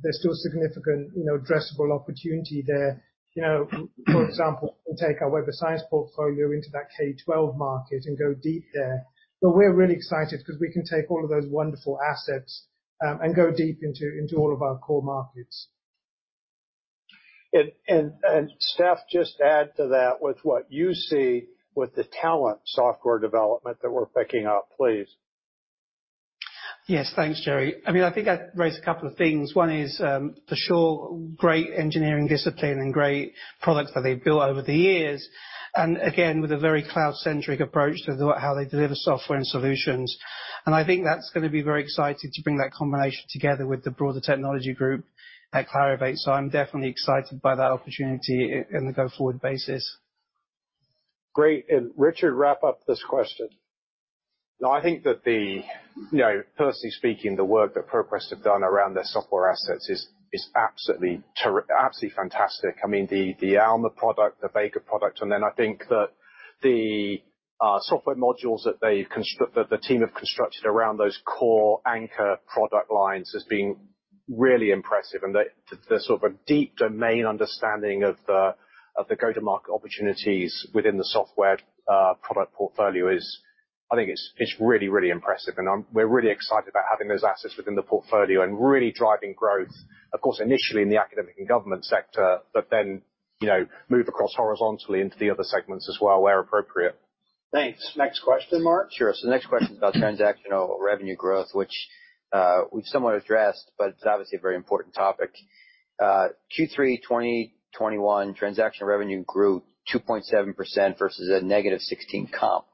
there's still significant, you know, addressable opportunity there. You know, for example, we take our Web of Science portfolio into that K-12 market and go deep there. We're really excited because we can take all of those wonderful assets and go deep into all of our core markets. Stef, just add to that with what you see with the talent software development that we're picking up, please. Yes. Thanks, Jerre. I mean, I think I'd raise a couple of things. One is, for sure great engineering discipline and great products that they've built over the years, and again, with a very cloud-centric approach to how they deliver software and solutions. I think that's gonna be very exciting to bring that combination together with the broader technology group at Clarivate. I'm definitely excited by that opportunity in the go-forward basis. Great. Richard, wrap up this question. No, I think that, you know, personally speaking, the work that ProQuest have done around their software assets is absolutely fantastic. I mean, the Alma product, the Primo product, and then I think that the software modules that the team have constructed around those core anchor product lines as being really impressive. The sort of a deep domain understanding of the go-to-market opportunities within the software product portfolio is, I think, really impressive. We're really excited about having those assets within the portfolio and really driving growth, of course, initially in the academic and government sector, but then, you know, move across horizontally into the other segments as well, where appropriate. Thanks. Next question, Mark. Sure. The next question is about transactional revenue growth, which we've somewhat addressed, but it's obviously a very important topic. Q3 2021 transactional revenue grew 2.7% versus a -16 comp.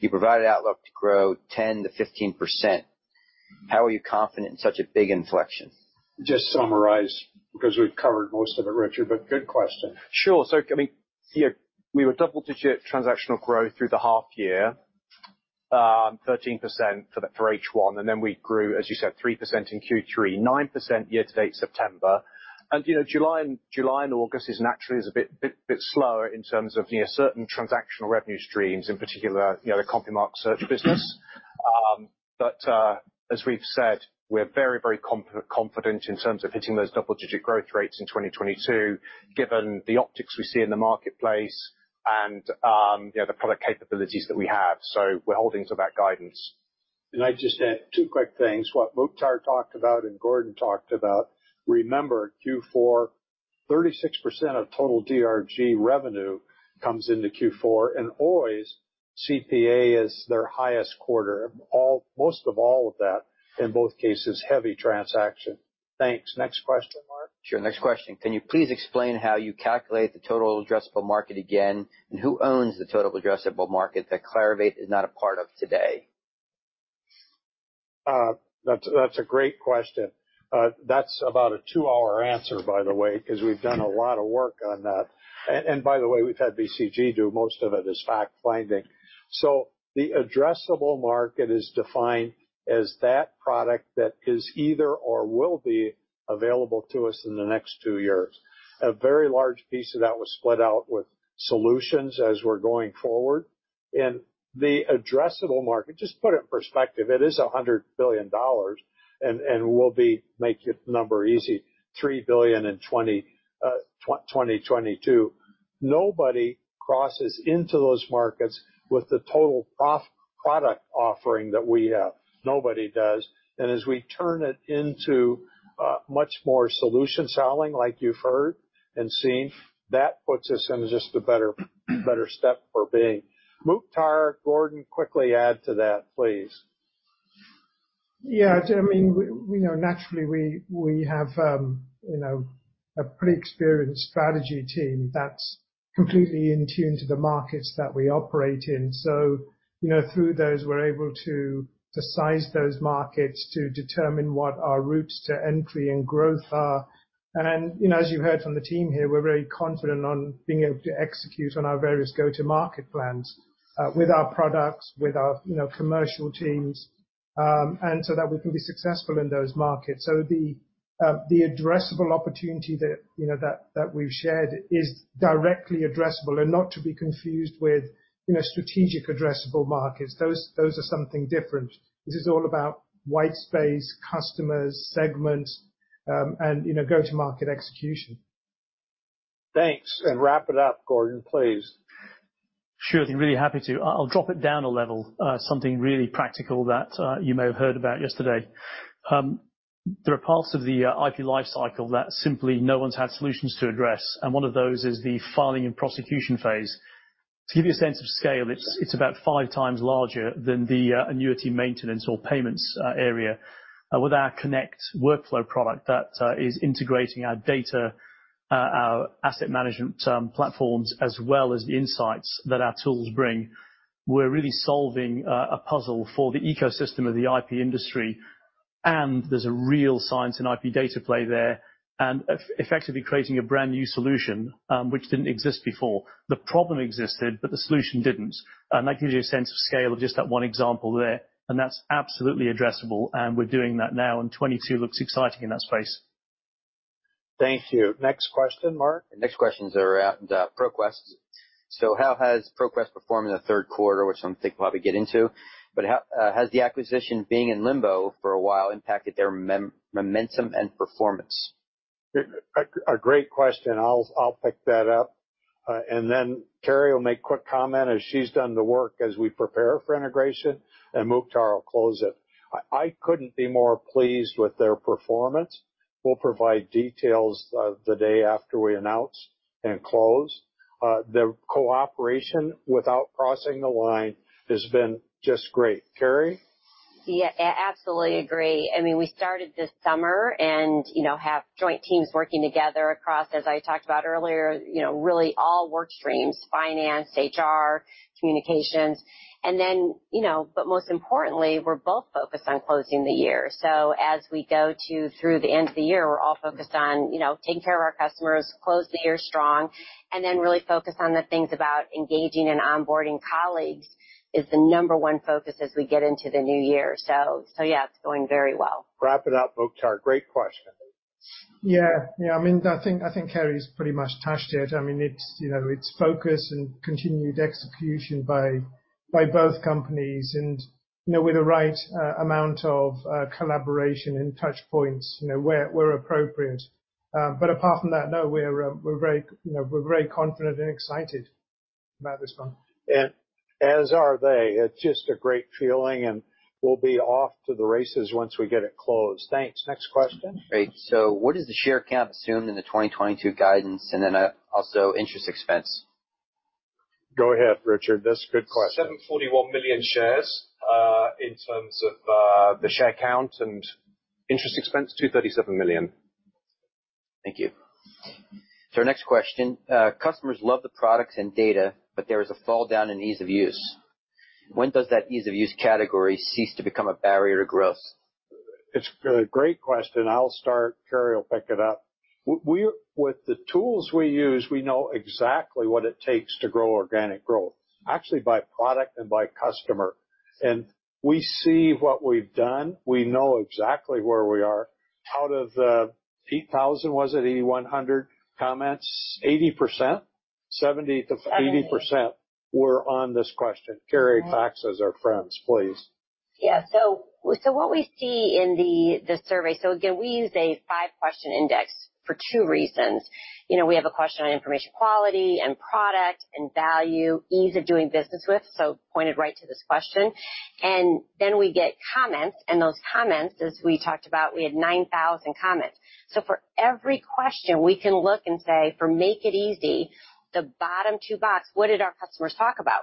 You provided outlook to grow 10%-15%. How are you confident in such a big inflection? Just summarize because we've covered most of it, Richard, but good question. Sure. I mean, yeah, we were double-digit transactional growth through the half year. 13% for H1, and then we grew, as you said, 3% in Q3, 9% year to date, September. You know, July and August is naturally a bit slower in terms of, you know, certain transactional revenue streams in particular, you know, the CompuMark search business. But, as we've said, we're very confident in terms of hitting those double-digit growth rates in 2022, given the optics we see in the marketplace and, you know, the product capabilities that we have. We're holding to that guidance. Can I just add two quick things, what Mukhtar talked about and Gordon talked about. Remember Q4, 36% of total DRG revenue comes into Q4, and always CPA is their highest quarter, almost all of that, in both cases, heavy transactional. Thanks. Next question, Mark. Sure. Next question. Can you please explain how you calculate the total addressable market again, and who owns the total addressable market that Clarivate is not a part of today? That's a great question. That's about a two-hour answer, by the way, 'cause we've done a lot of work on that. By the way, we've had BCG do most of it as fact-finding. The addressable market is defined as that product that is either or will be available to us in the next two years. A very large piece of that was split out with solutions as we're going forward. The addressable market, just put it in perspective, it is $100 billion and will be, make the number easy, $3 billion in 2022. Nobody crosses into those markets with the total product offering that we have. Nobody does. As we turn it into much more solution selling, like you've heard and seen, that puts us in just a better step for being. Mukhtar, Gordon, quickly add to that, please. Yeah. I mean, we know naturally we have, you know, a pretty experienced strategy team that's completely in tune to the markets that we operate in. You know, through those, we're able to size those markets to determine what our routes to entry and growth are. You know, as you heard from the team here, we're very confident on being able to execute on our various go-to-market plans, with our products, with our, you know, commercial teams, and so that we can be successful in those markets. The addressable opportunity that, you know, that we've shared is directly addressable and not to be confused with, you know, strategic addressable markets. Those are something different. This is all about white space, customers, segments, and, you know, go-to-market execution. Thanks. Wrap it up, Gordon, please. Sure thing. Really happy to. I'll drop it down a level, something really practical that you may have heard about yesterday. There are parts of the IP life cycle that simply no one's had solutions to address, and one of those is the filing and prosecution phase. To give you a sense of scale, it's about five times larger than the annuity maintenance or payments area. With our Connect workflow product that is integrating our data, our asset management platforms, as well as the insights that our tools bring, we're really solving a puzzle for the ecosystem of the IP industry, and there's a real science in IP data play there and effectively creating a brand-new solution, which didn't exist before. The problem existed, but the solution didn't. That gives you a sense of scale of just that one example there, and that's absolutely addressable, and we're doing that now, and 2022 looks exciting in that space. Thank you. Next question, Mark. Next questions are out, and ProQuest. How has ProQuest performed in the Q3, which I think we'll probably get into, but how has the acquisition being in limbo for a while impacted their momentum and performance? A great question. I'll pick that up. Then Kerri will make quick comment as she's done the work as we prepare for integration, and Mukhtar will close it. I couldn't be more pleased with their performance. We'll provide details of the day after we announce and close. Their cooperation without crossing the line has been just great. Kerri. Yeah. Absolutely agree. I mean, we started this summer and, you know, have joint teams working together across, as I talked about earlier, you know, really all work streams, finance, HR, communications. Then, you know, but most importantly, we're both focused on closing the year. As we go through the end of the year, we're all focused on, you know, taking care of our customers, close the year strong, and then really focus on the things about engaging and onboarding colleagues is the number one focus as we get into the new year. Yeah, it's going very well. Wrap it up, Mukhtar. Great question. Yeah. I mean, I think Kerri's pretty much touched it. I mean, it's focus and continued execution by both companies and, you know, with the right amount of collaboration and touchpoints, you know, where appropriate. But apart from that, no, we're very confident and excited about this one. As are they. It's just a great feeling, and we'll be off to the races once we get it closed. Thanks. Next question. Great. What is the share count assumed in the 2022 guidance, and then, also interest expense? Go ahead, Richard. That's a good question. 741 million shares, in terms of the share count and interest expense, $237 million. Thank you. Our next question. Customers love the products and data, but there is a fall down in ease of use. When does that ease of use category cease to become a barrier to growth? It's a great question. I'll start. Kerri will pick it up. With the tools we use, we know exactly what it takes to grow organic growth, actually by product and by customer. We see what we've done. We know exactly where we are. Out of the 8,000, was it 8,100 comments? 80%, 70%-80% were on this question. Kerri, FACTS as our friends, please. What we see in the survey, so again, we use a five-question index for two reasons. You know, we have a question on information quality and product and value, ease of doing business with. Pointed right to this question, and then we get comments, and those comments, as we talked about, we had 9,000 comments. For every question, we can look and say, for Make It Easy, the bottom two box, what did our customers talk about?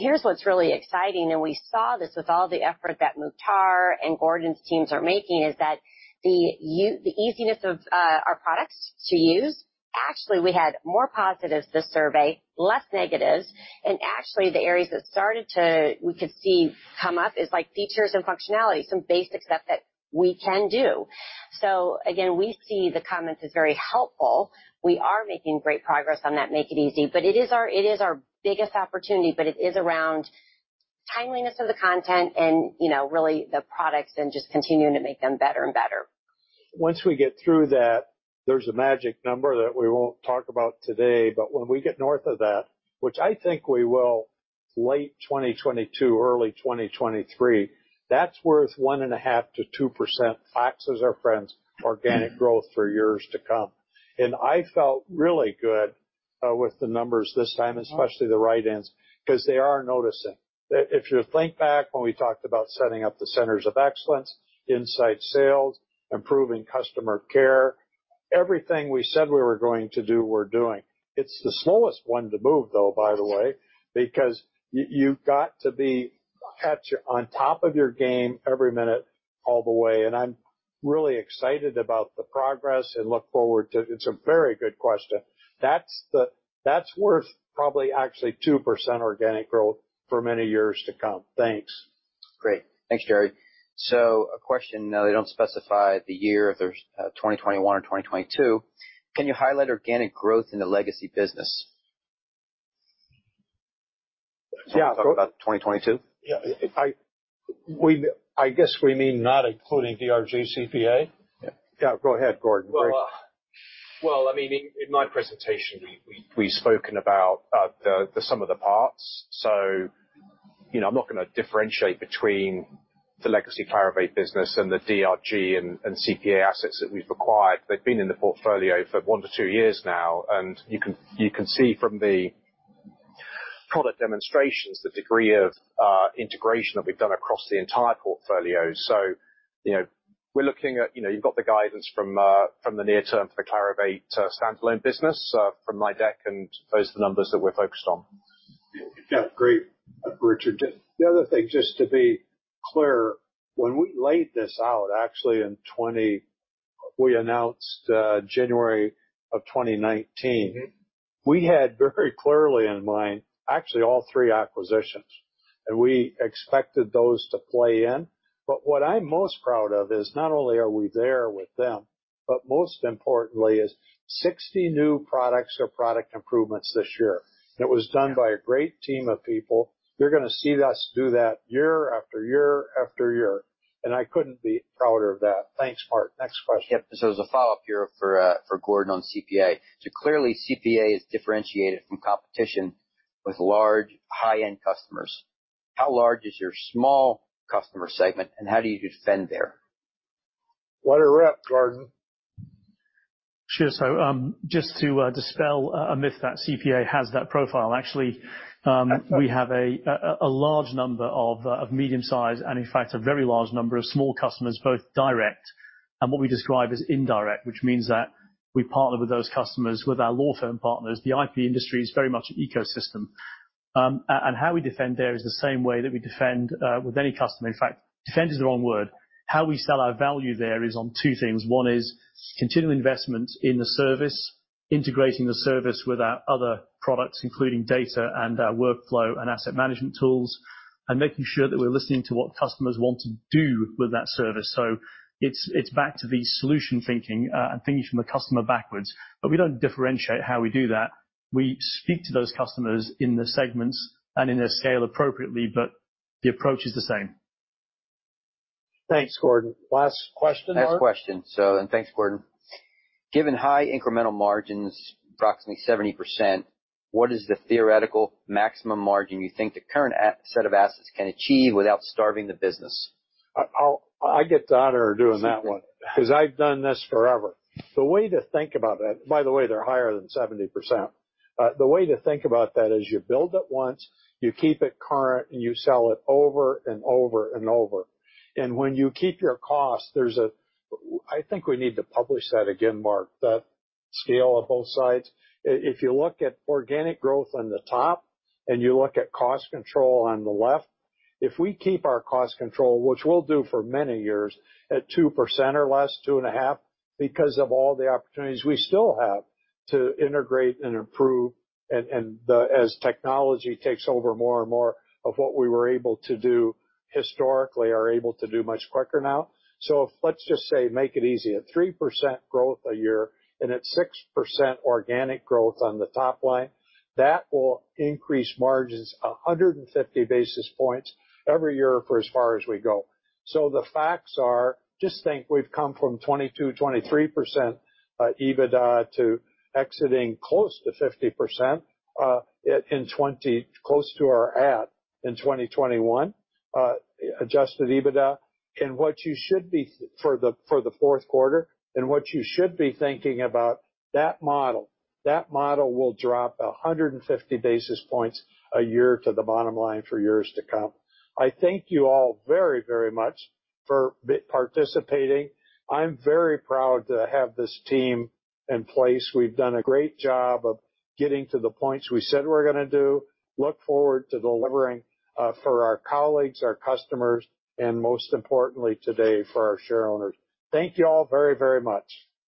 Here's what's really exciting, and we saw this with all the effort that Mukhtar and Gordon's teams are making, is that the easiness of our products to use, actually, we had more positives this survey, less negatives. Actually, the areas that we could see come up is like features and functionality, some basic stuff that we can do. Again, we see the comments as very helpful. We are making great progress on that Make It Easy. It is our biggest opportunity, but it is around timeliness of the content and, you know, really the products and just continuing to make them better and better. Once we get through that, there's a magic number that we won't talk about today, but when we get north of that, which I think we will late 2022, early 2023, that's worth 1.5%-2% FACTS as our friends, organic growth for years to come. I felt really good with the numbers this time, especially the write-ins, 'cause they are noticing. If you think back when we talked about setting up the centers of excellence, inside sales, improving customer care, everything we said we were going to do, we're doing. It's the slowest one to move, though, by the way, because you've got to be on top of your game every minute all the way. I'm really excited about the progress and look forward to it. It's a very good question. That's worth probably actually 2% organic growth for many years to come. Thanks. Great. Thanks, Jerre. A question, now they don't specify the year if there's 2021 or 2022. Can you highlight organic growth in the legacy business? Yeah. About 2022? Yeah. I guess we mean not including DRG CPA. Yeah. Yeah, go ahead, Gordon. Well, I mean, in my presentation, we've spoken about the sum of the parts. You know, I'm not gonna differentiate between the legacy Clarivate business and the DRG and CPA assets that we've acquired. They've been in the portfolio for one-two years now, and you can see from the product demonstrations the degree of integration that we've done across the entire portfolio. You know, we're looking at, you know, you've got the guidance from the near term for the Clarivate standalone business from my deck, and those are the numbers that we're focused on. Yeah. Great, Richard. The other thing, just to be clear, when we laid this out, actually in 2019 we announced in January of 2019. Mm-hmm. We had very clearly in mind actually all three acquisitions, and we expected those to play in. What I'm most proud of is not only are we there with them, but most importantly is 60 new products or product improvements this year. That was done by a great team of people. You're gonna see us do that year after year after year, and I couldn't be prouder of that. Thanks, Mark. Next question. Yep. There's a follow-up here for Gordon Samson on CPA. Clearly, CPA is differentiated from competition with large high-end customers. How large is your small customer segment, and how do you defend there? What are reps, Gordon? Sure. Just to dispel a myth that CPA has that profile. Actually, we have a large number of medium-size and in fact a very large number of small customers, both direct and what we describe as indirect, which means that we partner with those customers with our law firm partners. The IP industry is very much an ecosystem. How we defend there is the same way that we defend with any customer. In fact, defend is the wrong word. How we sell our value there is on two things. One is continual investments in the service, integrating the service with our other products, including data and our workflow and asset management tools, and making sure that we're listening to what customers want to do with that service. It's back to the solution thinking, and thinking from the customer backwards. We don't differentiate how we do that. We speak to those customers in the segments and in their scale appropriately, but the approach is the same. Thanks, Gordon. Last question, Mark. Last question. Thanks, Gordon. Given high incremental margins, approximately 70%, what is the theoretical maximum margin you think the current set of assets can achieve without starving the business? I get the honor of doing that one 'cause I've done this forever. The way to think about that. By the way, they're higher than 70%. The way to think about that is you build it once, you keep it current, and you sell it over and over and over. When you keep your costs, there's a, I think we need to publish that again, Mark, that scale on both sides. If you look at organic growth on the top and you look at cost control on the left, if we keep our cost control, which we'll do for many years, at 2% or less, 2.5%, because of all the opportunities we still have to integrate and improve, and as technology takes over more and more of what we were able to do historically are able to do much quicker now. Let's just say, Make It Easy, at 3% growth a year and at 6% organic growth on the top line, that will increase margins 150 basis points every year for as far as we go. The facts are, just think we've come from 22-23% EBITDA to exiting close to 50% adjusted EBITDA in 2021. What you should be thinking about for the Q4, that model. That model will drop 150 basis points a year to the bottom line for years to come. I thank you all very, very much for participating. I'm very proud to have this team in place. We've done a great job of getting to the points we said we're gonna do. I look forward to delivering for our colleagues, our customers, and most importantly today, for our shareowners. Thank you all very, very much.